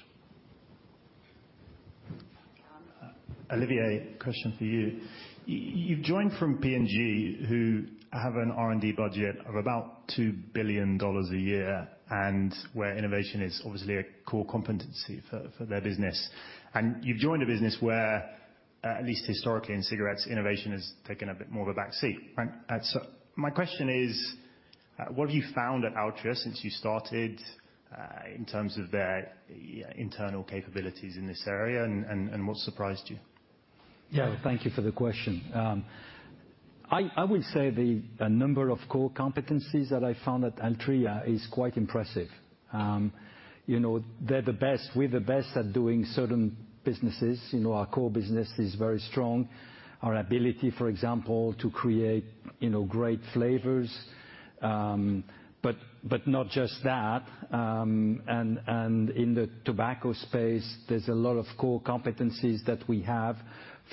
Olivier, question for you. You've joined from P&G, who have an R&D budget of about $2 billion a year, and where innovation is obviously a core competency for their business. You've joined a business where, at least historically in cigarettes, innovation has taken a bit more of a back seat, right? My question is, what have you found at Altria since you started, in terms of their internal capabilities in this area, and what surprised you? Thank you for the question. I would say a number of core competencies that I found at Altria is quite impressive. You know, they're the best, we're the best at doing certain businesses. You know, our core business is very strong. Our ability, for example, to create, you know, great flavors. Not just that, and in the tobacco space, there's a lot of core competencies that we have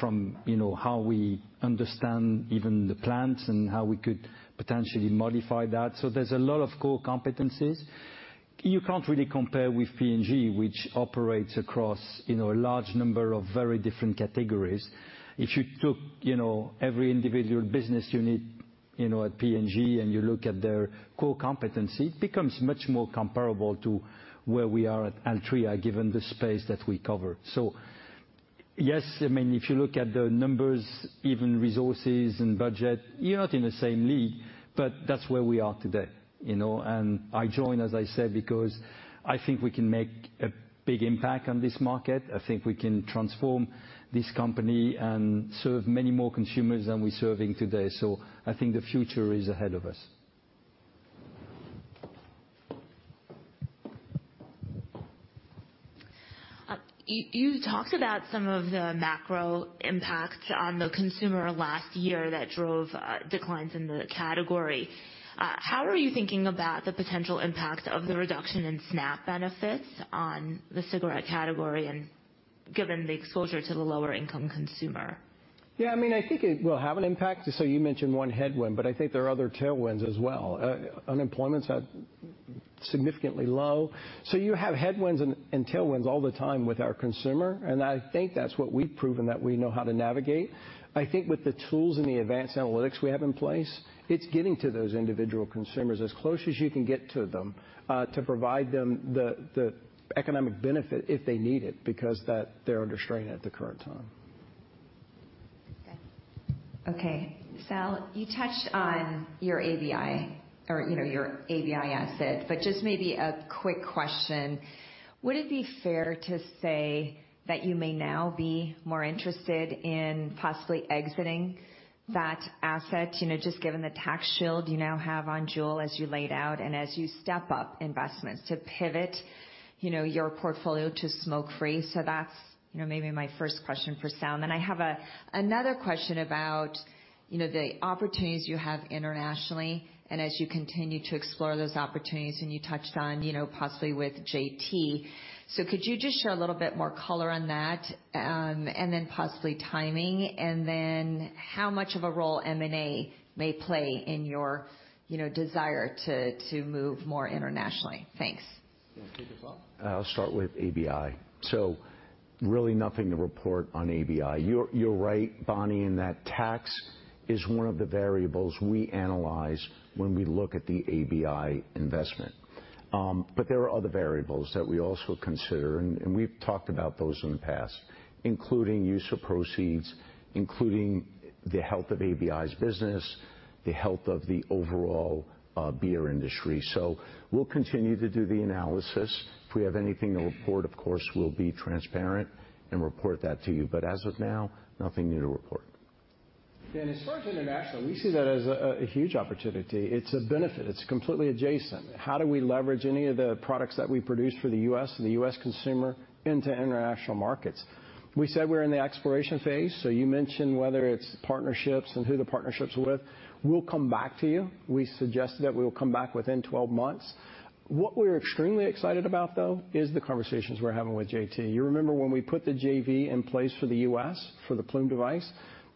from, you know, how we understand even the plants and how we could potentially modify that. There's a lot of core competencies. You can't really compare with P&G, which operates across, you know, a large number of very different categories. If you took, you know, every individual business unit, you know, at P&G, you look at their core competency, it becomes much more comparable to where we are at Altria given the space that we cover. Yes, I mean, if you look at the numbers, even resources and budget, you're not in the same league, but that's where we are today, you know. I joined, as I said, because I think we can make a big impact on this market. I think we can transform this company and serve many more consumers than we're serving today. I think the future is ahead of us. You talked about some of the macro impacts on the consumer last year that drove declines in the category. How are you thinking about the potential impact of the reduction in SNAP benefits on the cigarette category and given the exposure to the lower income consumer. Yeah, I mean, I think it will have an impact. You mentioned 1 headwind, but I think there are other tailwinds as well. Unemployment's at significantly low. You have headwinds and tailwinds all the time with our consumer, and I think that's what we've proven that we know how to navigate. I think with the tools and the advanced analytics we have in place, it's getting to those individual consumers as close as you can get to them, to provide them the economic benefit if they need it, because that they're under strain at the current time. Okay. Sal, you touched on your ABI or, you know, your ABI asset, just maybe a quick question. Would it be fair to say that you may now be more interested in possibly exiting that asset, you know, just given the tax shield you now have on JUUL as you laid out, and as you step up investments to pivot, you know, your portfolio to smoke-free? That's, you know, maybe my first question for Sal. I have another question about, you know, the opportunities you have internationally, and as you continue to explore those opportunities, and you touched on, you know, possibly with JT. Could you just share a little bit more color on that and then possibly timing? How much of a role M&A may play in your, you know, desire to move more internationally? Thanks. You wanna take it, Sal? I'll start with ABI. Really nothing to report on ABI. You're right, Bonnie, in that tax is one of the variables we analyze when we look at the ABI investment. But there are other variables that we also consider, and we've talked about those in the past, including use of proceeds, including the health of ABI's business, the health of the overall beer industry. We'll continue to do the analysis. If we have anything to report, of course we'll be transparent and report that to you. As of now, nothing new to report. As far as international, we see that as a huge opportunity. It's a benefit. It's completely adjacent. How do we leverage any of the products that we produce for the U.S., the U.S. consumer, into international markets? We said we're in the exploration phase. You mentioned whether it's partnerships and who the partnerships with. We'll come back to you. We suggested that we'll come back within 12 months. What we're extremely excited about though, is the conversations we're having with JT. You remember when we put the JV in place for the U.S. for the Ploom device,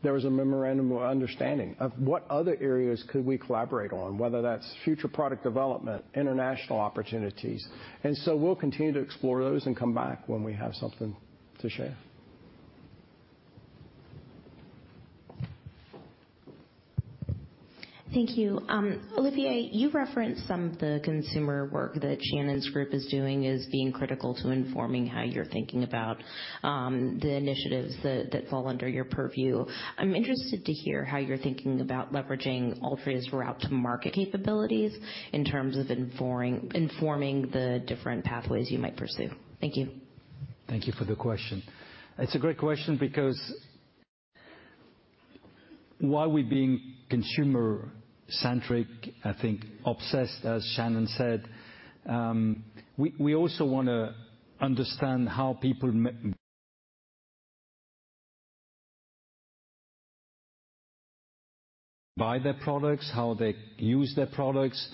there was a memorandum of understanding of what other areas could we collaborate on, whether that's future product development, international opportunities. We'll continue to explore those and come back when we have something to share. Thank you. Olivier, you referenced some of the consumer work that Shannon's group is doing as being critical to informing how you're thinking about the initiatives that fall under your purview. I'm interested to hear how you're thinking about leveraging Altria's route to market capabilities in terms of informing the different pathways you might pursue. Thank you. Thank you for the question. It's a great question because while we're being consumer-centric, I think obsessed, as Shannon said, we also wanna understand how people buy their products, how they use their products.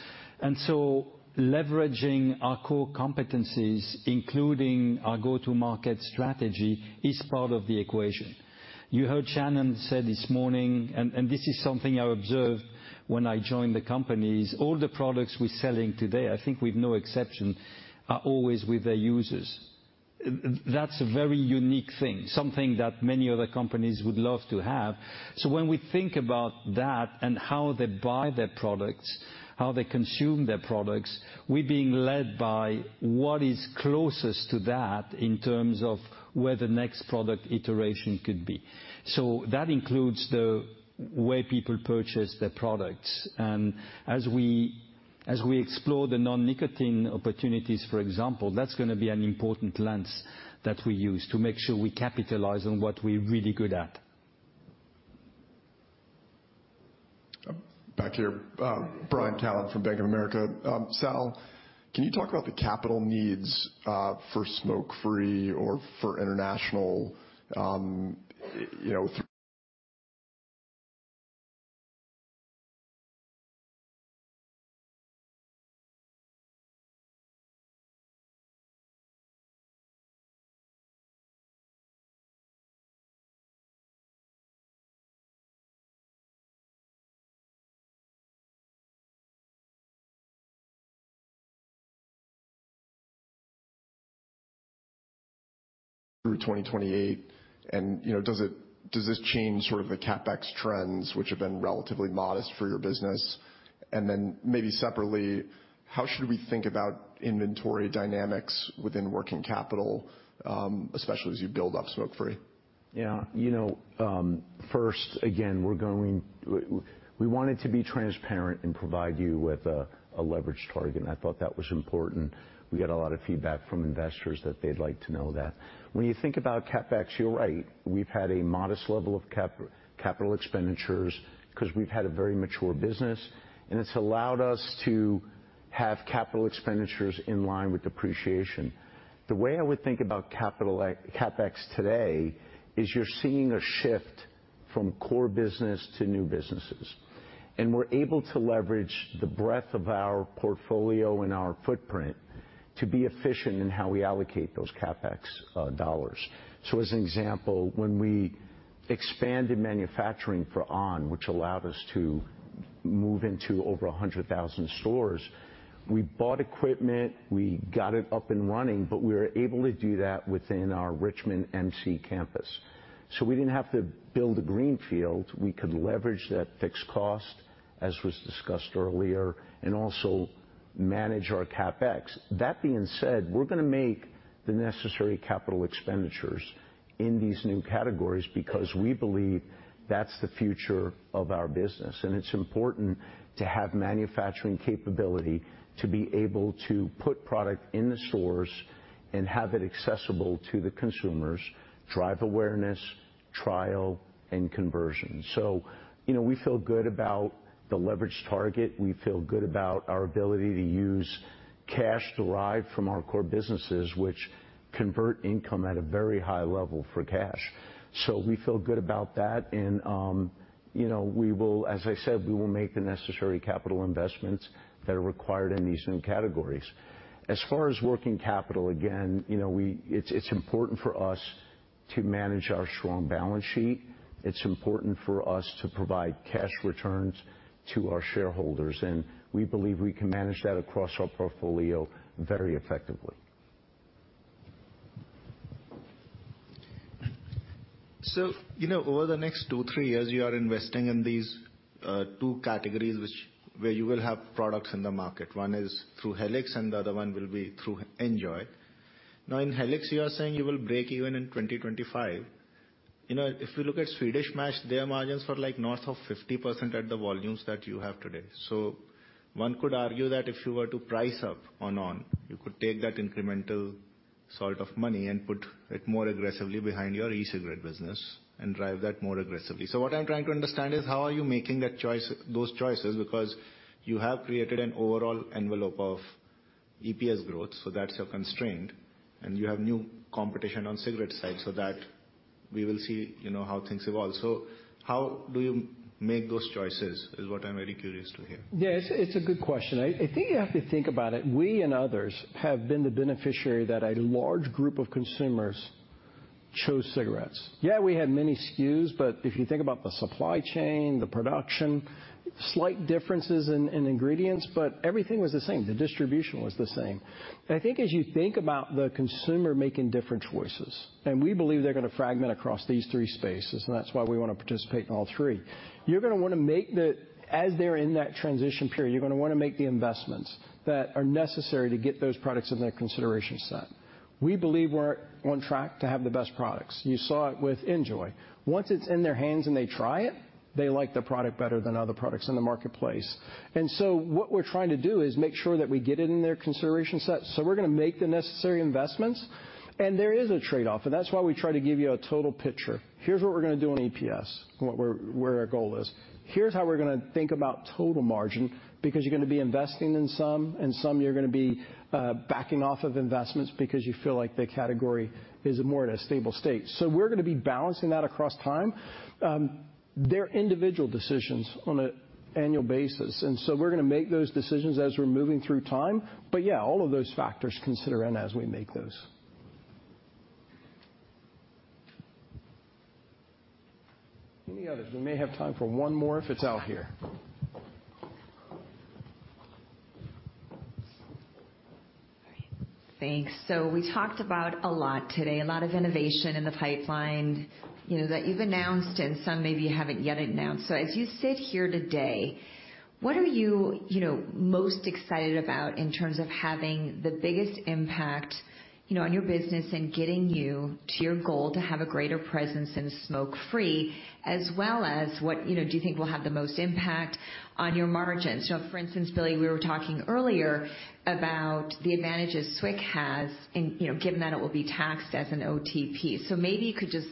Leveraging our core competencies, including our go-to market strategy, is part of the equation. You heard Shannon said this morning, and this is something I observed when I joined the company, is all the products we're selling today, I think with no exception, are always with their users. That's a very unique thing, something that many other companies would love to have. When we think about that and how they buy their products, how they consume their products, we're being led by what is closest to that in terms of where the next product iteration could be. That includes the way people purchase their products. As we explore the non-nicotine opportunities, for example, that's gonna be an important lens that we use to make sure we capitalize on what we're really good at. Back here, Brian Cowen from Bank of America. Sal, can you talk about the capital needs for smoke-free or for international, you know, through 2028? You know, does this change sort of the CapEx trends, which have been relatively modest for your business? Then maybe separately, how should we think about inventory dynamics within working capital, especially as you build up smoke-free? Yeah. You know, first, again, we wanted to be transparent and provide you with a leverage target, and I thought that was important. We get a lot of feedback from investors that they'd like to know that. When you think about CapEx, you're right. We've had a modest level of capital expenditures 'cause we've had a very mature business, and it's allowed us to have capital expenditures in line with depreciation. The way I would think about CapEx today is you're seeing a shift from core business to new businesses. We're able to leverage the breadth of our portfolio and our footprint to be efficient in how we allocate those CapEx dollars. As an example, when we expanded manufacturing for on!, which allowed us to move into over 100,000 stores, we bought equipment, we got it up and running, but we were able to do that within our Richmond MC campus. We didn't have to build a green field. We could leverage that fixed cost, as was discussed earlier, and also manage our CapEx. That being said, we're gonna make the necessary capital expenditures in these new categories, because we believe that's the future of our business. It's important to have manufacturing capability to be able to put product in the stores and have it accessible to the consumers, drive awareness, trial, and conversion. You know, we feel good about the leverage target. We feel good about our ability to use cash derived from our core businesses, which convert income at a very high level for cash. We feel good about that and, you know, and as I said, we will make the necessary capital investments that are required in these new categories. As far as working capital, again, you know, it's important for us to manage our strong balance sheet. It's important for us to provide cash returns to our shareholders, and we believe we can manage that across our portfolio very effectively. You know, over the next two, three years, you are investing in these two categories where you will have products in the market. One is through Helix, and the other one will be through NJOY. Now, in Helix, you are saying you will break even in 2025. You know, if you look at Swedish Match, their margins were, like, north of 50% at the volumes that you have today. One could argue that if you were to price up on on!, you could take that incremental sort of money and put it more aggressively behind your e-cigarette business and drive that more aggressively. What I'm trying to understand is how are you making those choices because you have created an overall envelope of EPS growth, so that's a constraint, and you have new competition on cigarette side, so that we will see, you know, how things evolve. How do you make those choices is what I'm very curious to hear. Yeah, it's a good question. I think you have to think about it. We and others have been the beneficiary that a large group of consumers chose cigarettes. Yeah, we had many SKUs, but if you think about the supply chain, the production, slight differences in ingredients, but everything was the same. The distribution was the same. I think as you think about the consumer making different choices, and we believe they're gonna fragment across these three spaces, and that's why we wanna participate in all three. As they're in that transition period, you're gonna wanna make the investments that are necessary to get those products in their consideration set. We believe we're on track to have the best products. You saw it with NJOY. Once it's in their hands and they try it, they like the product better than other products in the marketplace. What we're trying to do is make sure that we get it in their consideration set, so we're gonna make the necessary investments. There is a trade-off, and that's why we try to give you a total picture. Here's what we're gonna do on EPS, where our goal is. Here's how we're gonna think about total margin, because you're gonna be investing in some, and some you're gonna be backing off of investments because you feel like the category is more at a stable state. We're gonna be balancing that across time. They're individual decisions on an annual basis, and so we're gonna make those decisions as we're moving through time. Yeah, all of those factors consider in as we make those. Any others? We may have time for one more if it's out here. Thanks. We talked about a lot today, a lot of innovation in the pipeline, you know, that you've announced and some maybe you haven't yet announced. As you sit here today, what are you know, most excited about in terms of having the biggest impact, you know, on your business and getting you to your goal to have a greater presence in smoke free, as well as what, you know, do you think will have the most impact on your margins? For instance, Billy, we were talking earlier about the advantages SWIC has in, you know, given that it will be taxed as an OTP. Maybe you could just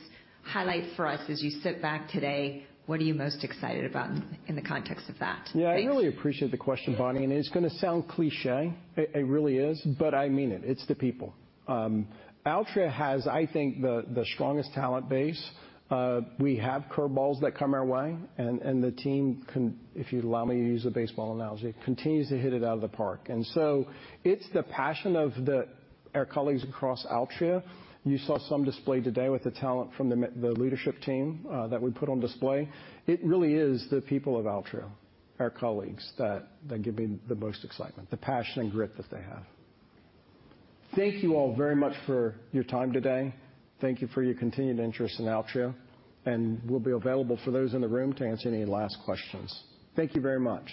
highlight for us as you sit back today, what are you most excited about in the context of that? Thanks. Yeah, I really appreciate the question, Bonnie, and it's gonna sound cliché. It, it really is, but I mean it. It's the people. Altria has, I think, the strongest talent base. We have curveballs that come our way, and the team can, if you allow me to use a baseball analogy, continues to hit it out of the park. It's the passion of our colleagues across Altria. You saw some displayed today with the talent from the leadership team that we put on display. It really is the people of Altria, our colleagues, that give me the most excitement, the passion and grit that they have. Thank you all very much for your time today. Thank you for your continued interest in Altria, we'll be available for those in the room to answer any last questions. Thank you very much.